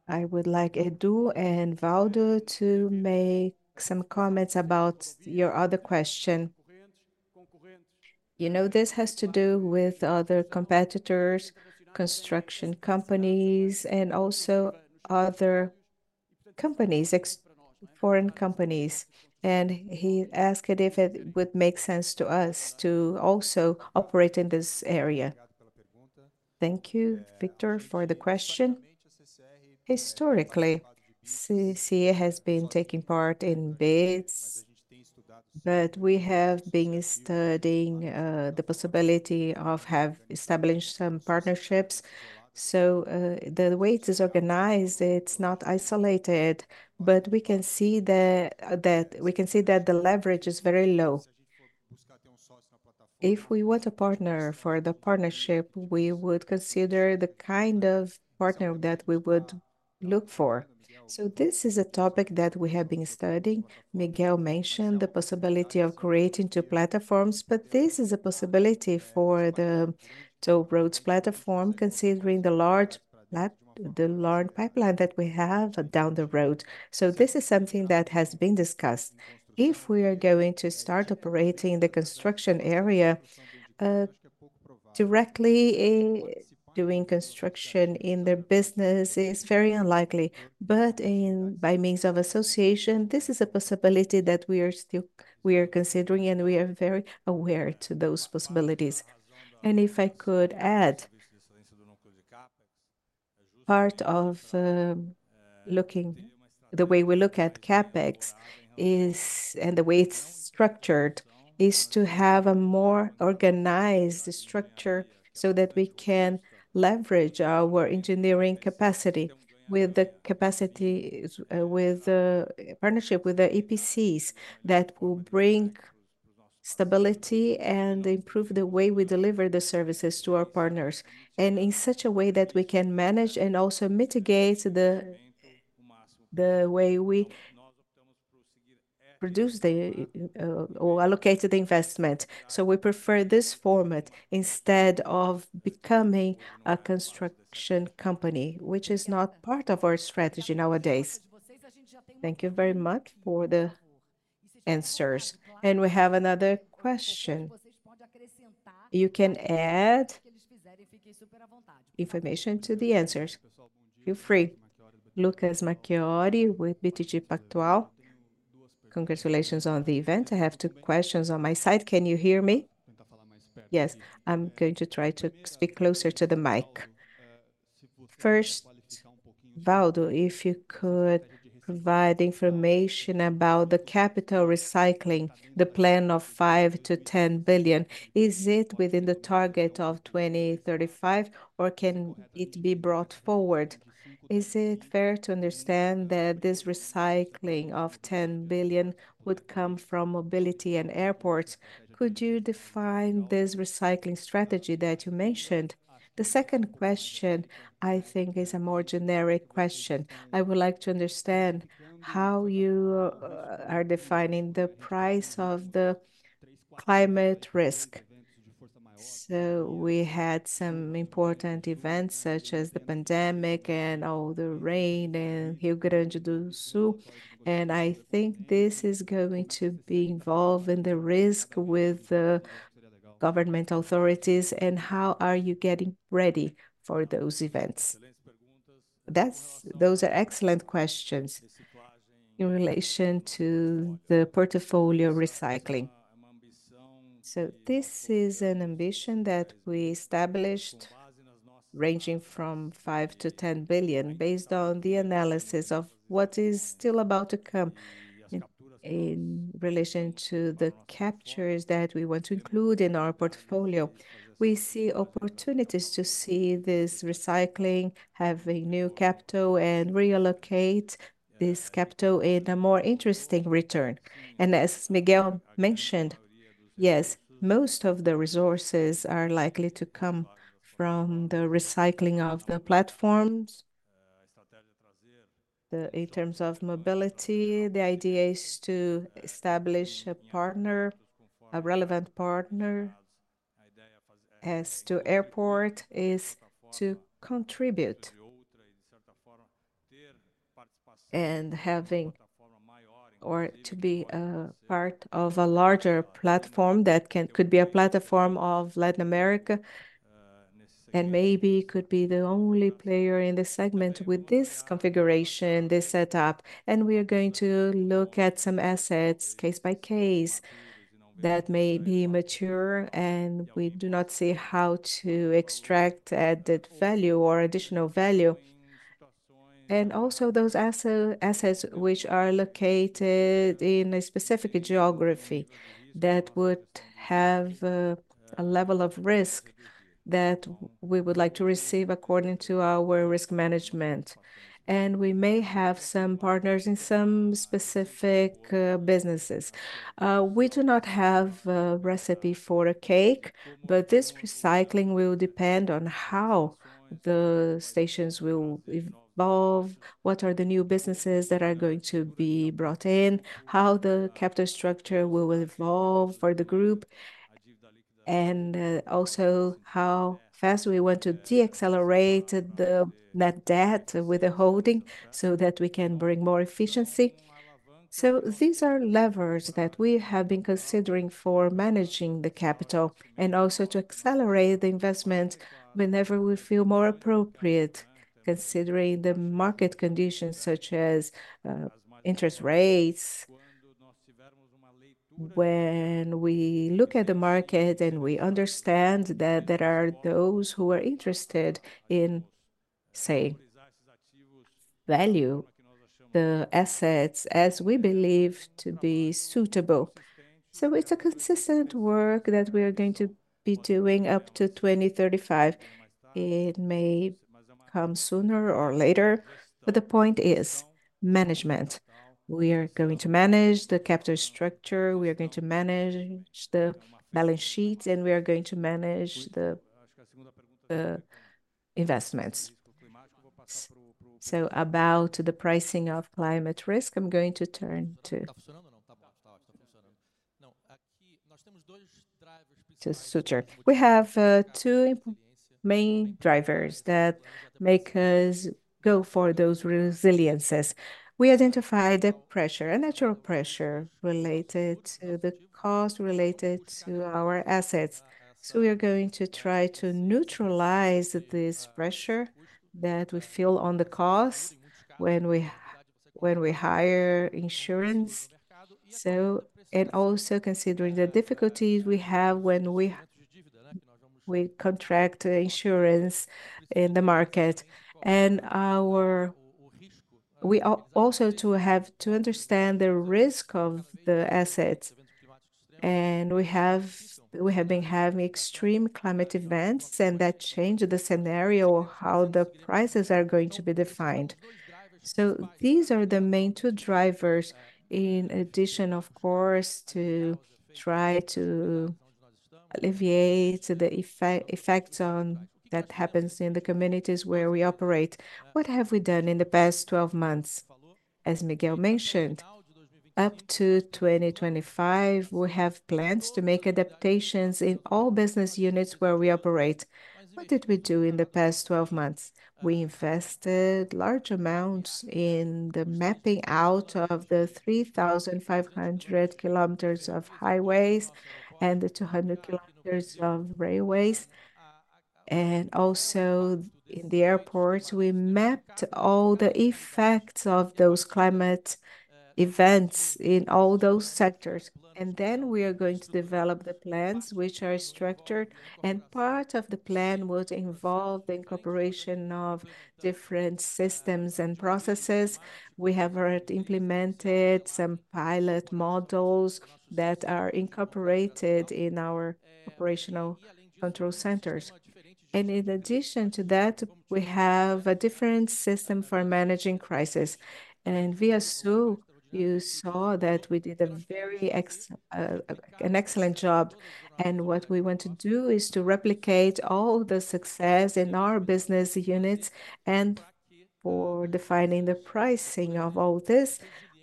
I would like Edu and Waldo to make some comments about your other question. You know, this has to do with other competitors, construction companies, and also other companies, ex-foreign companies, and he asked if it would make sense to us to also operate in this area. Thank you, Victor, for the question. Historically, CCR has been taking part in bids, but we have been studying the possibility of having established some partnerships. So, the way it is organized, it's not isolated, but we can see that the leverage is very low. If we want a partner for the partnership, we would consider the kind of partner that we would look for. So this is a topic that we have been studying. Miguel mentioned the possibility of creating two platforms, but this is a possibility for the toll roads platform, considering the large pipeline that we have down the road. So this is something that has been discussed. If we are going to start operating in the construction area, directly in doing construction in their business is very unlikely, but by means of association, this is a possibility that we are still... we are considering, and we are very aware to those possibilities. And if I could add, the way we look at CapEx is, and the way it's structured, is to have a more organized structure so that we can leverage our engineering capacity with the capacity, with the partnership with the EPCs, that will bring stability and improve the way we deliver the services to our partners, and in such a way that we can manage and also mitigate the way we produce the or allocate the investment. So we prefer this format instead of becoming a construction company, which is not part of our strategy nowadays. Thank you very much for the answers. And we have another question. You can add information to the answers. Feel free. Lucas Marquiori with BTG Pactual. Congratulations on the event. I have two questions on my side. Can you hear me? Yes, I'm going to try to speak closer to the mic. First, Waldo, if you could provide information about the capital recycling, the plan of 5 billion-10 billion, is it within the target of 2035, or can it be brought forward? Is it fair to understand that this recycling of 10 billion would come from mobility and airports? Could you define this recycling strategy that you mentioned? The second question, I think, is a more generic question. I would like to understand how you are defining the price of climate risk. So we had some important events, such as the pandemic and all the rain in Rio Grande do Sul, and I think this is going to be involved in the risk with the government authorities. And how are you getting ready for those events? Those are excellent questions in relation to the portfolio recycling. So this is an ambition that we established, ranging from 5 billion-10 billion, based on the analysis of what is still about to come in, in relation to the captures that we want to include in our portfolio. We see opportunities to see this recycling, have a new capital, and reallocate this capital in a more interesting return. As Miguel mentioned, yes, most of the resources are likely to come from the recycling of the platforms. In terms of mobility, the idea is to establish a partner, a relevant partner. As to airport, is to contribute, and having or to be a part of a larger platform that could be a platform of Latin America, and maybe could be the only player in this segment with this configuration, this setup. We are going to look at some assets case by case, that may be mature, and we do not see how to extract added value or additional value. Also those assets which are located in a specific geography that would have a level of risk that we would like to receive according to our risk management. We may have some partners in some specific businesses. We do not have a recipe for a cake, but this recycling will depend on how the stations will evolve, what are the new businesses that are going to be brought in, how the capital structure will evolve for the group, and also how fast we want to deaccelerate the net debt with the holding so that we can bring more efficiency. So these are levers that we have been considering for managing the capital and also to accelerate the investment whenever we feel more appropriate, considering the market conditions, such as interest rates. When we look at the market, and we understand that there are those who are interested in, say, value the assets as we believe to be suitable. So it's a consistent work that we are going to be doing up to 2035. It may come sooner or later, but the point is management. We are going to manage the capital structure, we are going to manage the balance sheets, and we are going to manage the investments. So about the pricing of climate risk, I'm going to turn to... to Sutter. We have two main drivers that make us go for those resiliences. We identify the pressure, a natural pressure related to the cost related to our assets. So we are going to try to neutralize this pressure that we feel on the cost when we hire insurance. So, and also considering the difficulties we have when we contract insurance in the market. And we also have to understand the risk of the assets, and we have been having extreme climate events, and that changed the scenario, how the prices are going to be defined. So these are the main two drivers, in addition, of course, to try to alleviate the effects that happens in the communities where we operate. What have we done in the past 12 months? As Miguel mentioned, up to 2025, we have plans to make adaptations in all business units where we operate. What did we do in the past 12 months? We invested large amounts in the mapping out of the 3,500 kilometers of highways and the 200 kilometers of railways, and also in the airports. We mapped all the effects of those climate events in all those sectors, and then we are going to develop the plans which are structured. And part of the plan would involve the incorporation of different systems and processes. We have already implemented some pilot models that are incorporated in our operational control centers. And in addition to that, we have a different system for managing crisis. And in ViaSul, you saw that we did an excellent job, and what we want to do is to replicate all the success in our business units. For defining the pricing of all this,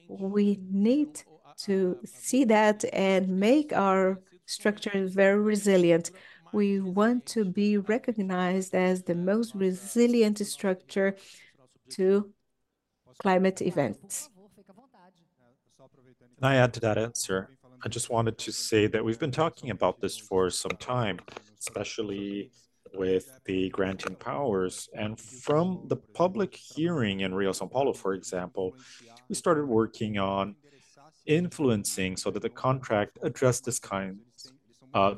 we need to see that and make our structure very resilient. We want to be recognized as the most resilient structure to climate events. Can I add to that answer? I just wanted to say that we've been talking about this for some time, especially with the granting powers. And from the public hearing in Rio, São Paulo, for example, we started working on influencing so that the contract addressed this kinds,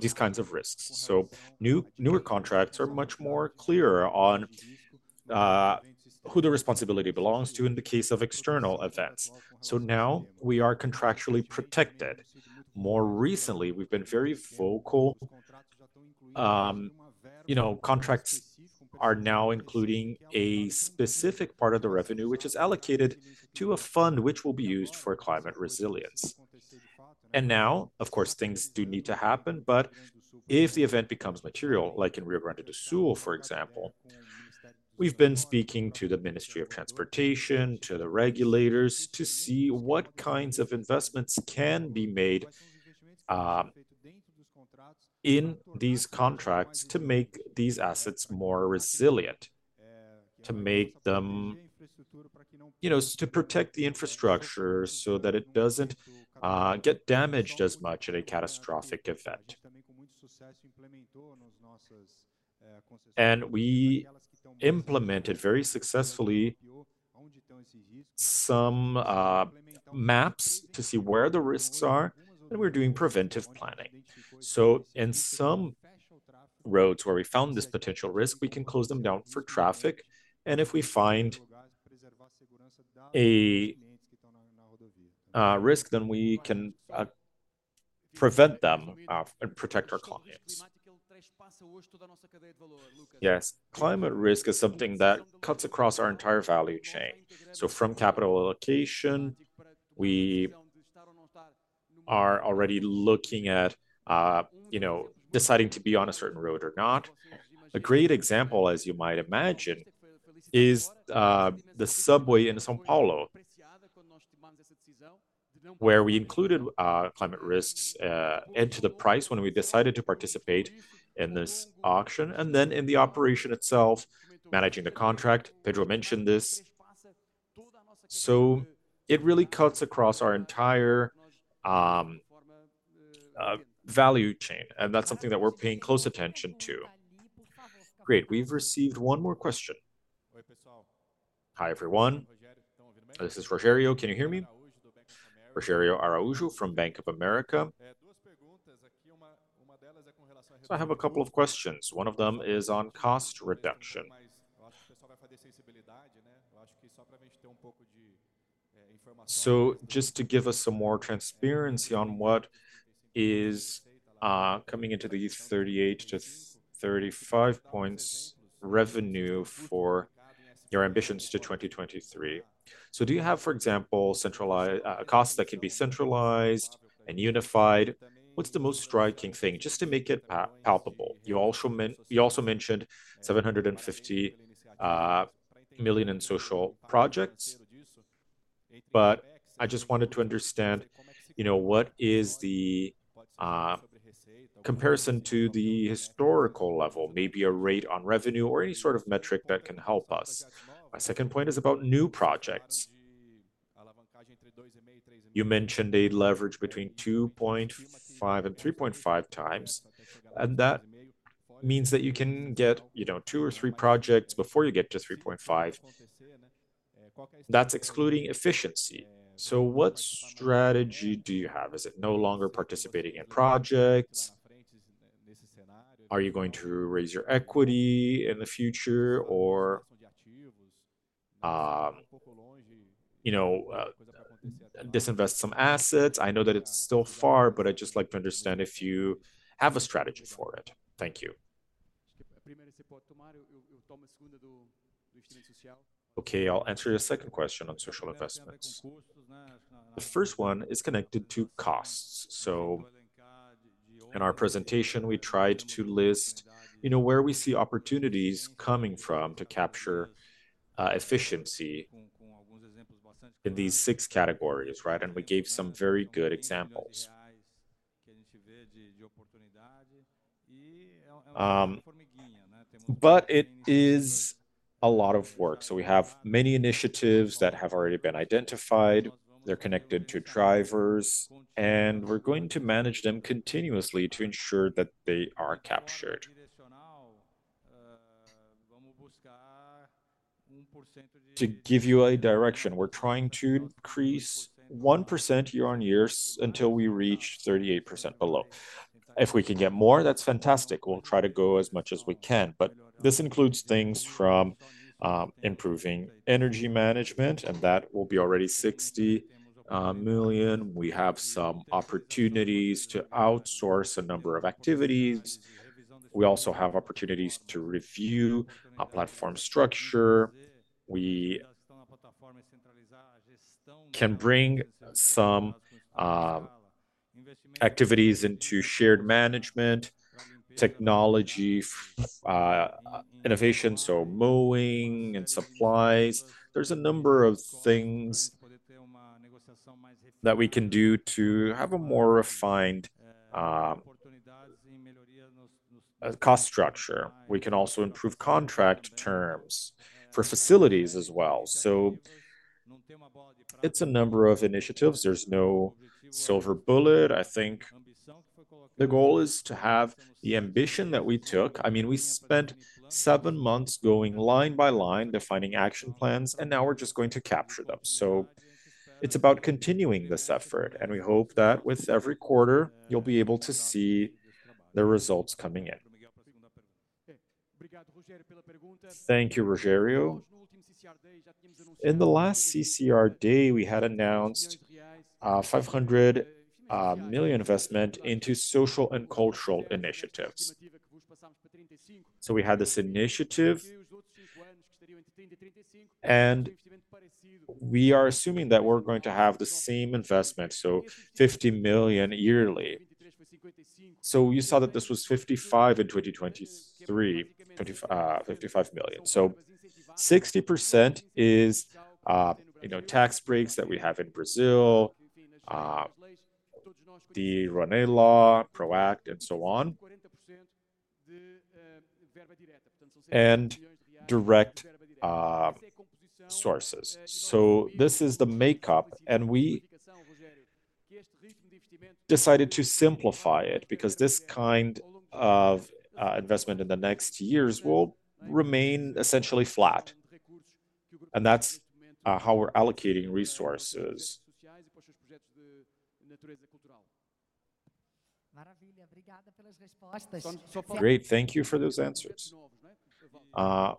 these kinds of risks. So new, newer contracts are much more clearer on, who the responsibility belongs to in the case of external events. So now we are contractually protected. More recently, we've been very vocal. You know, contracts are now including a specific part of the revenue, which is allocated to a fund, which will be used for climate resilience. Now, of course, things do need to happen, but if the event becomes material, like in Rio Grande do Sul, for example, we've been speaking to the Ministry of Transportation, to the regulators, to see what kinds of investments can be made in these contracts to make these assets more resilient. To make them, you know, to protect the infrastructure so that it doesn't get damaged as much in a catastrophic event. And we implemented very successfully some maps to see where the risks are, and we're doing preventive planning. So in some roads where we found this potential risk, we can close them down for traffic, and if we find a risk, then we can prevent them and protect our clients. Yes, climate risk is something that cuts across our entire value chain. So from capital allocation, we are already looking at, you know, deciding to be on a certain road or not. A great example, as you might imagine, is, the subway in São Paulo, where we included, climate risks, into the price when we decided to participate in this auction, and then in the operation itself, managing the contract. Pedro mentioned this. So it really cuts across our entire, value chain, and that's something that we're paying close attention to. Great! We've received one more question. Hi, everyone. This is Rogério. Can you hear me? Rogério Araújo from Bank of America. So I have a couple of questions. One of them is on cost reduction. So just to give us some more transparency on what is, coming into these 38-35 points revenue for your ambitions to 2023. So do you have, for example, a cost that can be centralized and unified? What's the most striking thing? Just to make it palpable. You also mentioned 750 million in social projects, but I just wanted to understand, you know, what is the comparison to the historical level, maybe a rate on revenue or any sort of metric that can help us. My second point is about new projects. You mentioned a leverage between 2.5x and 3.5x, and that means that you can get, you know, two or three projects before you get to 3.5x. That's excluding efficiency. So what strategy do you have? Is it no longer participating in projects? Are you going to raise your equity in the future or, you know, disinvest some assets? I know that it's still far, but I'd just like to understand if you have a strategy for it. Thank you. Okay, I'll answer your second question on social investments. The first one is connected to costs. So in our presentation, we tried to list, you know, where we see opportunities coming from to capture efficiency in these six categories, right? And we gave some very good examples. But it is a lot of work, so we have many initiatives that have already been identified. They're connected to drivers, and we're going to manage them continuously to ensure that they are captured. To give you a direction, we're trying to increase 1% year-on-years until we reach 38% below. If we can get more, that's fantastic. We'll try to go as much as we can, but this includes things from improving energy management, and that will be already 60 million. We have some opportunities to outsource a number of activities. We also have opportunities to review our platform structure. We can bring some activities into shared management, technology, innovation, so mowing and supplies. There's a number of things that we can do to have a more refined cost structure. We can also improve contract terms for facilities as well. So it's a number of initiatives. There's no silver bullet. I think the goal is to have the ambition that we took. I mean, we spent 7 months going line by line, defining action plans, and now we're just going to capture them. So it's about continuing this effort, and we hope that with every quarter, you'll be able to see the results coming in. Thank you, Rogério. In the last CCR day, we had announced 500 million investment into social and cultural initiatives. So we had this initiative, and we are assuming that we're going to have the same investment, so 50 million yearly. So you saw that this was 55 in 2023, 55 million. So 60% is, you know, tax breaks that we have in Brazil, the Rouanet Law, ProAC, and so on, and direct sources. So this is the makeup, and we decided to simplify it, because this kind of investment in the next years will remain essentially flat, and that's how we're allocating resources. Great, thank you for those answers.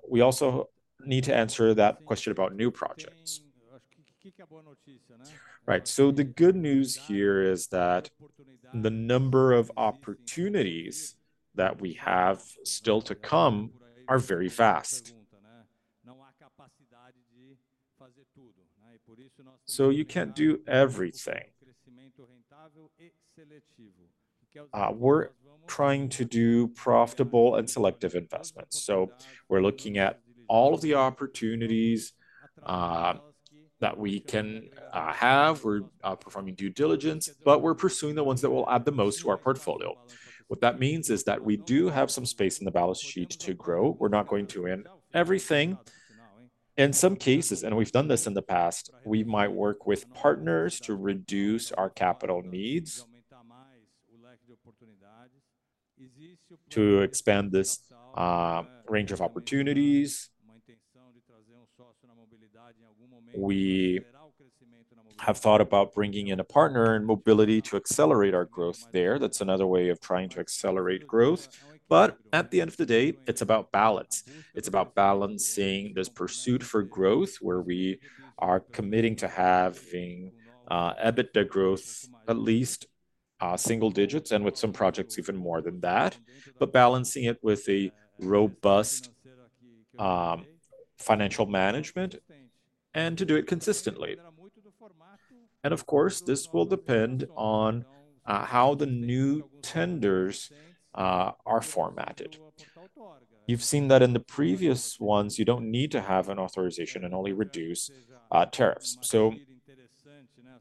We also need to answer that question about new projects. Right. So the good news here is that the number of opportunities that we have still to come are very vast. So you can't do everything. We're trying to do profitable and selective investments, so we're looking at all of the opportunities that we can have. We're performing due diligence, but we're pursuing the ones that will add the most to our portfolio. What that means is that we do have some space in the balance sheet to grow. We're not going to win everything. In some cases, and we've done this in the past, we might work with partners to reduce our capital needs, to expand this range of opportunities. We have thought about bringing in a partner in mobility to accelerate our growth there. That's another way of trying to accelerate growth. But at the end of the day, it's about balance. It's about balancing this pursuit for growth, where we are committing to having EBITDA growth, at least single digits, and with some projects, even more than that. But balancing it with a robust financial management, and to do it consistently. And of course, this will depend on how the new tenders are formatted. You've seen that in the previous ones, you don't need to have an authorization and only reduce tariffs. So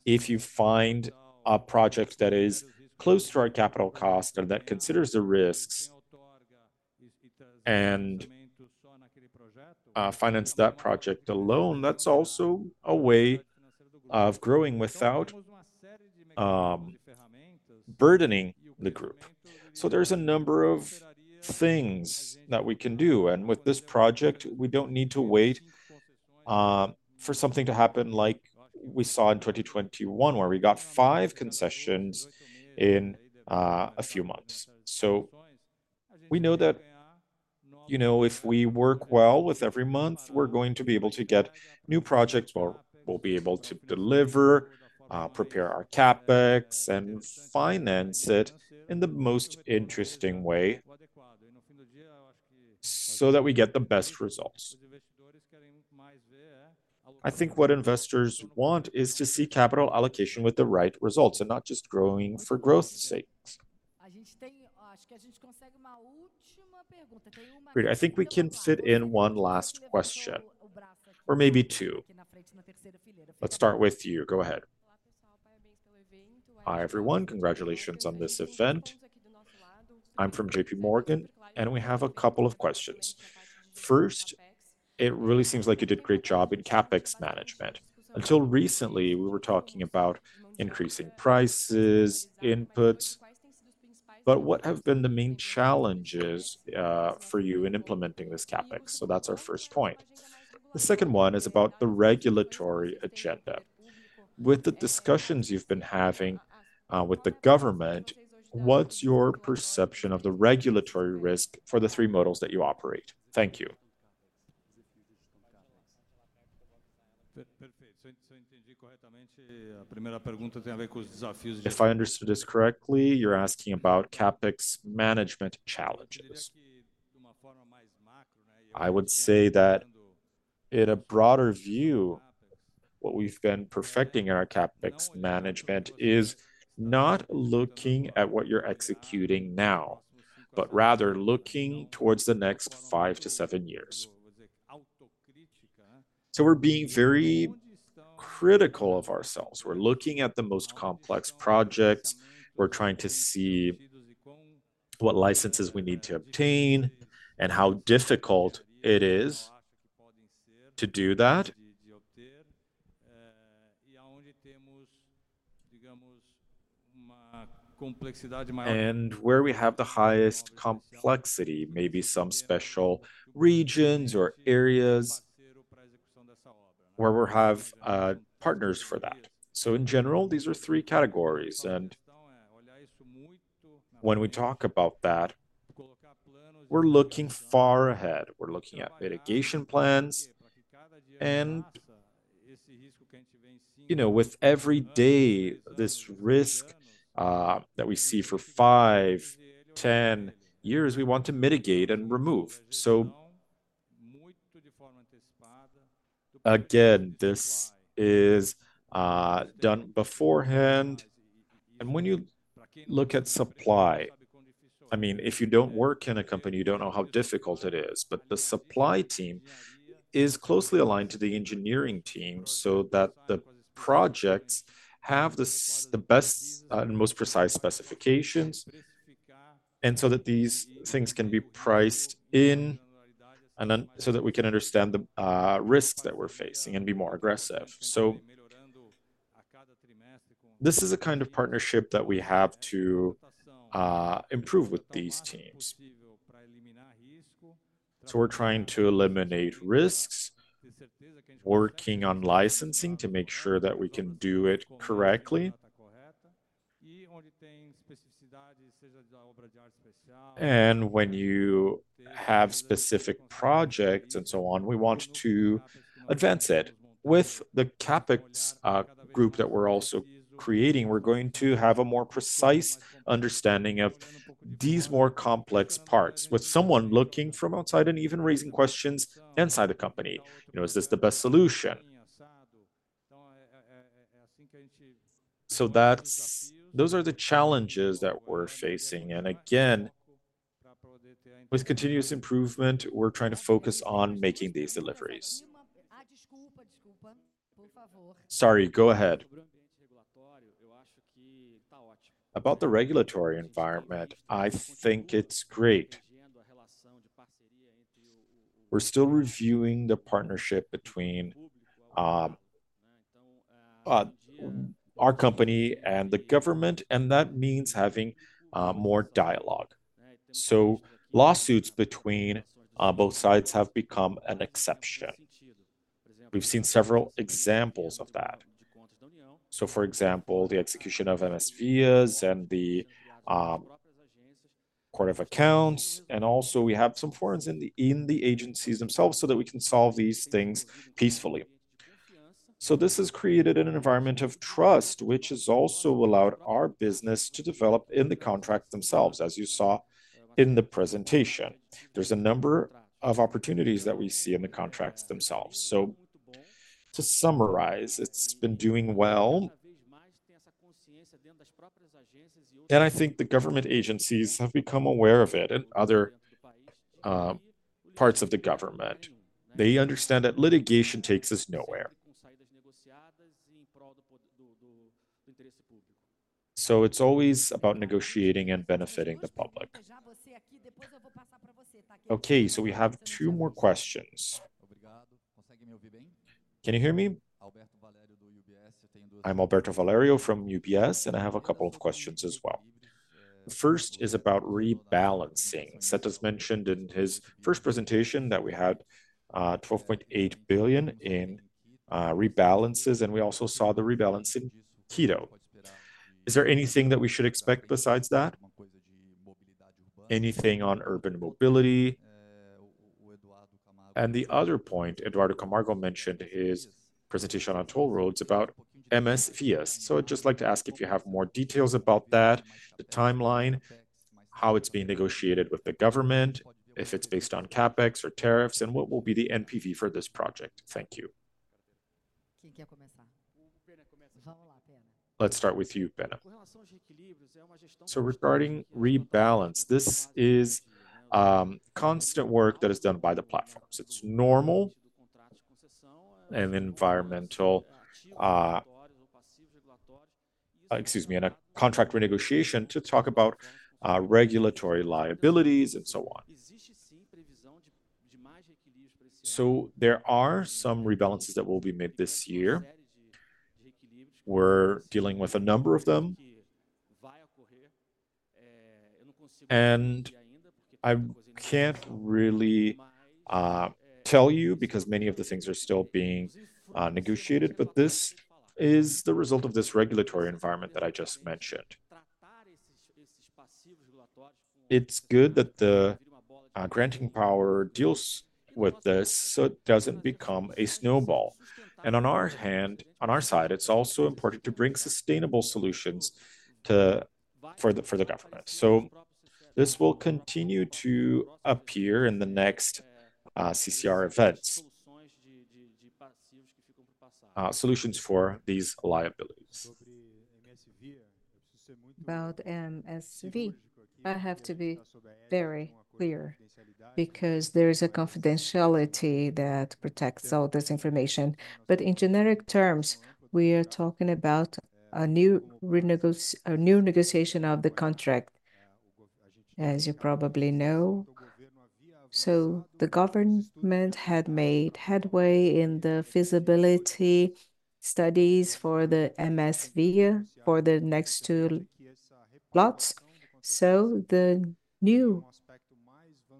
if you find a project that is close to our capital cost and that considers the risks, and finance that project alone, that's also a way of growing without burdening the group. So there's a number of things that we can do, and with this project, we don't need to wait for something to happen like we saw in 2021, where we got five concessions in a few months. So we know that, you know, if we work well with every month, we're going to be able to get new projects, or we'll be able to deliver, prepare our CapEx, and finance it in the most interesting way, so that we get the best results. I think what investors want is to see capital allocation with the right results and not just growing for growth sakes. I think we can fit in one last question, or maybe two. Let's start with you. Go ahead. Hi, everyone. Congratulations on this event. I'm from JP Morgan, and we have a couple of questions. First, it really seems like you did a great job in CapEx management. Until recently, we were talking about increasing prices, inputs, but what have been the main challenges for you in implementing this CapEx? So that's our first point. The second one is about the regulatory agenda. With the discussions you've been having with the government, what's your perception of the regulatory risk for the three models that you operate? Thank you. If I understood this correctly, you're asking about CapEx management challenges? I would say that in a broader view, what we've been perfecting in our CapEx management is not looking at what you're executing now, but rather looking towards the next five to seven years. So we're being very critical of ourselves. We're looking at the most complex projects. We're trying to see what licenses we need to obtain, and how difficult it is to do that. Where we have the highest complexity, maybe some special regions or areas where we'll have partners for that. In general, these are three categories, and when we talk about that, we're looking far ahead. We're looking at mitigation plans, and, you know, with every day, this risk that we see for five, 10 years, we want to mitigate and remove. Again, this is done beforehand. When you look at supply, I mean, if you don't work in a company, you don't know how difficult it is. But the supply team is closely aligned to the engineering team, so that the projects have the best and most precise specifications, and so that these things can be priced in, and then so that we can understand the risks that we're facing and be more aggressive. So this is a kind of partnership that we have to improve with these teams. So we're trying to eliminate risks, working on licensing to make sure that we can do it correctly. And when you have specific projects, and so on, we want to advance it. With the CapEx group that we're also creating, we're going to have a more precise understanding of these more complex parts, with someone looking from outside and even raising questions inside the company. You know, is this the best solution? So that's those are the challenges that we're facing, and again, with continuous improvement, we're trying to focus on making these deliveries. Sorry, go ahead. About the regulatory environment, I think it's great. We're still reviewing the partnership between our company and the government, and that means having more dialogue. So lawsuits between both sides have become an exception. We've seen several examples of that. So, for example, the execution of MSs and the Court of Accounts, and also we have some forums in the agencies themselves, so that we can solve these things peacefully. So this has created an environment of trust, which has also allowed our business to develop in the contracts themselves, as you saw in the presentation. There's a number of opportunities that we see in the contracts themselves. So to summarize, it's been doing well, and I think the government agencies have become aware of it and other parts of the government. They understand that litigation takes us nowhere. So it's always about negotiating and benefiting the public. Okay, so we have two more questions. Can you hear me? I'm Alberto Valério from UBS, and I have a couple of questions as well. First is about rebalancing. Setas mentioned in his first presentation that we had 12.8 billion in rebalances, and we also saw the rebalance in Quito. Is there anything that we should expect besides that? Anything on urban mobility? And the other point Eduardo Camargo mentioned in his presentation on toll roads about MSVia. So I'd just like to ask if you have more details about that, the timeline, how it's being negotiated with the government, if it's based on CapEx or tariffs, and what will be the NPV for this project? Thank you. Let's start with you, Penna. So regarding rebalance, this is constant work that is done by the platforms. It's normal in a contract renegotiation to talk about regulatory liabilities, and so on. So there are some rebalances that will be made this year. We're dealing with a number of them. And I can't really tell you because many of the things are still being negotiated, but this is the result of this regulatory environment that I just mentioned. It's good that the granting power deals with this, so it doesn't become a snowball. On our end, on our side, it's also important to bring sustainable solutions to-... for the government. So this will continue to appear in the next CCR events, solutions for these liabilities. About MSVia, I have to be very clear, because there is a confidentiality that protects all this information. But in generic terms, we are talking about a new negotiation of the contract, as you probably know. So the government had made headway in the feasibility studies for the MSVia for the next two plots, so the new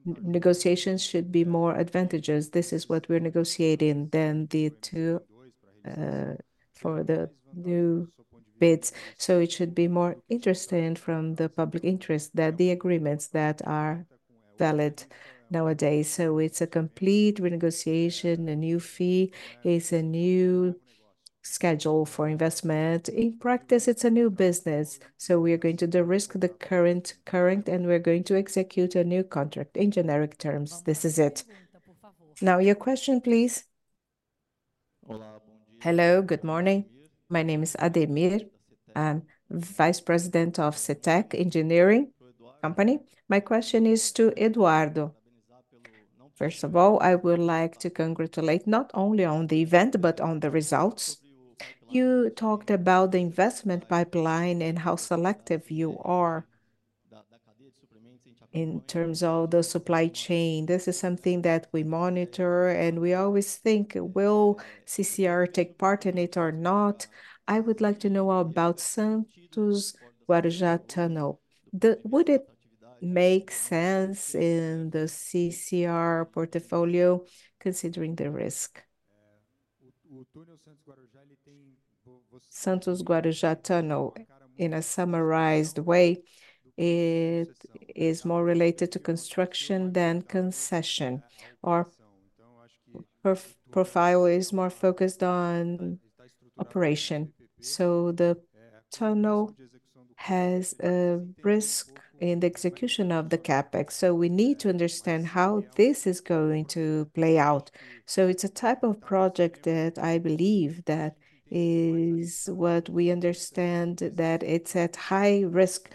negotiations should be more advantageous. This is what we're negotiating than the two for the new bids. So it should be more interesting from the public interest than the agreements that are valid nowadays. So it's a complete renegotiation, a new fee, it's a new schedule for investment. In practice, it's a new business, so we are going to de-risk the current, and we are going to execute a new contract. In generic terms, this is it. Now, your question, please. Hello, good morning. My name is Ademir. I'm vice president of SETEC Engineering Company. My question is to Eduardo. First of all, I would like to congratulate not only on the event, but on the results. You talked about the investment pipeline and how selective you are in terms of the supply chain. This is something that we monitor, and we always think, "Will CCR take part in it or not?" I would like to know about Santos-Guarujá Tunnel. Would it make sense in the CCR portfolio, considering the risk? Santos-Guarujá Tunnel, in a summarized way, it is more related to construction than concession. Our profile is more focused on operation, so the tunnel has a risk in the execution of the CapEx, so we need to understand how this is going to play out. So it's a type of project that I believe that is what we understand, that it's at high risk,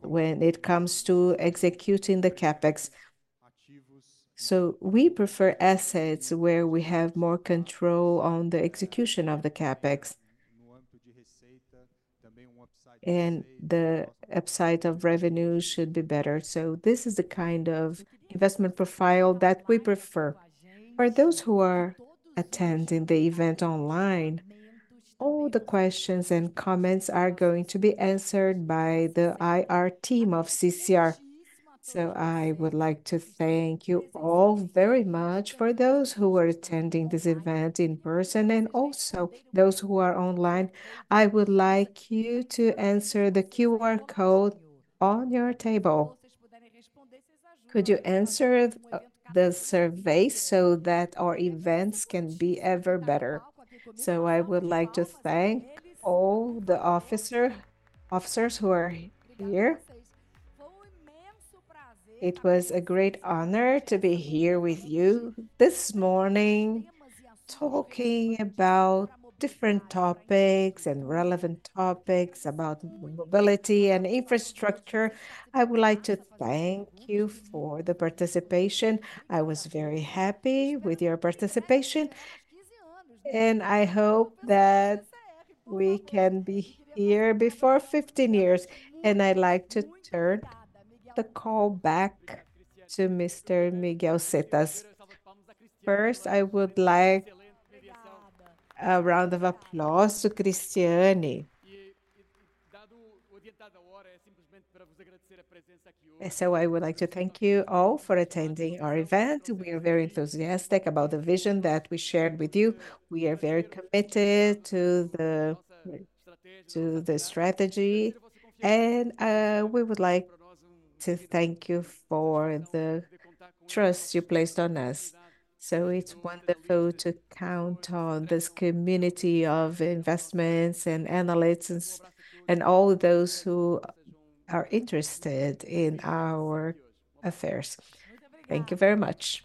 when it comes to executing the CapEx. So we prefer assets where we have more control on the execution of the CapEx, and the upside of revenue should be better. So this is the kind of investment profile that we prefer. For those who are attending the event online, all the questions and comments are going to be answered by the IR team of CCR. So I would like to thank you all very much. For those who are attending this event in person, and also those who are online, I would like you to answer the QR code on your table. Could you answer the survey so that our events can be ever better? So I would like to thank all the officer, officers who are here. It was a great honor to be here with you this morning, talking about different topics and relevant topics about mobility and infrastructure. I would like to thank you for the participation. I was very happy with your participation, and I hope that we can be here before 15 years, and I'd like to turn the call back to Mr. Miguel Setas. First, I would like a round of applause to Cristiane.So I would like to thank you all for attending our event. We are very enthusiastic about the vision that we shared with you. We are very committed to the strategy, and we would like to thank you for the trust you placed on us. It's wonderful to count on this community of investments, and analysts, and all those who are interested in our affairs. Thank you very much.